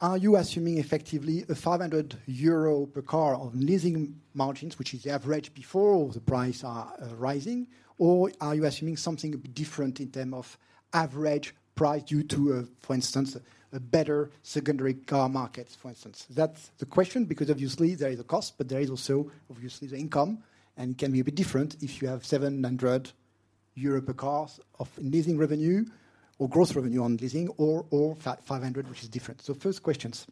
Are you assuming effectively 500 euro per car of leasing margins, which is the average before the prices are rising, or are you assuming something different in terms of average price due to, for instance, a better secondary car market, for instance? That's the question, because obviously there is a cost, but there is also obviously the income, and it can be a bit different if you have 700 euro per car of leasing revenue or gross revenue on leasing or, or 500, which is different. So first questions.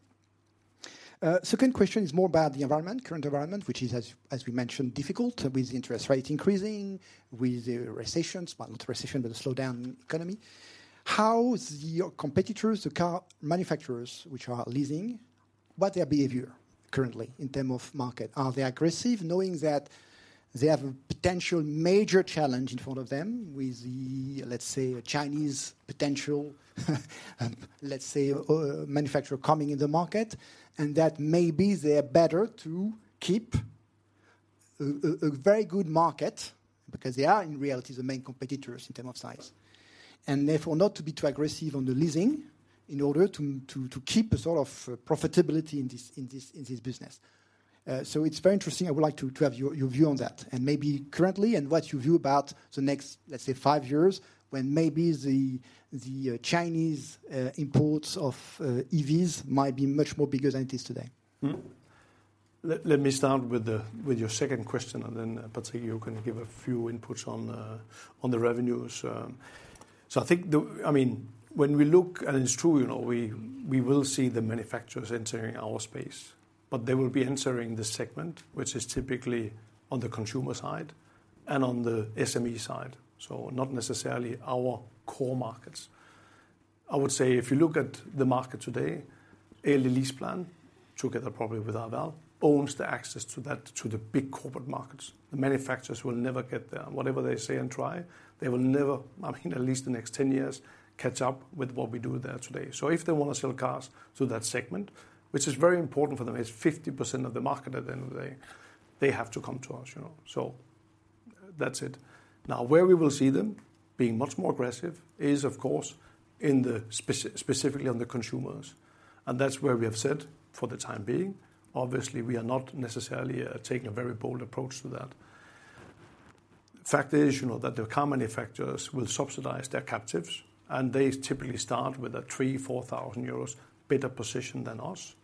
Second question is more about the environment, current environment, which is, as we mentioned, difficult with interest rates increasing, with the recession, well, not recession, but the slowdown in economy. How are your competitors, the car manufacturers, which are leasing, what's their behavior currently in terms of market? Are they aggressive, knowing that they have a potential major challenge in front of them with the, let's say, a Chinese potential manufacturer coming in the market, and that maybe they are better to keep a very good market because they are, in reality, the main competitors in terms of size, and therefore, not to be too aggressive on the leasing in order to keep a sort of profitability in this business? So it's very interesting. I would like to have your view on that, and maybe currently and what you view about the next, let's say, five years, when maybe the Chinese imports of EVs might be much more bigger than it is today. Mm-hmm. Let me start with your second question, and then Patrick, you can give a few inputs on the revenues. So I think the I mean, when we look, and it's true, you know, we will see the manufacturers entering our space, but they will be entering the segment, which is typically on the consumer side and on the SME side, so not necessarily our core markets. I would say if you look at the market today, ALD LeasePlan, together probably with Arval, owns the access to the big corporate markets. The manufacturers will never get there. Whatever they say and try, they will never, I mean, at least the next ten years, catch up with what we do there today. So if they want to sell cars to that segment, which is very important for them, it's 50% of the market at the end of the day, they have to come to us, you know. So that's it. Now, where we will see them being much more aggressive is, of course, in the specifically on the consumers, and that's where we have said, for the time being, obviously, we are not necessarily taking a very bold approach to that. Fact is, you know, that the car manufacturers will subsidize their captives, and they typically start with a 3,000-4,000 euros better position than us.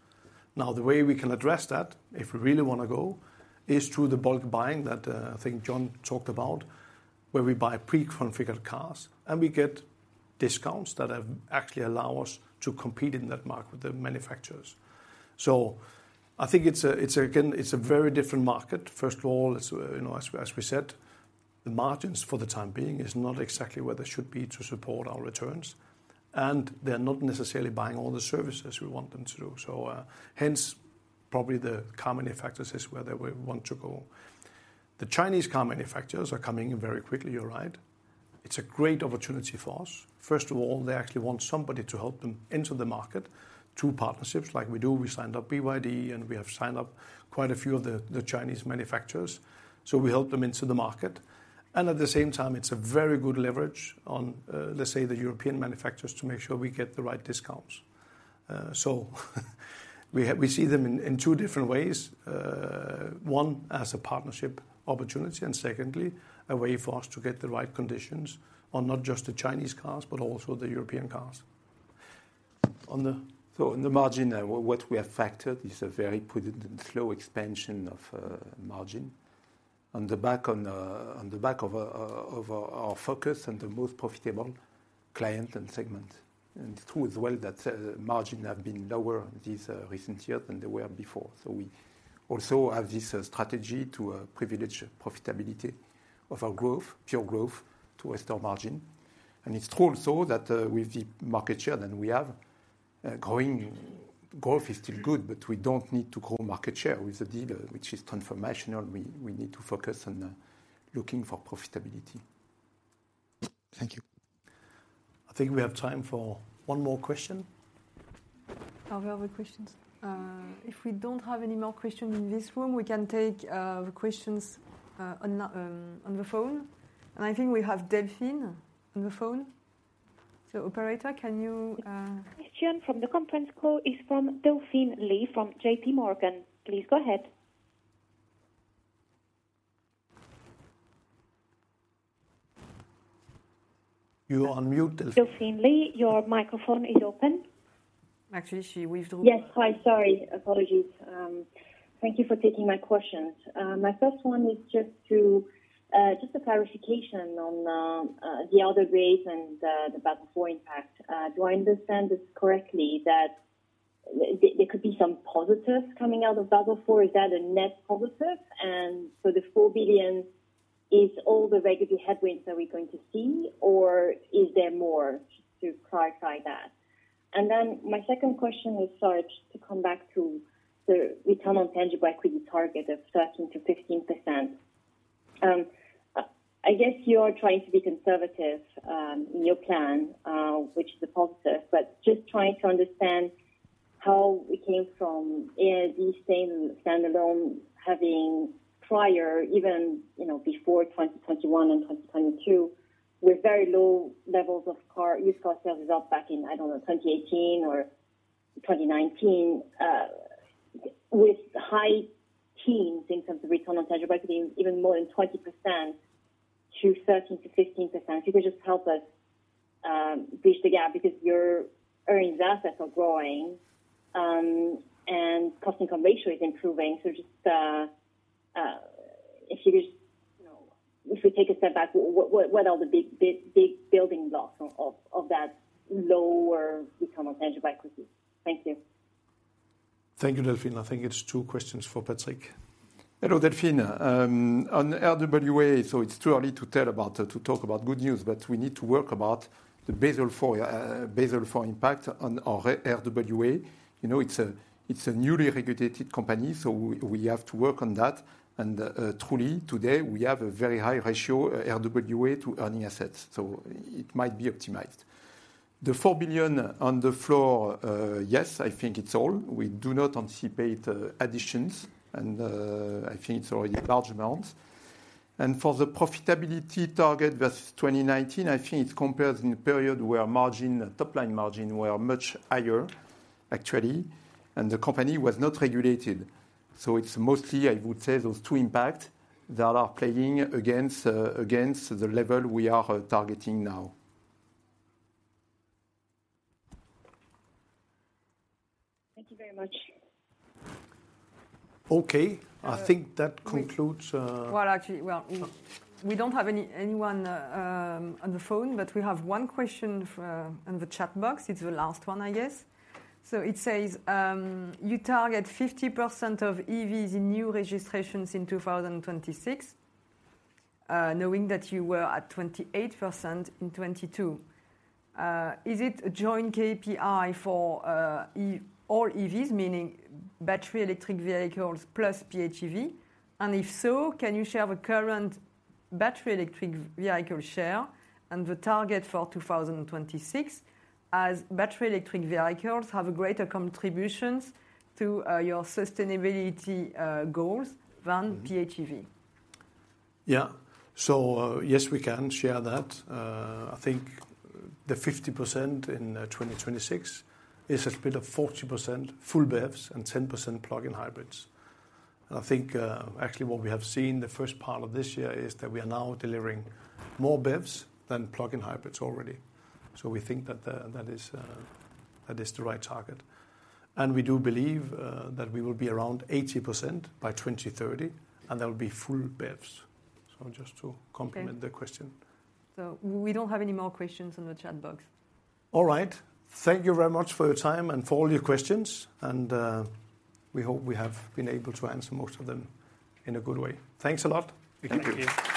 Now, the way we can address that, if we really want to go, is through the bulk buying that, I think John talked about, where we buy pre-configured cars, and we get discounts that have actually allow us to compete in that market with the manufacturers. So I think it's a, again, a very different market. First of all, it's, you know, as we, as we said, the margins for the time being is not exactly where they should be to support our returns, and they're not necessarily buying all the services we want them to do. So, hence, probably the car manufacturers is where they would want to go. The Chinese car manufacturers are coming in very quickly, you're right. It's a great opportunity for us. First of all, they actually want somebody to help them enter the market through partnerships like we do. We signed up BYD, and we have signed up quite a few of the Chinese manufacturers, so we help them into the market. At the same time, it's a very good leverage on, let's say, the European manufacturers to make sure we get the right discounts. We see them in two different ways. One, as a partnership opportunity, and secondly, a way for us to get the right conditions on not just the Chinese cars, but also the European cars. On the margin, what we have factored is a very prudent and slow expansion of margin. On the back of our focus and the most profitable client and segment. It's true as well that margin has been lower this recent year than they were before. We also have this strategy to privilege profitability of our growth, pure growth, to restore margin. It's true also that with the market share that we have growing, growth is still good, but we don't need to grow market share with the dealer, which is transformational. We need to focus on looking for profitability. Thank you. I think we have time for one more question. Are there other questions? If we don't have any more questions in this room, we can take the questions on the phone. I think we have Delphine on the phone. Operator, can you- Question from the conference call is from Delphine Lee, from J.P. Morgan. Please go ahead. You are on mute, Delphine. Delphine Lee, your microphone is open. Actually, she waved off. Yes. Hi, sorry. Apologies. Thank you for taking my questions. My first one is just to just a clarification on the other rates and the Basel IV impact. Do I understand this correctly, that there could be some positives coming out of Basel IV? Is that a net positive? And so the 4 billion is all the regulatory headwinds that we're going to see, or is there more, just to clarify that? And then my second question was, sorry, just to come back to the return on tangible equity target of 13 to 15%. I guess you are trying to be conservative in your plan, which is a positive, but just trying to understand how we came from the same standalone having prior, even, you know, before 2021 and 2022, with very low levels of used car sales up back in, I don't know, 2018 or 2019, with high teens in terms of return on tangible equity, even more than 20 to 13 to 5%. If you could just help us bridge the gap, because your earnings assets are growing and cost income ratio is improving. So just, if you just, you know, if we take a step back, what, what, what are the big, big, big building blocks of, of, of that lower return on tangible equity? Thank you. Thank you, Delphine. I think it's two questions for Patrick. Hello, Delphine. On RWA, so it's too early to tell about, to talk about good news, but we need to work about the Basel IV impact on our RWA. You know, it's a, it's a newly regulated company, so we, we have to work on that. And, truly, today, we have a very high ratio RWA to Earning Assets, so it might be optimized. The 4 billion on the floor, yes, I think it's all. We do not anticipate additions, and, I think it's already large amounts. And for the profitability target versus 2019, I think it compares in a period where margin, top line margin, were much higher, actually, and the company was not regulated. So it's mostly, I would say, those two impact that are playing against, against the level we are targeting now. Thank you very much. Okay, I think that concludes. Well, actually, we don't have anyone on the phone, but we have one question on the chat box. It's the last one, I guess. So it says, "You target 50% of EVs in new registrations in 2026, knowing that you were at 28% in 2022. Is it a joint KPI for EVs, meaning battery electric vehicles plus PHEV? And if so, can you share the current battery electric vehicle share and the target for 2026, as battery electric vehicles have a greater contributions to your sustainability goals than PHEV? Yeah. So, yes, we can share that. I think the 50% in 2026 is a split of 40% full BEVs and 10% plug-in hybrids. And I think, actually, what we have seen the first part of this year is that we are now delivering more BEVs than plug-in hybrids already. So we think that that is the right target. And we do believe that we will be around 80% by 2030, and they'll be full BEVs. So just to complement the question. We don't have any more questions in the chat box. All right. Thank you very much for your time and for all your questions, and we hope we have been able to answer most of them in a good way. Thanks a lot. Thank you.